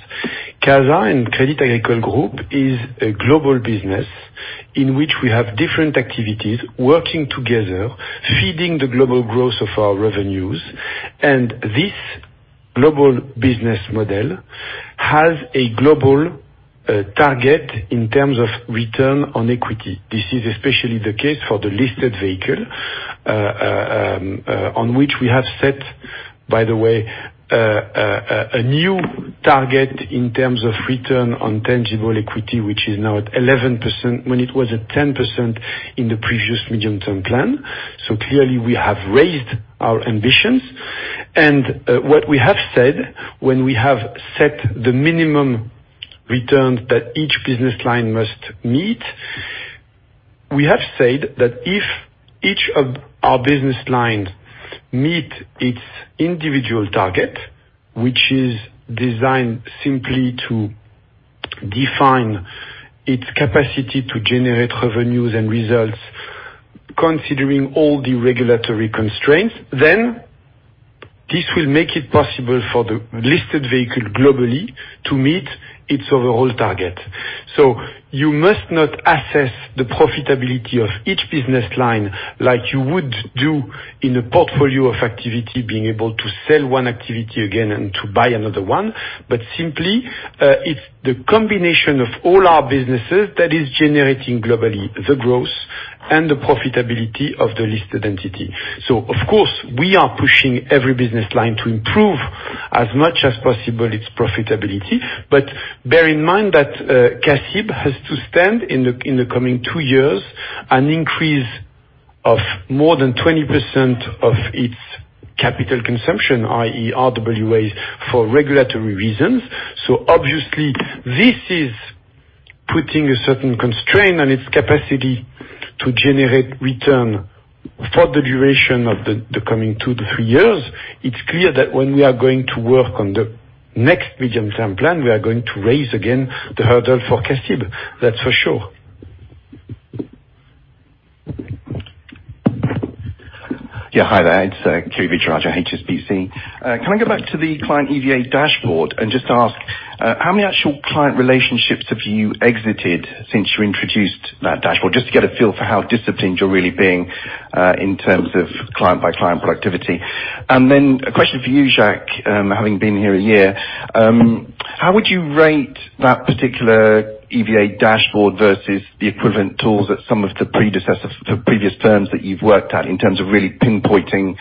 CASA and Crédit Agricole Group is a global business in which we have different activities working together, feeding the global growth of our revenues. This global business model has a global target in terms of return on equity. This is especially the case for the listed vehicle, on which we have set, by the way, a new target in terms of return on tangible equity, which is now at 11%, when it was at 10% in the previous medium-term plan. Clearly we have raised our ambitions, and what we have said when we have set the minimum returns that each business line must meet, we have said that if each of our business lines meet its individual target, which is designed simply to define its capacity to generate revenues and results, considering all the regulatory constraints, then this will make it possible for the listed vehicle globally to meet its overall target. You must not assess the profitability of each business line like you would do in a portfolio of activity, being able to sell one activity again and to buy another one. Simply, it's the combination of all our businesses that is generating globally the growth and the profitability of the listed entity. Of course, we are pushing every business line to improve as much as possible its profitability. Bear in mind that CACIB has to stand in the coming two years, an increase of more than 20% of its capital consumption, i.e., RWAs, for regulatory reasons. Obviously this is putting a certain constraint on its capacity to generate return for the duration of the coming two to three years. It's clear that when we are going to work on the next Medium Term Plan, we are going to raise again the hurdle for CACIB, that's for sure. Yeah, hi there, it's Kevin Trajara, HSBC. Can I go back to the client EVA dashboard and just ask, how many actual client relationships have you exited since you introduced that dashboard, just to get a feel for how disciplined you're really being, in terms of client by client productivity? A question for you, Jacques, having been here a year, how would you rate that particular EVA dashboard versus the equivalent tools at some of the previous terms that you've worked at in terms of really pinpointing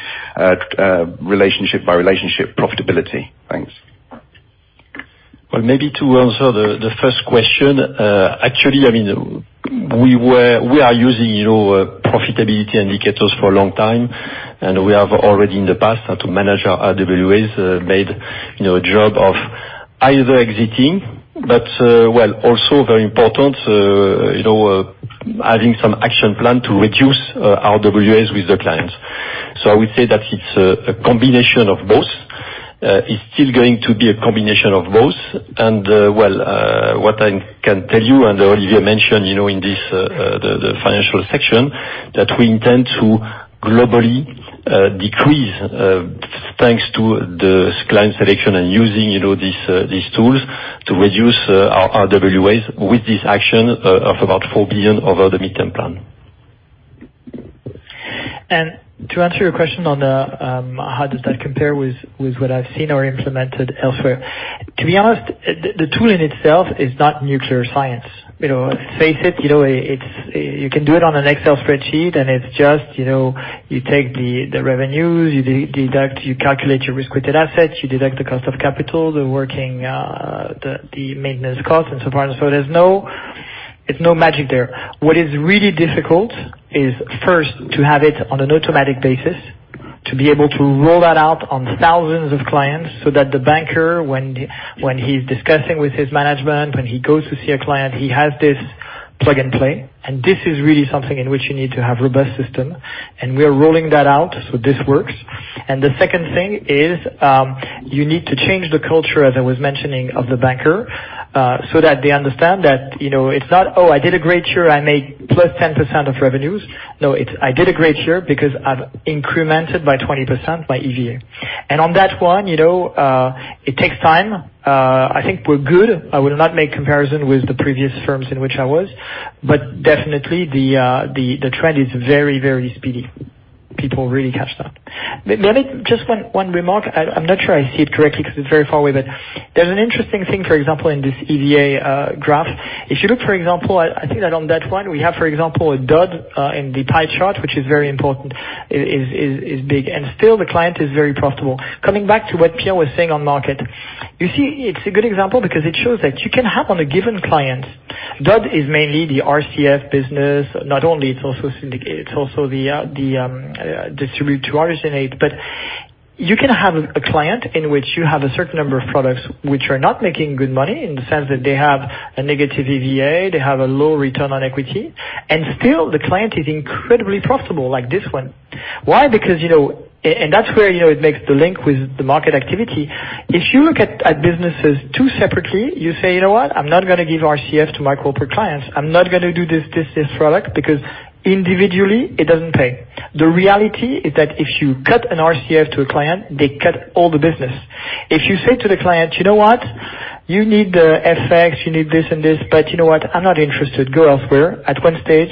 relationship by relationship profitability? Thanks. Well, maybe to answer the first question, actually, we are using profitability indicators for a long time, and we have already in the past had to manage our RWAs, made job of either exiting, but well, also very important, having some action plan to reduce RWAs with the clients. I would say that it's a combination of both. It's still going to be a combination of both. Well, what I can tell you, and Olivier mentioned in the financial section, that we intend to globally decrease, thanks to the client selection and using these tools to reduce our RWAs with this action of about 4 billion over the midterm plan. To answer your question on how does that compare with what I've seen or implemented elsewhere, to be honest, the tool in itself is not nuclear science. Face it, you can do it on an Excel spreadsheet, and it's just you take the revenues, you calculate your risk-weighted assets, you deduct the cost of capital, the maintenance cost, and so on and so forth. It's no magic there. What is really difficult is first to have it on an automatic basis, to be able to roll that out on thousands of clients, so that the banker, when he's discussing with his management, when he goes to see a client, he has this plug-and-play. This is really something in which you need to have robust system, and we're rolling that out, so this works. The second thing is, you need to change the culture, as I was mentioning, of the banker, so that they understand that it's not, "Oh, I did a great year. I made plus 10% of revenues." No, it's, "I did a great year because I've incremented by 20% my EVA." On that one, it takes time. I think we're good. I will not make comparison with the previous firms in which I was. Definitely, the trend is very speedy. People really catch that. Maybe just one remark. I'm not sure I see it correctly because it's very far away, but there's an interesting thing, for example, in this EVA graph. If you look, for example, I think that on that one, we have, for example, a dud in the pie chart, which is very important, is big, and still the client is very profitable. Coming back to what Pierre was saying on market. You see, it's a good example because it shows that you can have on a given client, DOD is mainly the RCF business. Not only, it's also distribute to originate. You can have a client in which you have a certain number of products which are not making good money in the sense that they have a negative EVA, they have a low return on equity, and still the client is incredibly profitable like this one. Why? That's where it makes the link with the market activity. If you look at businesses too separately, you say, "You know what? I'm not going to give RCF to my corporate clients. I'm not going to do this product because individually, it doesn't pay." The reality is that if you cut an RCF to a client, they cut all the business. If you say to the client, "You know what? You need the FX, you need this and this, you know what? I'm not interested. Go elsewhere." At stage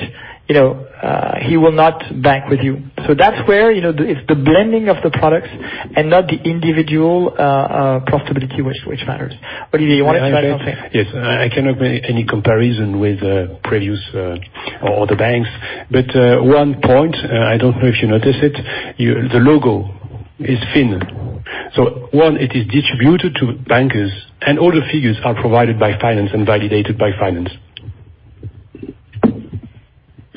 1, he will not bank with you. That's where it's the blending of the products and not the individual profitability which matters. Olivier, you wanted to add something? Yes. I cannot make any comparison with previous or other banks. One point, I don't know if you notice it, the logo is thin. One, it is distributed to bankers, and all the figures are provided by finance and validated by finance.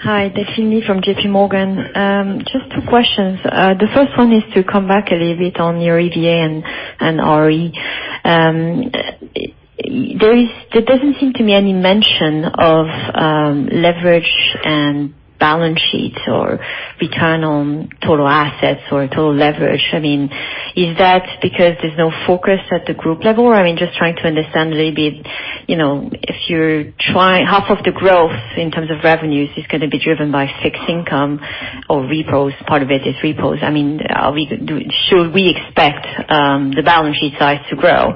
Hi, Delphine from JPMorgan. Just two questions. The first one is to come back a little bit on your EVA and ROE. There doesn't seem to be any mention of leverage and balance sheets or return on total assets or total leverage. Is that because there's no focus at the group level? Just trying to understand a little bit. Half of the growth in terms of revenues is going to be driven by fixed income or repos, part of it is repos. Should we expect the balance sheet size to grow?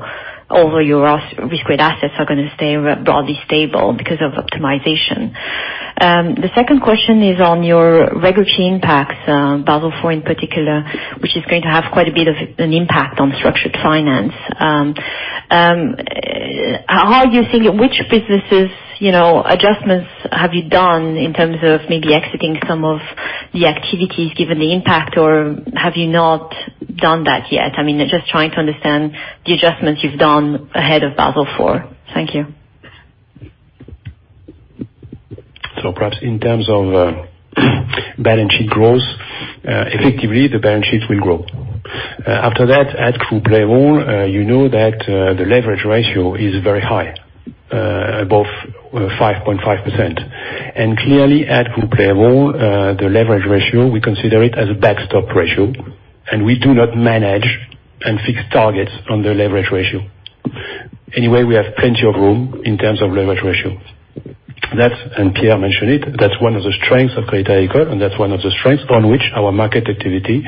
Although your risk-weighted assets are going to stay broadly stable because of optimization. The second question is on your regulatory impacts, Basel IV in particular, which is going to have quite a bit of an impact on structured finance. Which businesses adjustments have you done in terms of maybe exiting some of the activities given the impact, or have you not done that yet? Just trying to understand the adjustments you've done ahead of Basel IV. Thank you. Perhaps in terms of balance sheet growth, effectively, the balance sheet will grow. After that, at Groupe Crédit Agricole, you know that the leverage ratio is very high, above 5.5%. Clearly, at Groupe Crédit Agricole, the leverage ratio, we consider it as a backstop ratio, and we do not manage and fix targets on the leverage ratio. Anyway, we have plenty of room in terms of leverage ratio. Pierre mentioned it, that's one of the strengths of Crédit Agricole, and that's one of the strengths on which our market activity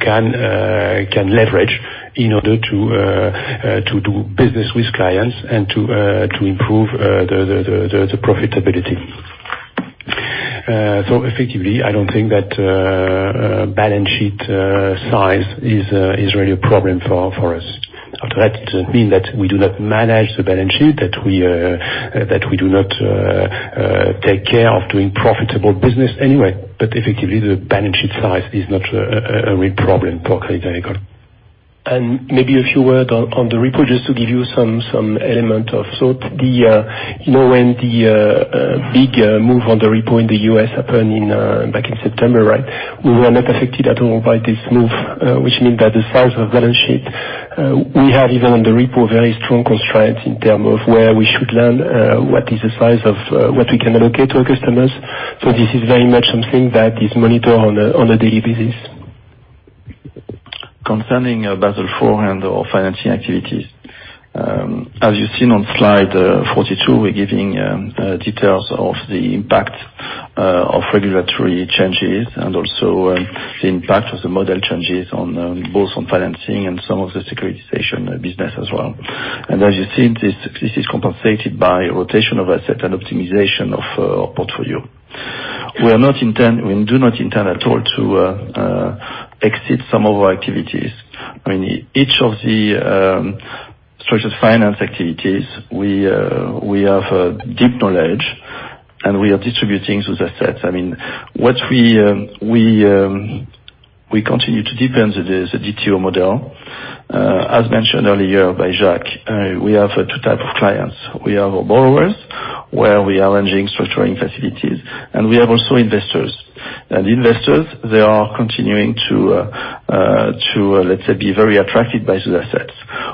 can leverage in order to do business with clients and to improve the profitability. Effectively, I don't think that balance sheet size is really a problem for us. Although that doesn't mean that we do not manage the balance sheet, that we do not take care of doing profitable business anyway. Effectively, the balance sheet size is not a real problem for Crédit Agricole. Maybe a few word on the repo, just to give you some element of thought. When the big move on the repo in the U.S. happened back in September, we were not affected at all by this move, which means that the size of balance sheet, we have even on the repo, very strong constraints in term of where we should lend, what is the size of what we can allocate to our customers. This is very much something that is monitored on a daily basis. Concerning Basel IV and our financing activities. As you've seen on slide 42, we're giving details of the impact of regulatory changes. The impact of the model changes both on financing and some of the securitization business as well. As you've seen, this is compensated by rotation of asset and optimization of our portfolio. We do not intend at all to exit some of our activities. Each of the structured finance activities, we have a deep knowledge, and we are distributing those assets. What we continue to deepen is the DTO model. As mentioned earlier by Jacques, we have two types of clients. We have our borrowers, where we are arranging structuring facilities, and we have also investors. Investors, they are continuing to be very attracted by those assets.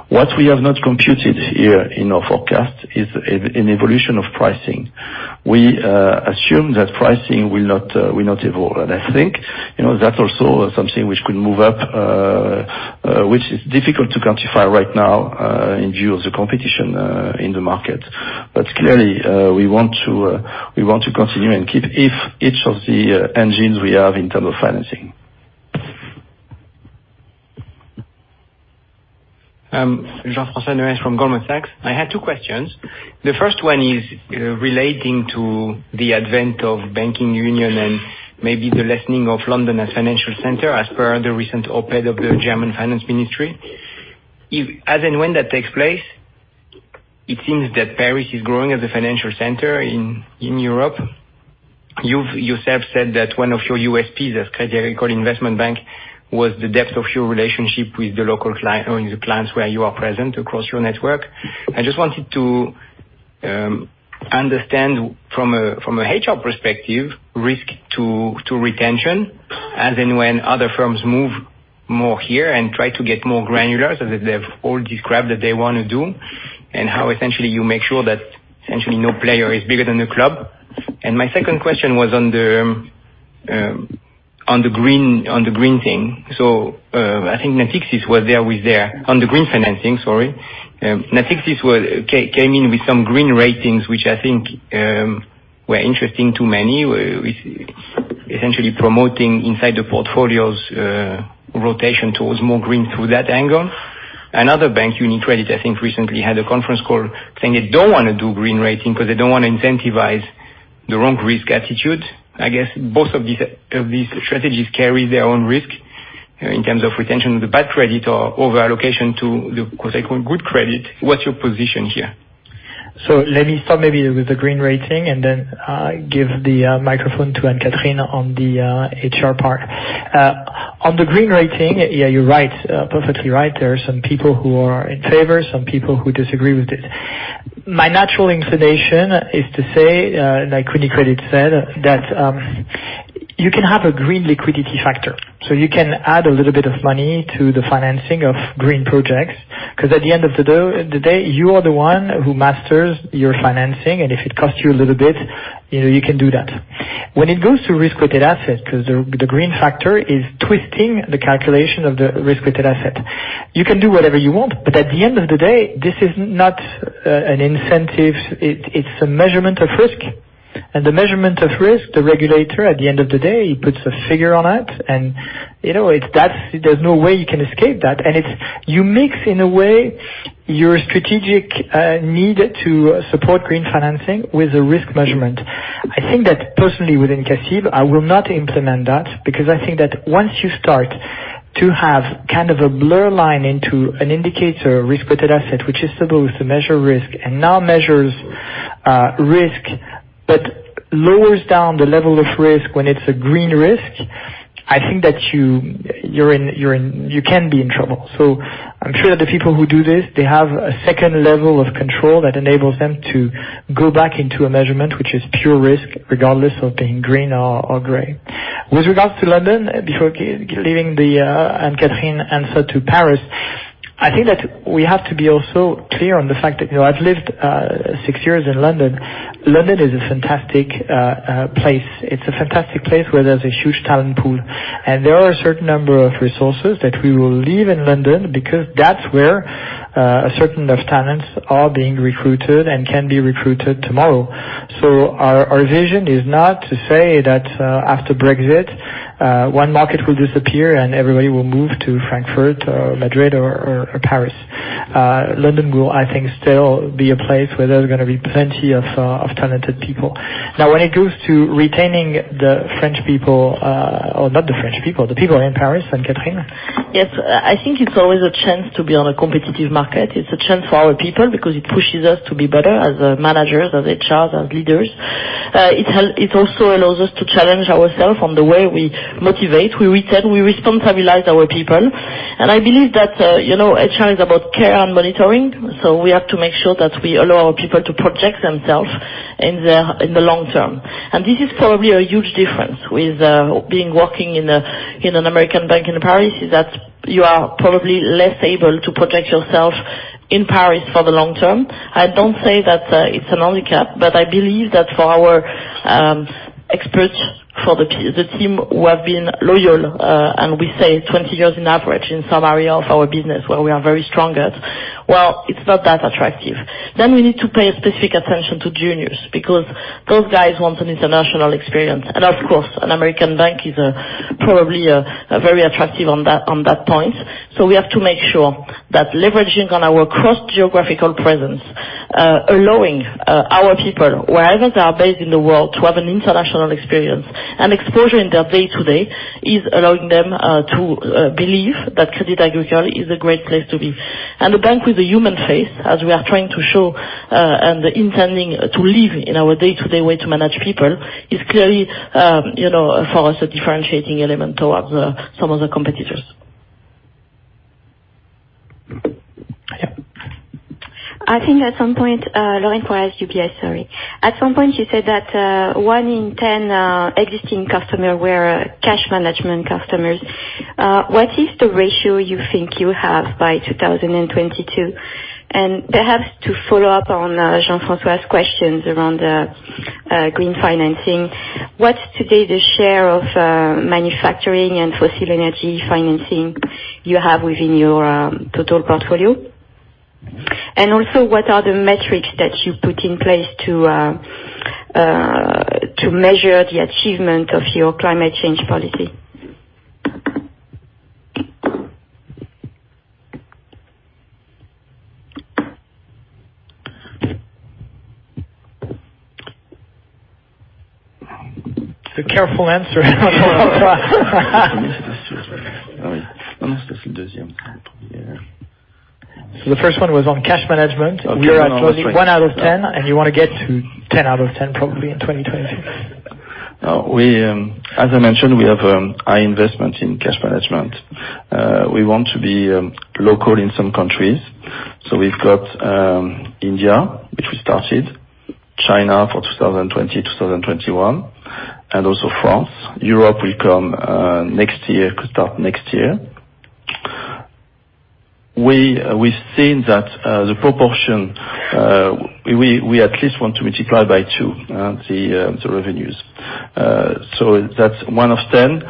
What we have not computed here in our forecast is an evolution of pricing. We assume that pricing will not evolve. I think, that's also something which could move up, which is difficult to quantify right now in view of the competition in the market. Clearly, we want to continue and keep each of the engines we have in terms of financing. Jean from Goldman Sachs. I had two questions. The first one is relating to the advent of banking union and maybe the lessening of London as financial center, as per the recent op-ed of the German finance ministry. If, as and when that takes place, it seems that Paris is growing as a financial center in Europe. You've yourself said that one of your USPs as Crédit Agricole investment bank was the depth of your relationship with the local clients, or the clients where you are present across your network. I just wanted to understand from an HR perspective, risk to retention as and when other firms move more here and try to get more granular, so that they've all described that they want to do, and how essentially you make sure that essentially no player is bigger than the club. My second question was on the green thing. I think Natixis was there with their On the green financing, sorry. Natixis came in with some green ratings, which I think were interesting to many, with essentially promoting inside the portfolios rotation towards more green through that angle. Another bank, UniCredit, I think recently had a conference call saying they don't want to do green rating because they don't want to incentivize the wrong risk attitude. I guess both of these strategies carry their own risk in terms of retention of the bad credit or over allocation to the good credit. What's your position here? Let me start maybe with the green rating, and then give the microphone to Anne-Catherine on the HR part. On the green rating, yeah, you're right. Perfectly right. There are some people who are in favor, some people who disagree with it. My natural inclination is to say, like UniCredit said, that you can have a green liquidity factor. You can add a little bit of money to the financing of green projects, because at the end of the day, you are the one who masters your financing, and if it costs you a little bit, you can do that. When it goes to risk-weighted assets, because the green factor is twisting the calculation of the risk-weighted asset, you can do whatever you want, but at the end of the day, this is not an incentive. It's a measurement of risk. The measurement of risk, the regulator, at the end of the day, he puts a figure on it, and there's no way you can escape that. You mix, in a way, your strategic need to support green financing with a risk measurement. I think that personally within CACIB, I will not implement that, because I think that once you start to have kind of a blur line into an indicator risk-weighted asset, which is supposed to measure risk and now measures risk, but lowers down the level of risk when it's a green risk, I think that you can be in trouble. I'm sure that the people who do this, they have a second level of control that enables them to go back into a measurement, which is pure risk, regardless of being green or gray. With regards to London, before leaving the Anne-Catherine answer to Paris, I think that we have to be also clear on the fact that I've lived six years in London. London is a fantastic place. It's a fantastic place where there's a huge talent pool, and there are a certain number of resources that we will leave in London because that's where a certain number of talents are being recruited and can be recruited tomorrow. Our vision is not to say that after Brexit, one market will disappear, and everybody will move to Frankfurt or Madrid or Paris. London will, I think, still be a place where there's going to be plenty of talented people. Now, when it goes to retaining the French people, or not the French people, the people in Paris, Anne-Catherine? Yes. I think it's always a chance to be on a competitive market. It's a chance for our people because it pushes us to be better as managers, as HRs, as leaders. It also allows us to challenge ourselves on the way we motivate, we retain, we responsibilize our people. I believe that HR is about care and monitoring, so we have to make sure that we allow our people to project themselves in the long term. This is probably a huge difference with being working in an American bank in Paris, is that you are probably less able to project yourself in Paris for the long term. I don't say that it's a handicap. I believe that for our experts, for the team who have been loyal, and we say 20 years on average in some area of our business where we are very strong at, it's not that attractive. We need to pay specific attention to juniors, because those guys want an international experience. Of course, an American bank is probably very attractive on that point. We have to make sure that leveraging on our cross-geographical presence, allowing our people, wherever they are based in the world, to have an international experience and exposure in their day-to-day, is allowing them to believe that Crédit Agricole is a great place to be. A bank with a human face, as we are trying to show, and intending to live in our day-to-day way to manage people, is clearly for us a differentiating element towards some of the competitors. I think at some point, Lorraine Quoirez for UBS, sorry. At some point you said that one in 10 existing customer were cash management customers. What is the ratio you think you have by 2022? Perhaps to follow up on Jean-François's questions around the green financing, what's today the share of manufacturing and fossil energy financing you have within your total portfolio? Also what are the metrics that you put in place to measure the achievement of your climate change policy? It's a careful answer. The first one was on cash management. We are at one out of 10, and you want to get to 10 out of 10 probably in 2026. As I mentioned, we have high investment in cash management. We want to be local in some countries. We've got India, which we started, China for 2020, 2021, and also France. Europe will come next year, could start next year. We've seen that the proportion, we at least want to multiply by two, the revenues. That's one of 10.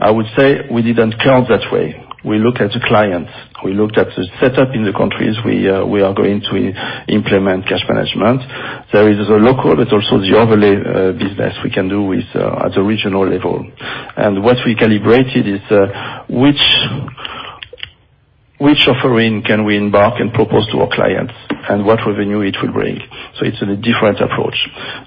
I would say we didn't count that way. We look at the clients. We looked at the setup in the countries we are going to implement cash management. There is the local but also the overlay business we can do at the regional level. What we calibrated is, which offering can we embark and propose to our clients, and what revenue it will bring. It's a different approach.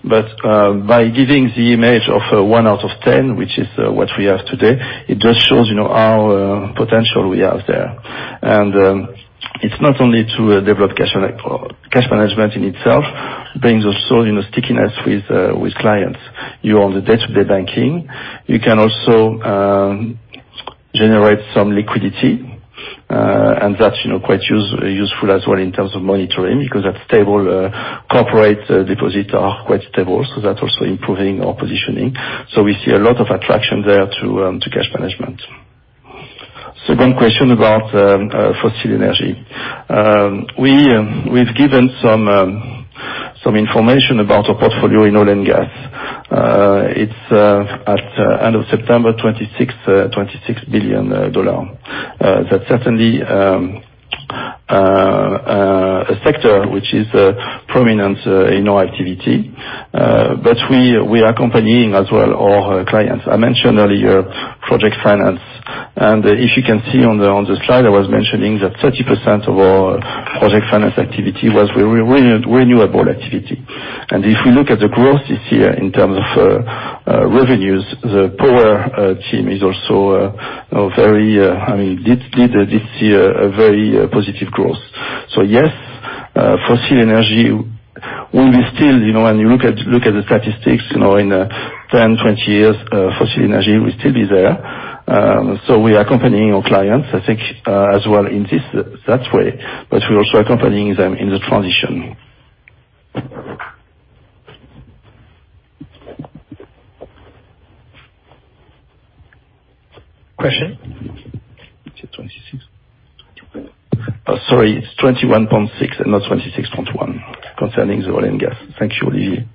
By giving the image of one out of 10, which is what we have today, it just shows our potential we have there. It's not only to develop cash management in itself, but also stickiness with clients. You're on the day-to-day banking. You can also generate some liquidity, and that's quite useful as well in terms of monitoring, because that's stable, corporate deposits are quite stable, so that's also improving our positioning. We see a lot of attraction there to cash management. Second question about fossil energy. We've given some information about our portfolio in oil and gas. It's at end of September EUR 26 billion. That's certainly a sector which is prominent in our activity. We are accompanying as well our clients. I mentioned earlier project finance. If you can see on the slide, I was mentioning that 30% of our project finance activity was renewable activity. If we look at the growth this year in terms of revenues, the power team did see a very positive growth. Yes, fossil energy will be still, when you look at the statistics, in 10, 20 years, fossil energy will still be there. We are accompanying our clients, I think, as well in that way, but we are also accompanying them in the transition. Question? You said 26. Sorry, it's 21.6 and not 26.1 concerning the oil and gas. Thank you, Olivier.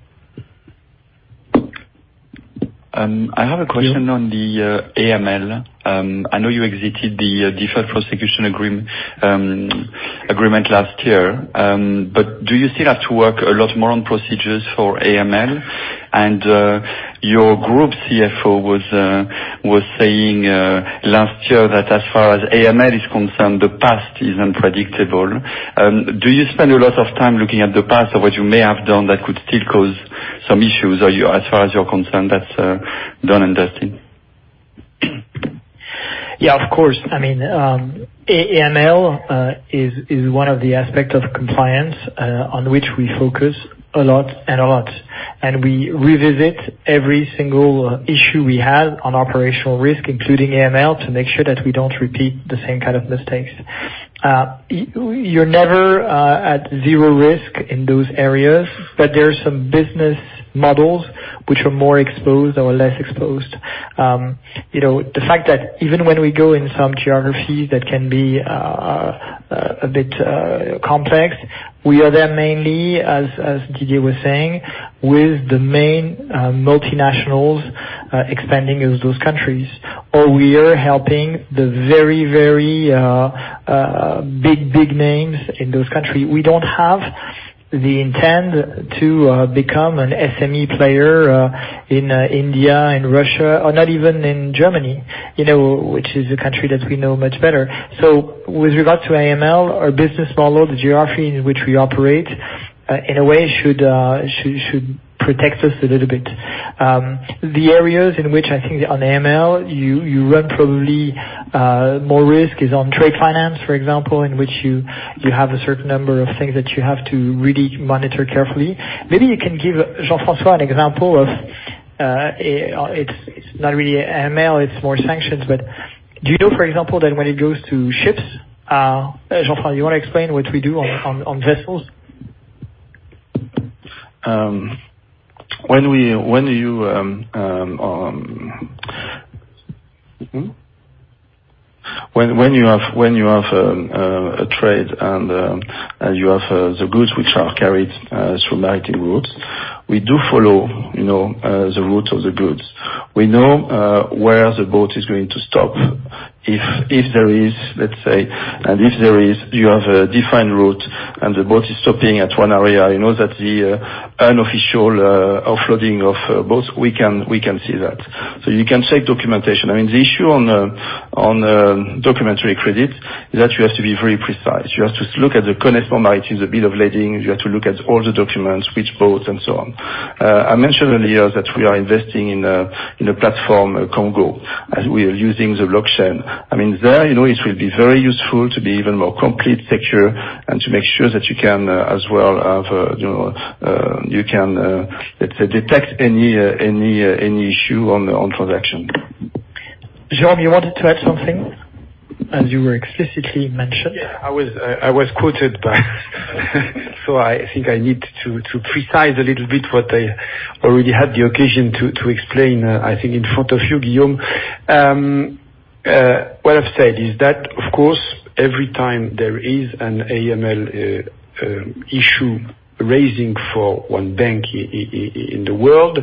I have a question on the AML. I know you exited the deferred prosecution agreement last year. Do you still have to work a lot more on procedures for AML? Your group CFO was saying last year that as far as AML is concerned, the past is unpredictable. Do you spend a lot of time looking at the past of what you may have done that could still cause some issues, or as far as you're concerned, that's done and dusted? Yeah, of course. AML is one of the aspects of compliance on which we focus a lot. We revisit every single issue we have on operational risk, including AML, to make sure that we don't repeat the same kind of mistakes. You're never at zero risk in those areas, there are some business models which are more exposed or less exposed. The fact that even when we go in some geographies that can be a bit complex, we are there mainly, as Didier was saying, with the main multinationals expanding in those countries, or we are helping the very big names in those countries. We don't have the intent to become an SME player in India and Russia or not even in Germany, which is a country that we know much better. With regard to AML, our business model, the geography in which we operate, in a way should protect us a little bit. The areas in which I think on AML, you run probably more risk is on trade finance, for example, in which you have a certain number of things that you have to really monitor carefully. Maybe you can give, Jean-François, an example of, it's not really AML, it's more sanctions. Do you know, for example, that when it goes to ships, Jean, you want to explain what we do on vessels? When you have a trade and you have the goods which are carried through maritime routes, we do follow the route of the goods. We know where the boat is going to stop. If there is, let's say, you have a defined route and the boat is stopping at one area, you know that the unofficial offloading of boats, we can see that. You can check documentation. The issue on documentary credit is that you have to be very precise. You have to look at the correct formalities, the bill of lading, you have to look at all the documents, which boats, and so on. I mentioned earlier that we are investing in a platform, Komgo, as we are using the blockchain. There, it will be very useful to be even more complete, secure, and to make sure that you can, let's say, detect any issue on transaction. Jérôme, you wanted to add something, as you were explicitly mentioned. Yeah, I was quoted, so I think I need to precise a little bit what I already had the occasion to explain, I think in front of you, Guillaume. What I've said is that, of course, every time there is an AML issue raising for one bank in the world,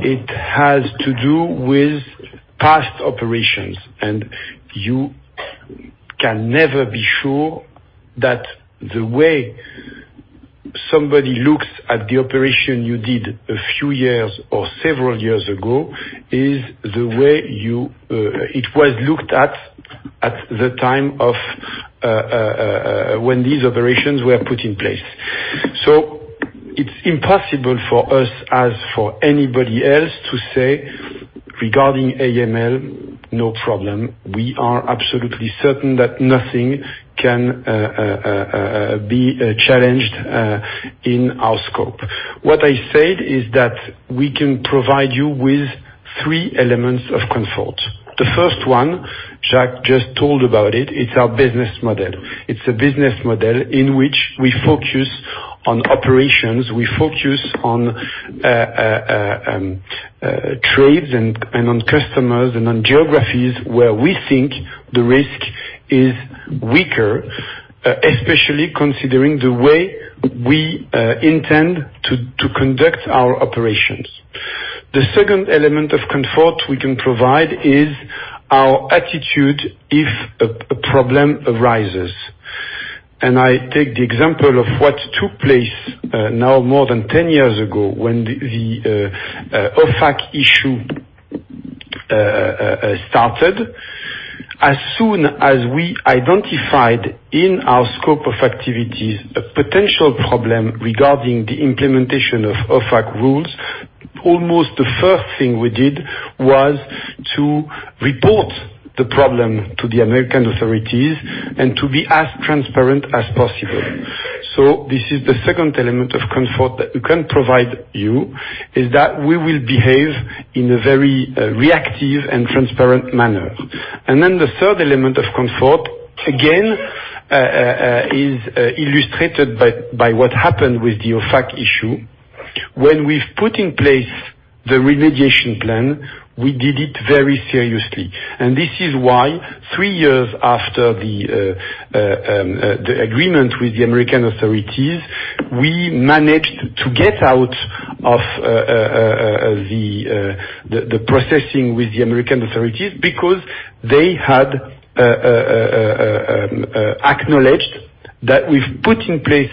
it has to do with past operations, and you can never be sure that the way somebody looks at the operation you did a few years or several years ago, is the way it was looked at the time of when these operations were put in place. It's impossible for us, as for anybody else, to say regarding AML, no problem. We are absolutely certain that nothing can be challenged in our scope. What I said is that we can provide you with three elements of comfort. The first one, Jacques just told about it's our business model. It's a business model in which we focus on operations, we focus on trades, and on customers, and on geographies where we think the risk is weaker, especially considering the way we intend to conduct our operations. The second element of comfort we can provide is our attitude if a problem arises. I take the example of what took place now more than 10 years ago, when the OFAC issue started. As soon as we identified in our scope of activities, a potential problem regarding the implementation of OFAC rules, almost the first thing we did was to report the problem to the American authorities, to be as transparent as possible. This is the second element of comfort that we can provide you, is that we will behave in a very reactive and transparent manner. The third element of comfort, again, is illustrated by what happened with the OFAC issue. When we've put in place the remediation plan, we did it very seriously. This is why, three years after the agreement with the American authorities, we managed to get out of the processing with the American authorities because they had acknowledged that we've put in place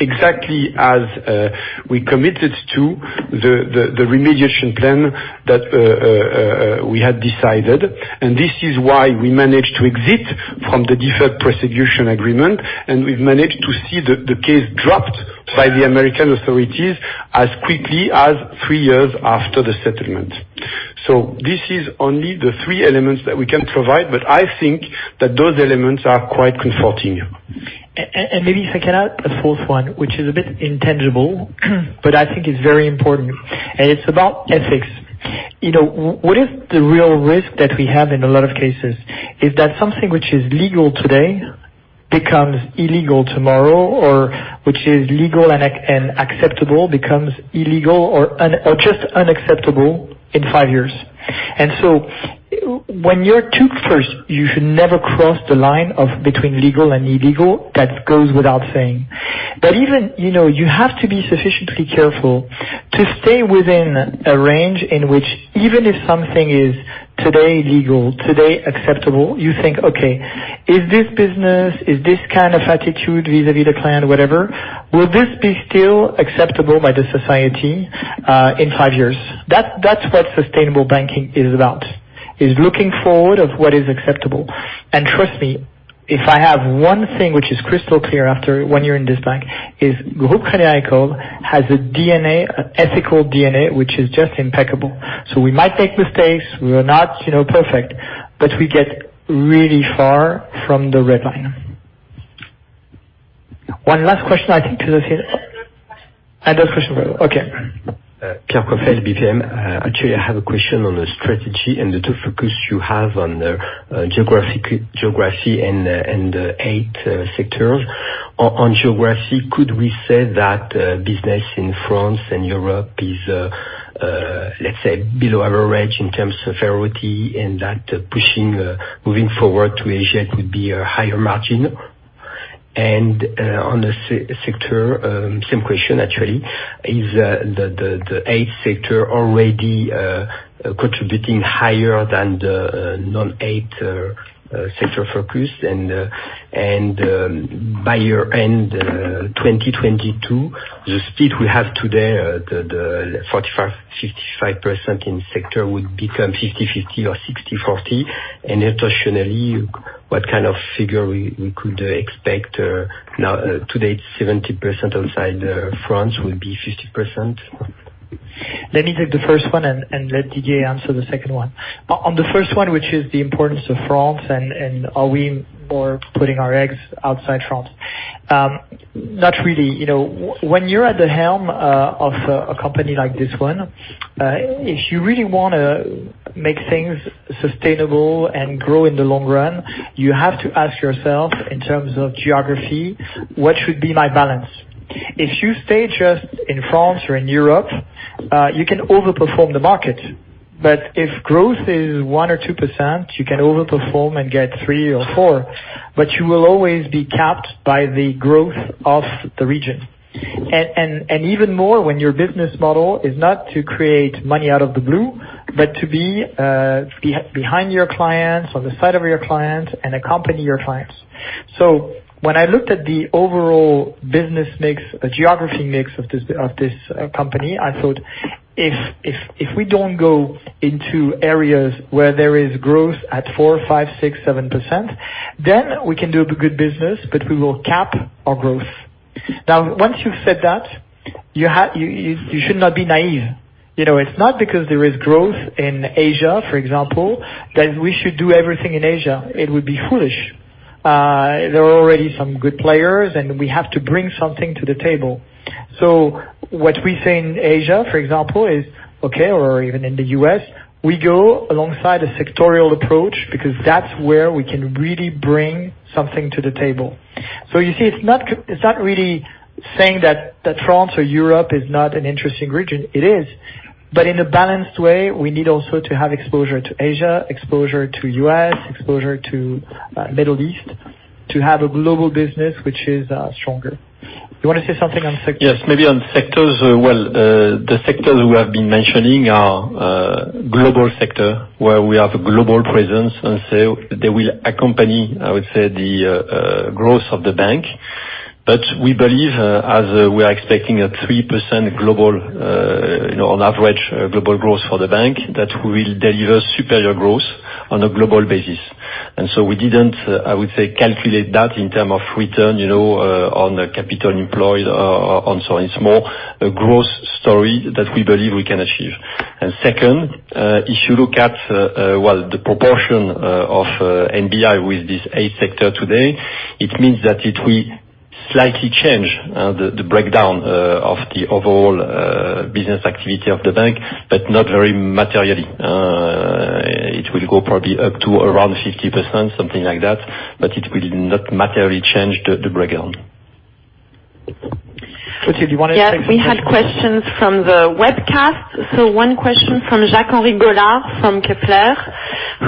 exactly as we committed to the remediation plan that we had decided. This is why we managed to exit from the deferred prosecution agreement, and we've managed to see the case dropped by the American authorities as quickly as three years after the settlement. This is only the three elements that we can provide, but I think that those elements are quite comforting. Maybe if I can add a fourth one, which is a bit intangible, but I think it's very important, and it's about ethics. What is the real risk that we have in a lot of cases? Is that something which is legal today becomes illegal tomorrow, or which is legal and acceptable becomes illegal or just unacceptable in five years. When you're to look first, you should never cross the line between legal and illegal. That goes without saying. Even, you have to be sufficiently careful to stay within a range in which even if something is today legal, today acceptable, you think, okay, is this business, is this kind of attitude vis-à-vis the client, whatever, will this be still acceptable by the society in five years? That's what sustainable banking is about, is looking forward of what is acceptable. Trust me, if I have one thing which is crystal clear when you're in this bank, is Groupe Crédit Agricole has ethical DNA, which is just impeccable. We might make mistakes. We're not perfect. We get really far from the red line. One last question I think, because I have a question. Okay. Pierre Chedeville, BPM. Actually, I have a question on the strategy and the 2 focus you have on the geography and 8 sectors. On geography, could we say that business in France and Europe is, let's say below average in terms of priority and that pushing, moving forward to Asia would be a higher margin? On the sector, same question actually. Is the 8 sector already contributing higher than the non-8 sector focus and by year end 2022, the speed we have today, the 45%, 55% in sector would become 50/50 or 60/40? Notionally, what kind of figure we could expect now today it's 70% outside France will be 50%? Let me take the first one and let Didier answer the second one. On the first one, which is the importance of France and are we more putting our eggs outside France? Not really. When you're at the helm of a company like this one, if you really want to make things sustainable and grow in the long run, you have to ask yourself in terms of geography, what should be my balance? If you stay just in France or in Europe, you can over-perform the market, but if growth is 1% or 2%, you can over-perform and get 3% or 4%, but you will always be capped by the growth of the region. Even more when your business model is not to create money out of the blue, but to be behind your clients, on the side of your clients, and accompany your clients. When I looked at the overall business mix, the geography mix of this company, I thought if we don't go into areas where there is growth at 4%, 5%, 6%, 7%, then we can do good business, but we will cap our growth. Once you've said that, you should not be naive. It's not because there is growth in Asia, for example, that we should do everything in Asia. It would be foolish. There are already some good players, and we have to bring something to the table. What we say in Asia, for example, is okay, or even in the U.S., we go alongside a sectorial approach because that's where we can really bring something to the table. You see, it's not really saying that France or Europe is not an interesting region. It is. In a balanced way, we need also to have exposure to Asia, exposure to U.S., exposure to Middle East to have a global business which is stronger. You want to say something on sectors? Yes. Maybe on sectors. Well, the sectors we have been mentioning are global sector, where we have a global presence, they will accompany, I would say, the growth of the bank. We believe, as we are expecting a 3% on average global growth for the bank, that we will deliver superior growth on a global basis. We didn't, I would say, calculate that in terms of return on capital employed and so on. It's more a growth story that we believe we can achieve. Second, if you look at the proportion of NBI with this eight sector today, it means that it will slightly change the breakdown of the overall business activity of the bank, not very materially. It will go probably up to around 50%, something like that, it will not materially change the breakdown. Mathilde, do you want to take the second one? Yes. We had questions from the webcast. One question from Jacques-Henri Gaulard from Kepler,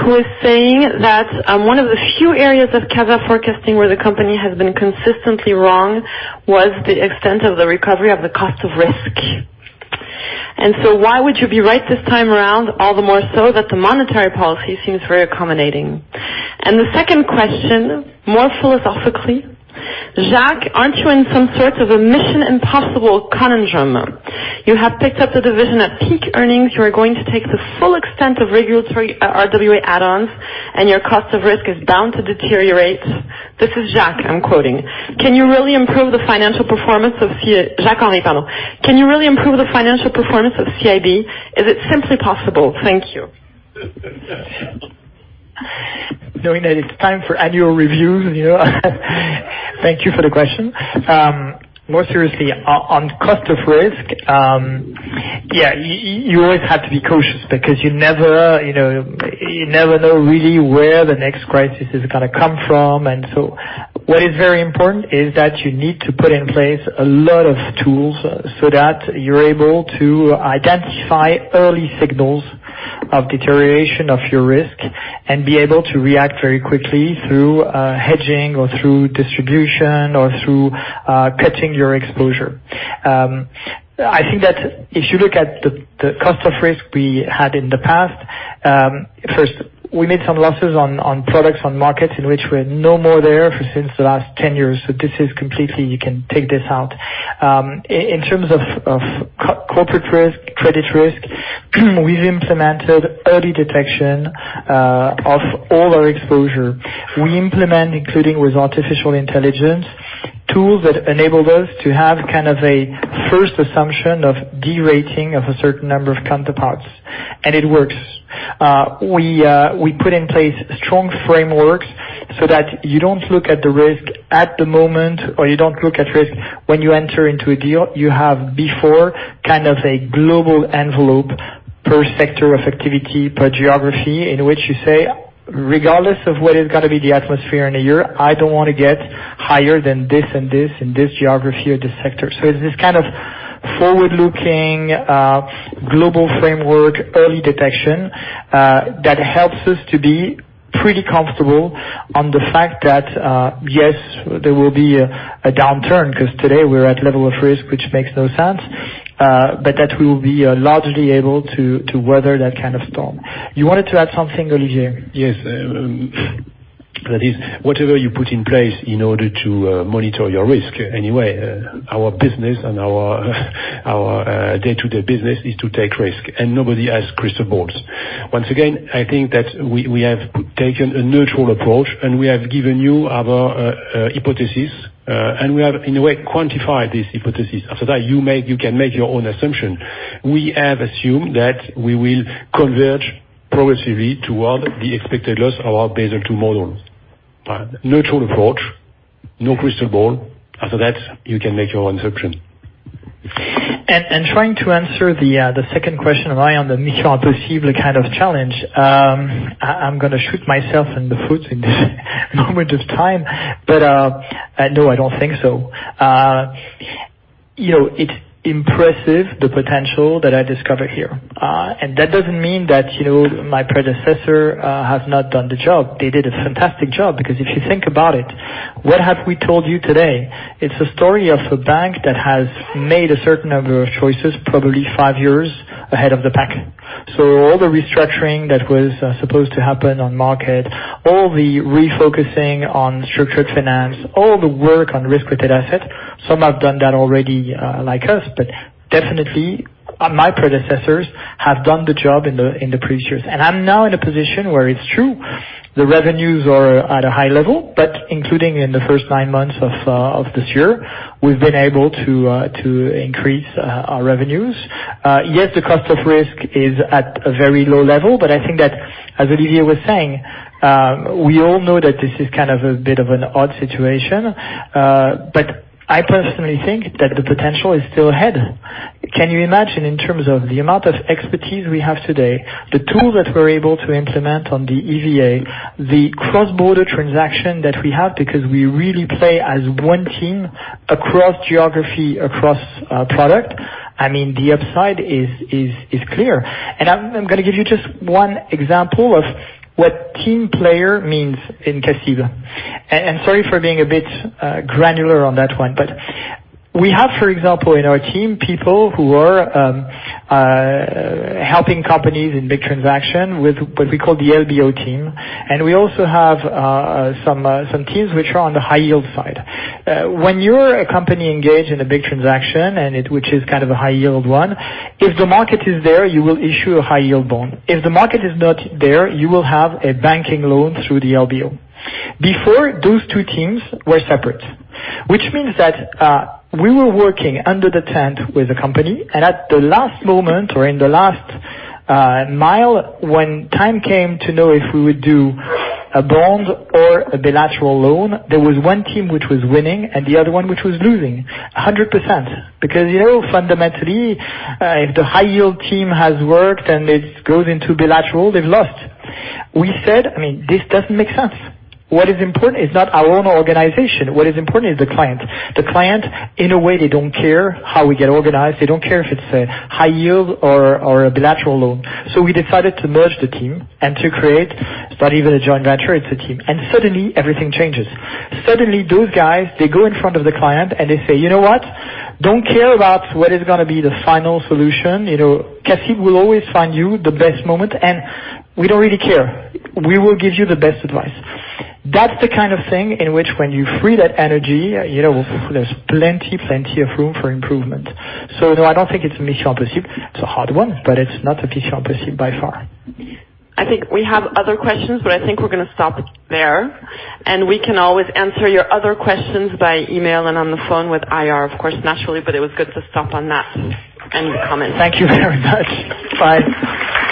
who is saying that one of the few areas of CASA forecasting where the company has been consistently wrong was the extent of the recovery of the cost of risk. Why would you be right this time around, all the more so that the monetary policy seems very accommodating? The second question, more philosophically, Jacques, aren't you in some sort of a mission impossible conundrum? You have picked up the division at peak earnings, you are going to take the full extent of regulatory RWA add-ons, and your cost of risk is bound to deteriorate. This is Jacques, I'm quoting. Can you really improve the financial performance of Jacques-Henri, pardon. Can you really improve the financial performance of CIB? Is it simply possible? Thank you. Knowing that it's time for annual reviews, thank you for the question. More seriously, on cost of risk, yeah, you always have to be cautious because you never know really where the next crisis is going to come from. What is very important is that you need to put in place a lot of tools so that you're able to identify early signals of deterioration of your risk and be able to react very quickly through hedging or through distribution or through cutting your exposure. I think that if you look at the cost of risk we had in the past, first, we made some losses on products, on markets in which we're no more there for since the last 10 years, so this is completely, you can take this out. In terms of corporate risk, credit risk, we've implemented early detection of all our exposure. We implement, including with artificial intelligence, tools that enable us to have kind of a first assumption of de-rating of a certain number of counterparts. It works. We put in place strong frameworks so that you don't look at the risk at the moment, or you don't look at risk when you enter into a deal. You have before, kind of a global envelope per sector of activity, per geography, in which you say, "Regardless of what is going to be the atmosphere in a year, I don't want to get higher than this and this in this geography or this sector." It's this kind of forward-looking, global framework, early detection, that helps us to be pretty comfortable on the fact that, yes, there will be a downturn, because today we're at level of risk, which makes no sense. That we will be largely able to weather that kind of storm. You wanted to add something, Olivier? Yes. That is, whatever you put in place in order to monitor your risk, anyway, our business and our day-to-day business is to take risk, and nobody has crystal balls. Once again, I think that we have taken a neutral approach, and we have given you our hypothesis, and we have, in a way, quantified this hypothesis, after that, you can make your own assumption. We have assumed that we will converge progressively toward the expected loss of our Basel II models. Neutral approach, no crystal ball. After that, you can make your own assumption. Trying to answer the second question of eye on the mission possible kind of challenge, I'm going to shoot myself in the foot in this moment of time, but no, I don't think so. It's impressive the potential that I discover here. That doesn't mean that my predecessor have not done the job. They did a fantastic job, because if you think about it, what have we told you today? It's a story of a bank that has made a certain number of choices, probably five years ahead of the pack. All the restructuring that was supposed to happen on market, all the refocusing on structured finance, all the work on risk-weighted asset, some have done that already, like us, but definitely, my predecessors have done the job in the previous years. I'm now in a position where it's true, the revenues are at a high level, but including in the first nine months of this year, we've been able to increase our revenues. Yes, the cost of risk is at a very low level, but I think that, as Olivier was saying, we all know that this is kind of a bit of an odd situation. I personally think that the potential is still ahead. Can you imagine in terms of the amount of expertise we have today, the tools that we're able to implement on the EVA, the cross-border transaction that we have because we really play as one team across geography, across product. I mean, the upside is clear. I'm going to give you just one example of what team player means in CACIB. Sorry for being a bit granular on that one. We have, for example, in our team, people who were helping companies in big transaction with what we call the LBO team, and we also have some teams which are on the high yield side. When you're a company engaged in a big transaction, and which is kind of a high yield one, if the market is there, you will issue a high yield bond. If the market is not there, you will have a banking loan through the LBO. Before, those two teams were separate. Which means that we were working under the tent with a company, and at the last moment or in the last mile, when time came to know if we would do a bond or a bilateral loan, there was one team which was winning and the other one which was losing 100%. Fundamentally, if the high yield team has worked and it goes into bilateral, they've lost. We said, "This doesn't make sense." What is important is not our own organization. What is important is the client. The client, in a way, they don't care how we get organized. They don't care if it's a high yield or a bilateral loan. We decided to merge the team and to create not even a joint venture, it's a team. Suddenly everything changes. Suddenly, those guys, they go in front of the client, and they say, "You know what? Don't care about what is going to be the final solution. CACIB will always find you the best moment, and we don't really care. We will give you the best advice." That's the kind of thing in which when you free that energy, there's plenty of room for improvement. No, I don't think it's a mission impossible. It's a hard one, but it's not a mission impossible by far. I think we have other questions, but I think we're going to stop there, and we can always answer your other questions by email and on the phone with IR, of course, naturally, but it was good to stop on that end comment. Thank you very much. Bye.